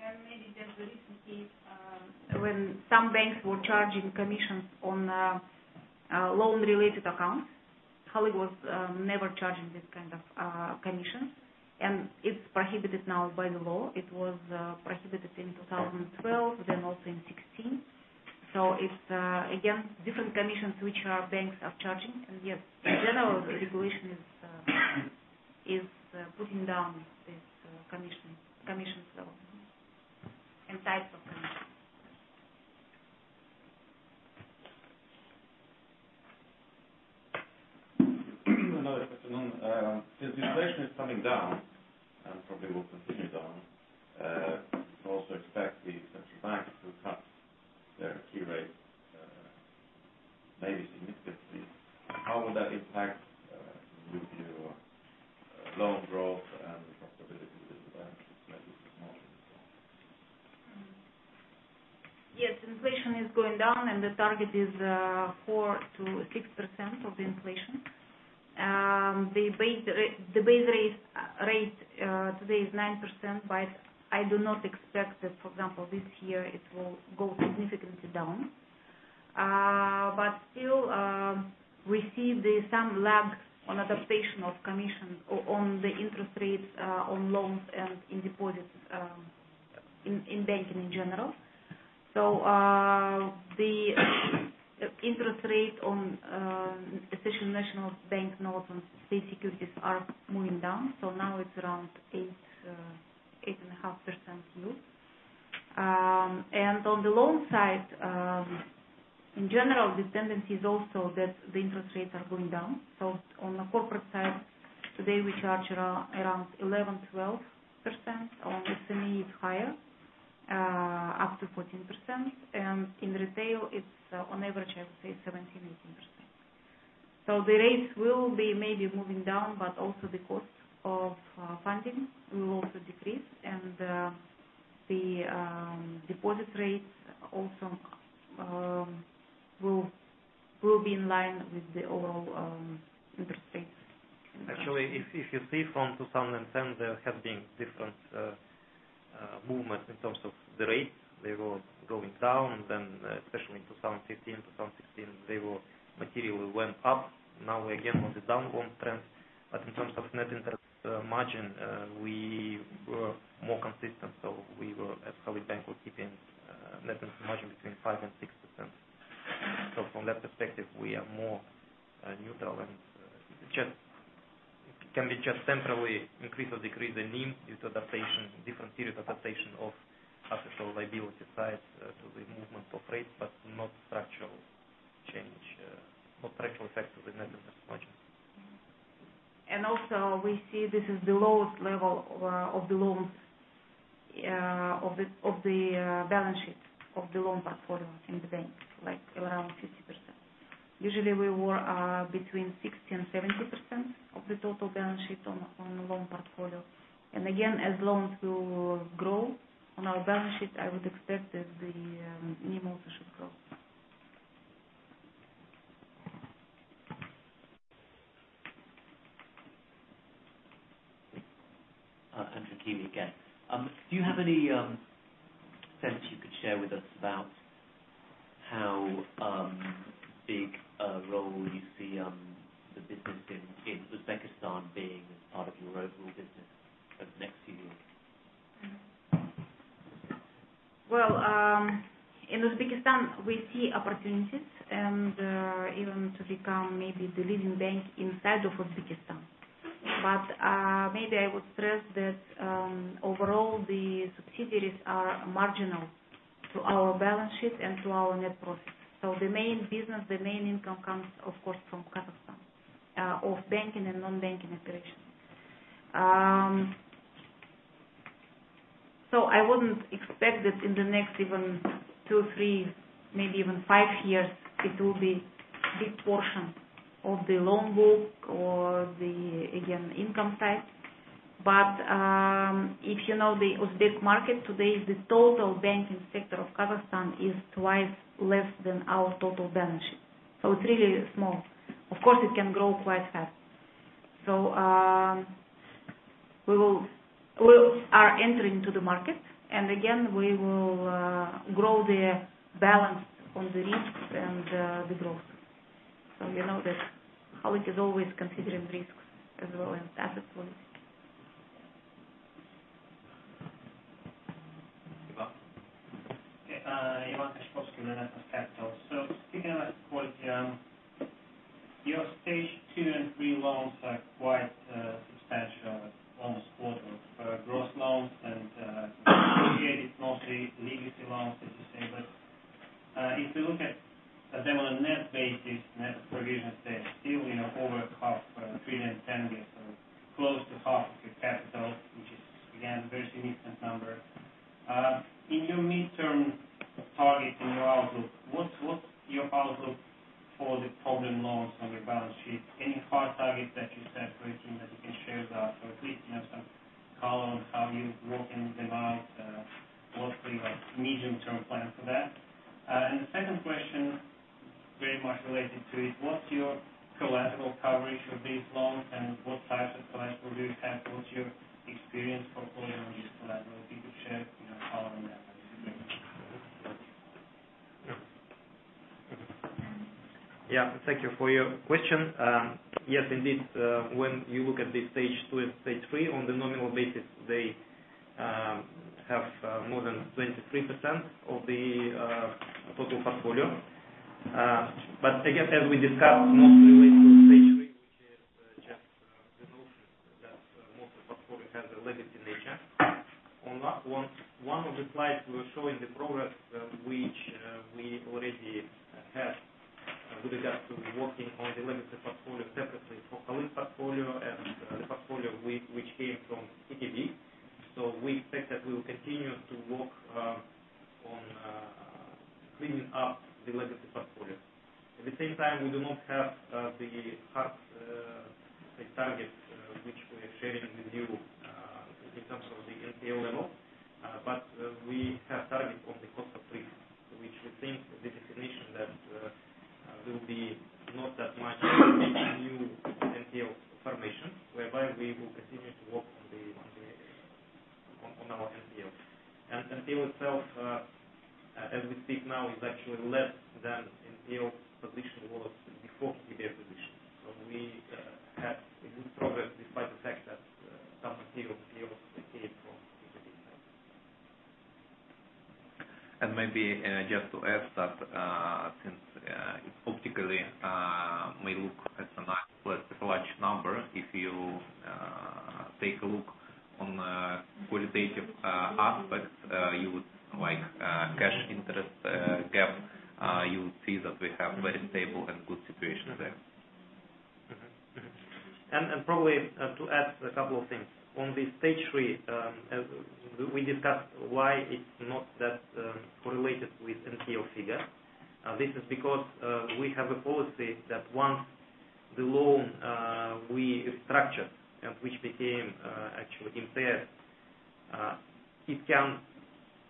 of the customer. Maybe just the recent case, when some banks were charging commissions on loan-related accounts, Halyk was never charging this kind of commissions. It's prohibited now by the law. It was prohibited in 2012, also in 2016. It's, again, different commissions which our banks are charging. Yes, general regulation is putting down this commission level and type of commissions. Good afternoon. As inflation is coming down, probably will continue down, we also expect the central bank to cut their key rate, maybe significantly. How will that impact with your loan growth and profitability with the bank? Yes, inflation is going down, the target is 4%-6% of inflation. The base rate today is 9%, I do not expect that, for example, this year, it will go significantly down. Still, we see some lag on adaptation of commission on the interest rates on loans and in deposits in banking in general. The interest rate on official National Bank of Kazakhstan state securities are moving down. Now it's around 8.5% yield. On the loan side, in general, the tendency is also that the interest rates are going down. On the corporate side, today we charge around 11%-12%. On SME, it's higher, up to 14%. In retail, it's on average, I would say, 17%-18%. The rates will be maybe moving down, but also the cost of funding will also decrease. The deposit rates also will be in line with the overall interest rates. Actually, if you see from 2010, there has been different movements in terms of the rates. They were going down, especially in 2015, 2016, they materially went up. Now we're again on the downward trend. In terms of net interest margin, we were more consistent. We were, as Halyk Bank, were keeping net interest margin between 5% and 6%. From that perspective, we are more neutral. It can be just temporarily increase or decrease the NIM due to adaptation, different periods adaptation of official liability side to the movement of rates, but not structural change, not structural effect of the net interest margin. We see this is the lowest level of the loans of the balance sheet, of the loan portfolio in the bank, around 50%. Usually, we were between 60% and 70% of the total balance sheet on the loan portfolio. Again, as loans will grow on our balance sheet, I would expect that the NIM also should grow. Andrew Keeley again. Do you have any sense you could share with us about how big a role you see the business in Uzbekistan being as part of your overall business over the next few years? Well, in Uzbekistan, we see opportunities, even to become maybe the leading bank inside of Uzbekistan. Maybe I would stress that overall, the subsidiaries are marginal to our balance sheet and to our net profit. The main business, the main income comes, of course, from Kazakhstan, of banking and non-banking operations. I wouldn't expect that in the next even two, three, maybe even five years, it will be big portion of the loan book or the, again, income side. If you know the Uzbek market today, the total banking sector of Kazakhstan is twice less than our total balance sheet. It's really small. Of course, it can grow quite fast. We are entering into the market, again, we will grow the balance on the risks and the growth. You know that Halyk is always considering risks as well, and that is policy. Ivan. Ivan Kachkovski with Renaissance Capital. Speaking about quality, your Stage 2 and 3 loans are quite substantial, almost quarter of gross loans and associated, mostly legacy loans, as you say. If you look at them on a net basis, net provision, they're still over half, KZT 310 billion, close to half of your capital, which is again, very significant number. In your midterm target, in your outlook, what's your outlook for the problem loans on your balance sheet? Any hard targets that you set for a team that you can share with us? At least, some color on how you working them out. What's your medium-term plan for that? The second question, very much related to it, what's your collateral coverage for these loans and what types of collateral do you have? What's your experience portfolio on these collateral? If you could share color on that would be great. Thank you for your question. Yes, indeed. When you look at the Stage 2 and Stage 3, on the nominal basis, they have more than 23% of the total portfolio. Again, as we discussed, mostly related to Stage 3, which is Most of the portfolio has a legacy nature. On one of the slides, we were showing the progress which we already have with regards to working on the legacy portfolio separately for KKB's portfolio and the portfolio which came from KTB. We expect that we will continue to work on cleaning up the legacy portfolio. At the same time, we do not have the hard targets which we are sharing with you in terms of the NPL level. We have target on the cost of risk, which we think the definition that will be not that much new NPL formation, whereby we will continue to work on our NPL. NPL itself, as we speak now, is actually less than NPL position was before KTB acquisition. We have good progress despite the fact that some material came from KTB. Maybe just to add that, since optically may look as a large number, if you take a look on qualitative aspects, like cash interest gap, you will see that we have very stable and good situation there. Probably to add a couple of things. On the Stage 3, as we discussed why it's not that correlated with NPL figure. This is because we have a policy that once the loan we structured and which became actually impaired, it can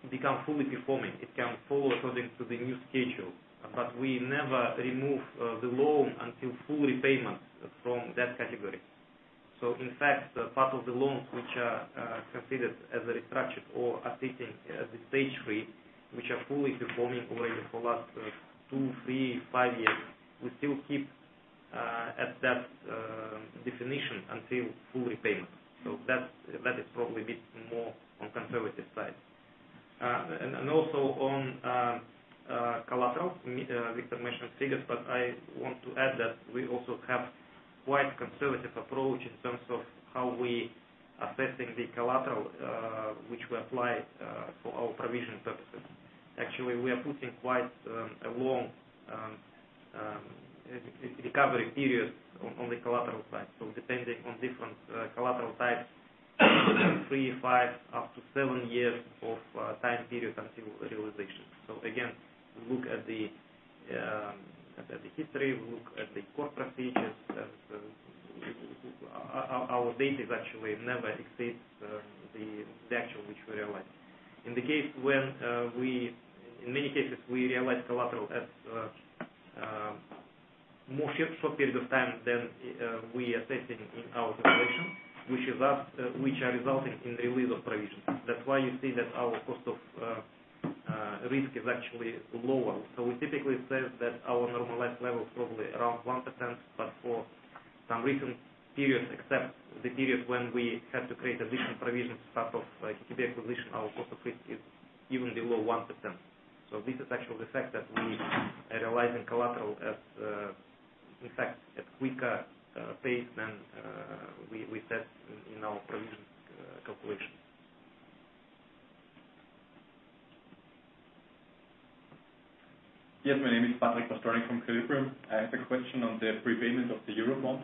become fully performing. It can follow according to the new schedule, but we never remove the loan until full repayment from that category. In fact, part of the loans which are considered as restructured or are sitting at the Stage 3, which are fully performing already for last two, three, five years, we still keep at that definition until full repayment. That is probably a bit more on conservative side. Also on collateral, Viktor mentioned figures, but I want to add that we also have quite conservative approach in terms of how we assessing the collateral, which we apply for our provision purposes. Actually, we are putting quite a long recovery period on the collateral side. Depending on different collateral types, three, five, up to seven years of time period until realization. Again, we look at the history, we look at the core procedures, and our data actually never exceeds the actual which we realize. In many cases, we realize collateral at more short period of time than we assessing in our calculation, which are resulting in release of provision. That is why you see that our cost of risk is actually lower. We typically say that our normalized level is probably around 1%, but for some recent periods, except the periods when we had to create additional provisions as part of KTB acquisition, our cost of risk is even below 1%. This is actually the fact that we are realizing collateral at quicker pace than we set in our provision calculation. Yes, my name is Patrick Pastollnigg from Calibrium. I have a question on the prepayment of the Eurobond,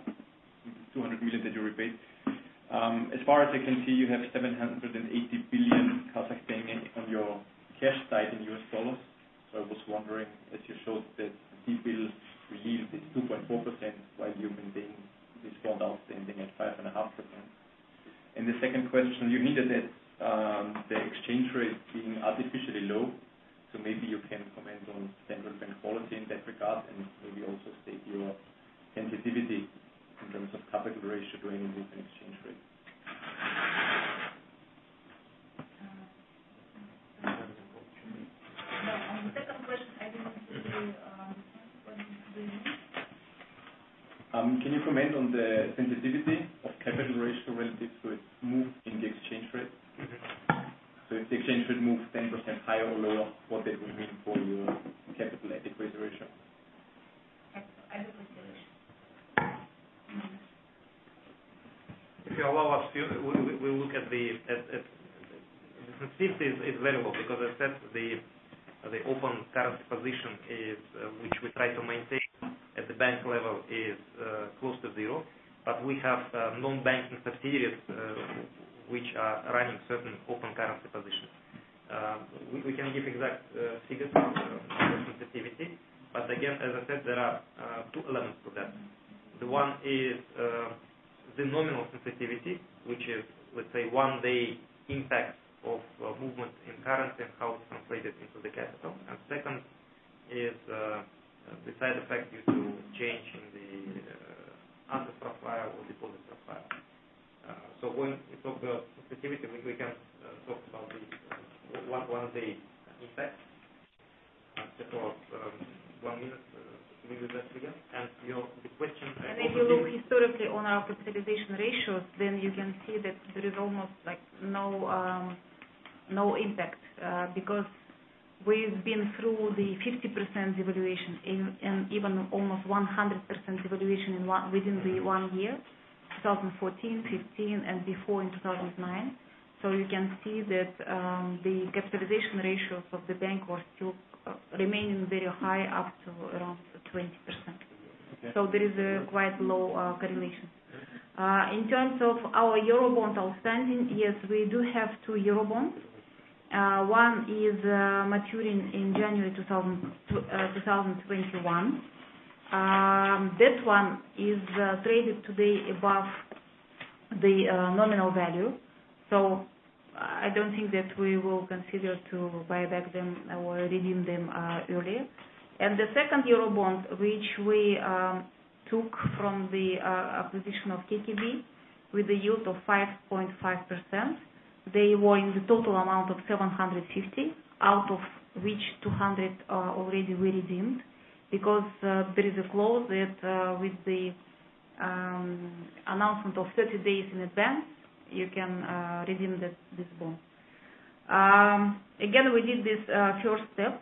200 million that you repaid. As far as I can see, you have 780 billion KZT on your cash side in US dollars. I was wondering, as you showed that the T-bill yield is 2.4% while you maintain this bond outstanding at 5.5%. The second question, you hinted at the exchange rate being artificially low, maybe you can comment on standard bank quality in that regard, and maybe also state your sensitivity in terms of capital ratio during group and exchange rate. On the second question, I didn't hear the first question. Can you comment on the sensitivity of capital ratio relative to a move in the exchange rate? If the exchange rate moves 10% higher or lower, what that would mean for your capital adequate ratio? I didn't understand. If you allow us, we'll look at the sensitivity is variable because as I said, the open currency position which we try to maintain at the bank level is close to zero, but we have non-bank subsidiaries which are running certain open currency positions. We cannot give exact figures on sensitivity. Again, as I said, there are two elements to that. The one is the nominal sensitivity, which is, let's say, one day impact of movement in currency and how it's translated into the capital. Second is the side effect due to change in the under profile or deposit profile. When we talk about sensitivity, we can talk about the one day impact. Just for one minute, maybe just again. If you look historically on our capitalization ratios, you can see that there is almost no impact because we've been through the 50% devaluation and even almost 100% devaluation within the one year, 2014, 2015, and before in 2009. You can see that the capitalization ratios of the bank are still remaining very high, up to around 20%. Okay. There is a quite low correlation. In terms of our Eurobond outstanding, yes, we do have two Eurobonds. One is maturing in January 2021. This one is traded today above the nominal value. I don't think that we will consider to buy back them or redeem them early. The second Eurobond, which we took from the acquisition of KTB with the yield of 5.5%, they were in the total amount of 750 million, out of which 200 already we redeemed, because there is a clause that with the announcement of 30 days in advance, you can redeem this bond. Again, we did this first step,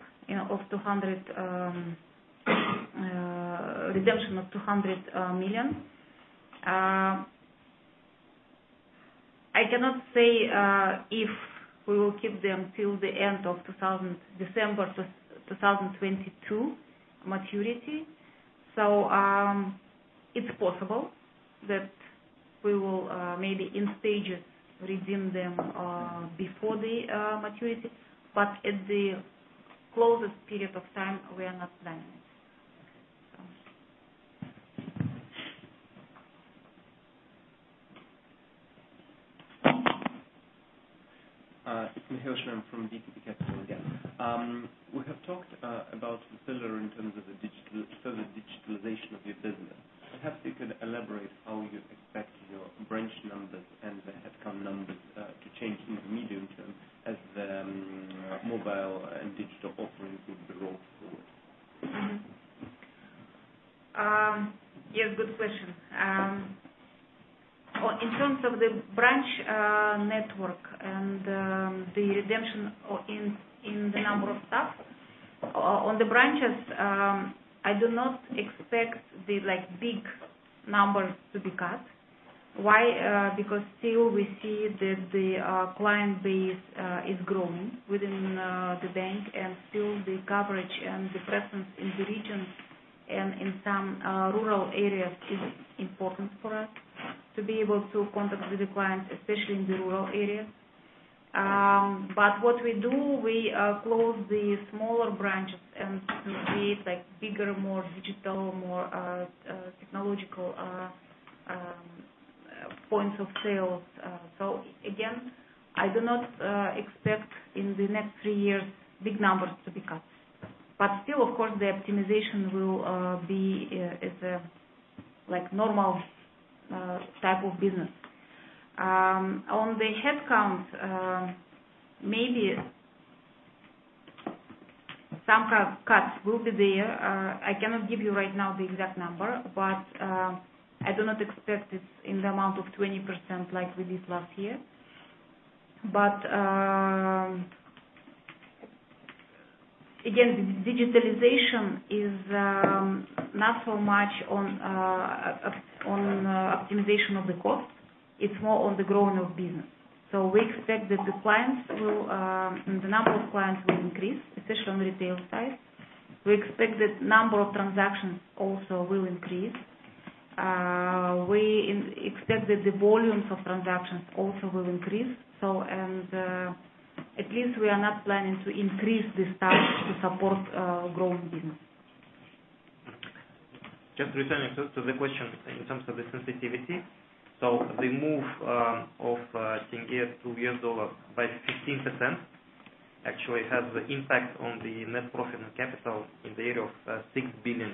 redemption of EUR 200 million. I cannot say if we will keep them till the end of December 2022 maturity. It's possible that we will maybe in stages redeem them before the maturity. At the closest period of time, we are not planning. Okay. So It's Mikhail Shchemo from VTB Capital again. We have talked about the pillar in terms of the further digitalization of your business. Perhaps you could elaborate how you expect your branch numbers and the headcount numbers to change in the medium term as the mobile and digital offerings will be rolled forward. Yes, good question. In terms of the branch network and the redemption in the number of staff, on the branches, I do not expect the big numbers to be cut. Why? Because still we see that the client base is growing within the bank, and still the coverage and the presence in the regions and in some rural areas is important for us to be able to contact with the clients, especially in the rural areas. What we do, we close the smaller branches and we create bigger, more digital, more technological points of sales. Again, I do not expect in the next three years big numbers to be cut. Still, of course, the optimization will be as a normal type of business. On the headcounts, maybe some cuts will be there. I cannot give you right now the exact number, but I do not expect it in the amount of 20% like we did last year. Again, digitalization is not so much on optimization of the cost, it's more on the growing of business. We expect that the number of clients will increase, especially on retail side. We expect that number of transactions also will increase. We expect that the volumes of transactions also will increase. At least we are not planning to increase the staff to support growth business. Just returning to the question in terms of the sensitivity. The move of KZT to USD by 15% actually has the impact on the net profit and capital in the area of KZT 6 billion.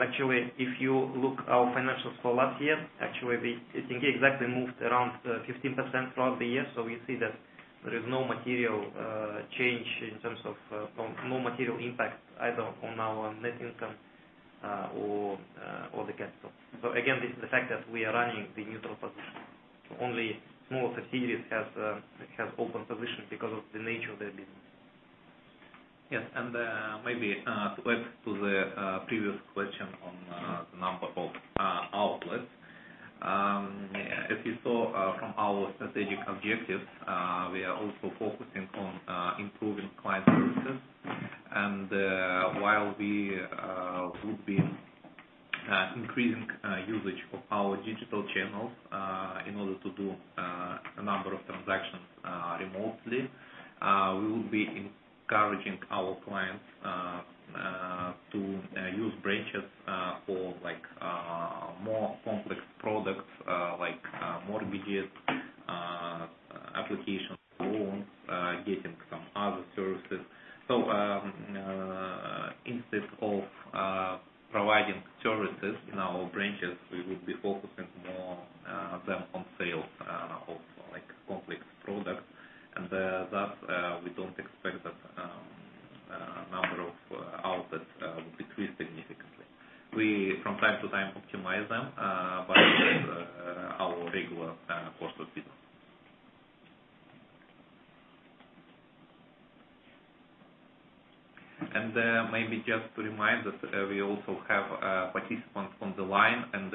Actually, if you look our financials for last year, actually, the KZT exactly moved around 15% throughout the year. We see that there is no material impact either on our net income or the capital. Again, this is the fact that we are running the neutral position. Only small facilities have open position because of the nature of their business. Yes. Maybe let's to the previous question on the number of outlets. If you saw from our strategic objectives, we are also focusing on improving client services. While we would be increasing usage of our digital channels in order to do a number of transactions remotely, we will be encouraging our clients to use branches for more complex products like mortgages, application loans, getting some other services. Instead of providing services in our branches, we would be focusing more them on sales of complex products. Thus, we don't expect that decreased significantly. We, from time to time, optimize them, but that's our regular course of business. Maybe just to remind that we also have participants on the line, and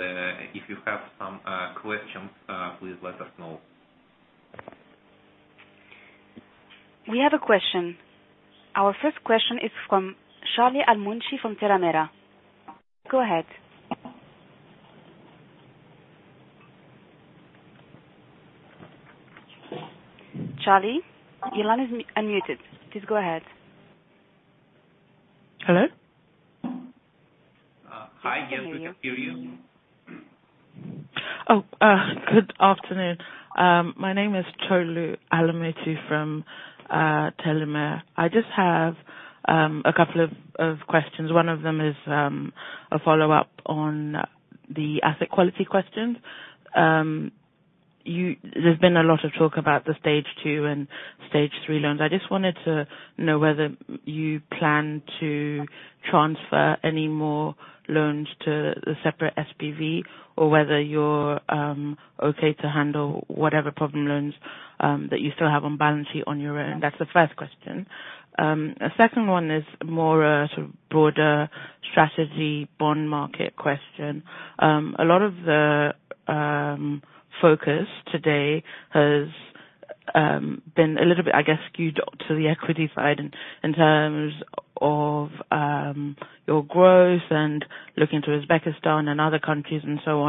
if you have some questions, please let us know. We have a question. Our first question is from Charlie Almunshi from Tellimer. Go ahead. Charlie, your line is unmuted. Please go ahead. Hello? Hi. Yes, we can hear you. Oh, good afternoon. My name is Charlie Almunshi from Tellimer. I just have a couple of questions. One of them is a follow-up on the asset quality questions. There's been a lot of talk about the stage 2 and stage 3 loans. I just wanted to know whether you plan to transfer any more loans to the separate SPV or whether you're okay to handle whatever problem loans that you still have on balance sheet on your own. That's the first question. A second one is more a sort of broader strategy bond market question. A lot of the focus today has been a little bit, I guess, skewed to the equity side in terms of your growth and looking to Uzbekistan and other countries and so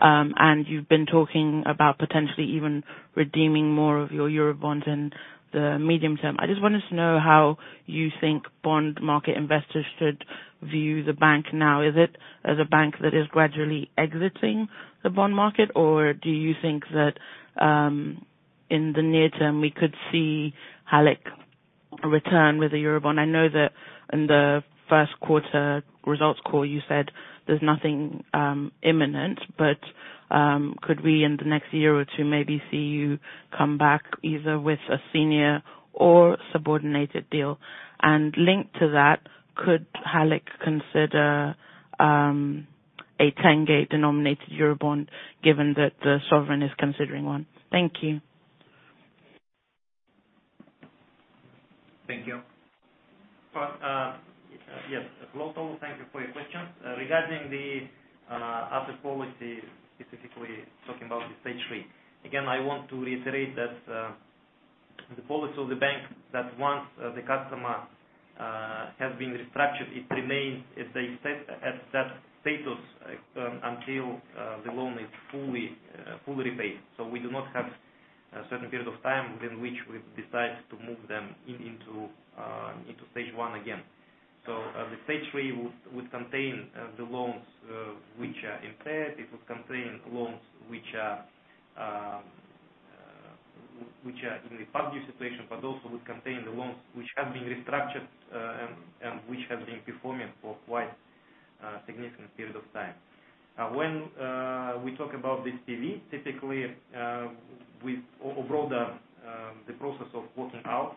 on. You've been talking about potentially even redeeming more of your Eurobonds in the medium term. I just wanted to know how you think bond market investors should view the bank now. Is it as a bank that is gradually exiting the bond market, or do you think that in the near term, we could see Halyk return with a Eurobond? I know that in the first quarter results call, you said there's nothing imminent, but could we, in the next year or two, maybe see you come back either with a senior or subordinated deal? Linked to that, could Halyk consider a tenge-denominated Eurobond given that the sovereign is considering one? Thank you. Thank you. Yes. Hello, Charlie, thank you for your question. Regarding the asset policy, specifically talking about the stage 3. Again, I want to reiterate that the policy of the bank that once the customer has been restructured, it remains at that status until the loan is fully repaid. We do not have a certain period of time within which we decide to move them into stage 1 again. The stage 3 would contain the loans which are impaired. It would contain loans which are in the 50 situation, but also would contain the loans which have been restructured, and which have been performing for quite a significant period of time. When we talk about the SPV, typically, we've overall the process of working out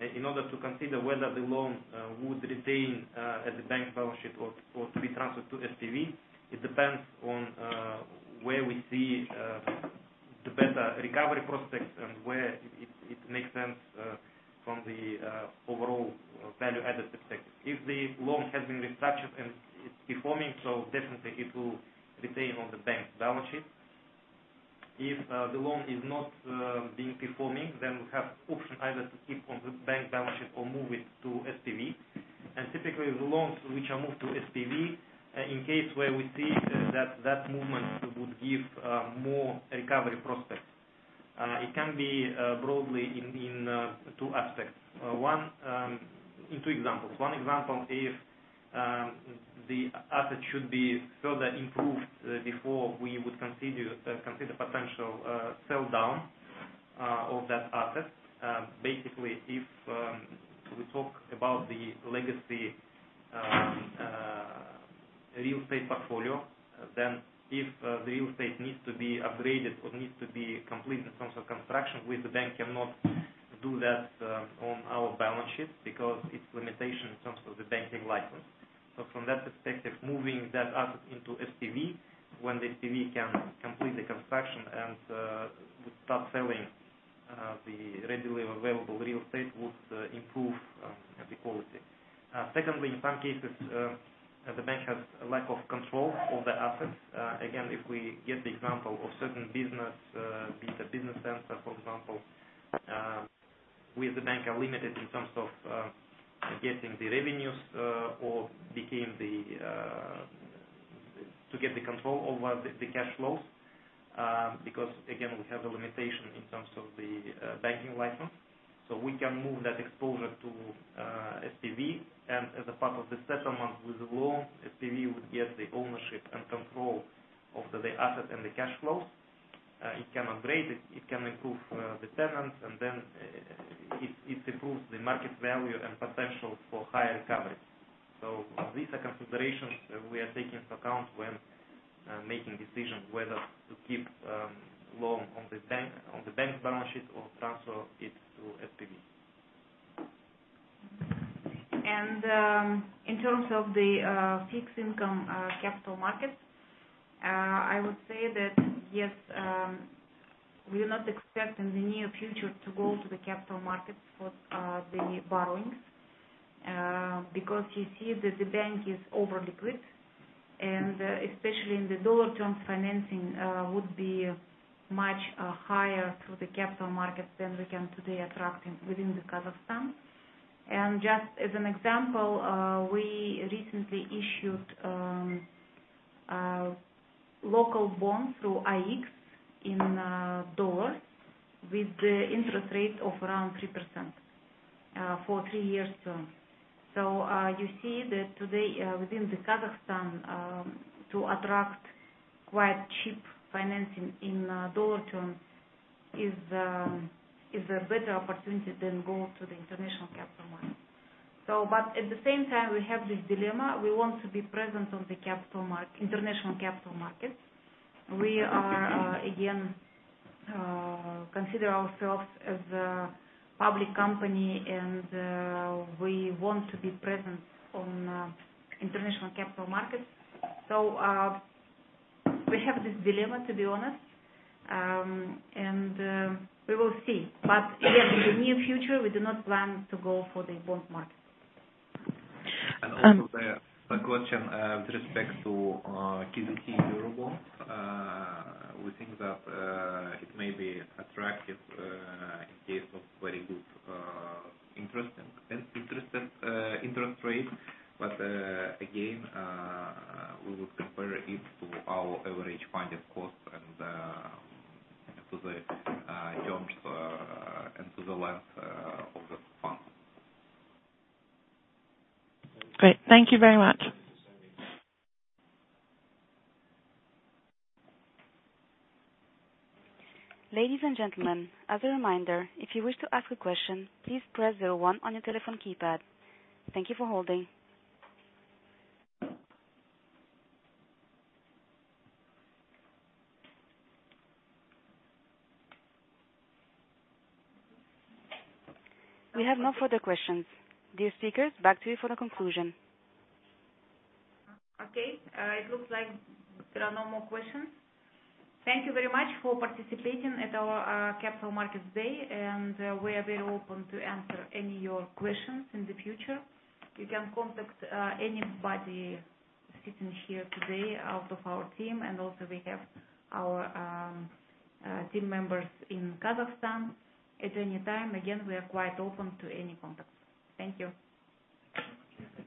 in order to consider whether the loan would retain at the bank balance sheet or to be transferred to SPV. It depends on where we see the better recovery prospects and where it makes sense from the overall value-added perspective. If the loan has been restructured and it's performing, definitely it will retain on the bank balance sheet. If the loan is not being performing, we have option either to keep on the bank balance sheet or move it to SPV. Typically, the loans which are moved to SPV, in case where we see that that movement would give more recovery prospects. It can be broadly in two aspects. In two examples. One example, if the asset should be further improved before we would consider potential sell down of that asset. Basically, if we talk about the legacy real estate portfolio, then if the real estate needs to be upgraded or needs to be complete in terms of construction, we, the bank, cannot do that on our balance sheet because it's a limitation in terms of the banking license. From that perspective, moving that asset into SPV, when the SPV can complete the construction and would start selling the readily available real estate, would improve the quality. Secondly, in some cases, the bank has a lack of control over assets. Again, if we give the example of certain business, be it a business center, for example, we, the bank, are limited in terms of getting the revenues or to get the control over the cash flows, because again, we have a limitation in terms of the banking license. We can move that exposure to SPV, as a part of the settlement with the loan, SPV would get the ownership and control of the asset and the cash flow. It can upgrade, it can improve the tenants, then it improves the market value and potential for higher recovery. These are considerations we are taking into account when Making decisions whether to keep loan on the bank's balance sheet or transfer it through SPV. In terms of the fixed income capital markets, I would say that, yes, we are not expecting in the near future to go to the capital markets for the borrowings. You see that the bank is over-liquid, especially in the dollar terms, financing would be much higher through the capital markets than we can today attract within Kazakhstan. Just as an example, we recently issued local bonds through AIX in dollars with the interest rate of around 3% for three years. You see that today within Kazakhstan, to attract quite cheap financing in dollar terms is a better opportunity than going to the international capital markets. At the same time, we have this dilemma. We want to be present on the international capital markets. We again consider ourselves as a public company, we want to be present on international capital markets. We have this dilemma, to be honest. We will see. Again, in the near future, we do not plan to go for the bond market. Also the question with respect to KZT Eurobonds. We think that it may be attractive in case of very good interest rate. Again, we would compare it to our average funding cost and to the length of the fund. Great. Thank you very much. Ladies and gentlemen, as a reminder, if you wish to ask a question, please press 01 on your telephone keypad. Thank you for holding. We have no further questions. Dear speakers, back to you for the conclusion. Okay. It looks like there are no more questions. Thank you very much for participating at our Capital Markets Day. We are very open to answer any of your questions in the future. You can contact anybody sitting here today out of our team. Also we have our team members in Kazakhstan at any time. Again, we are quite open to any contact. Thank you. Thank you.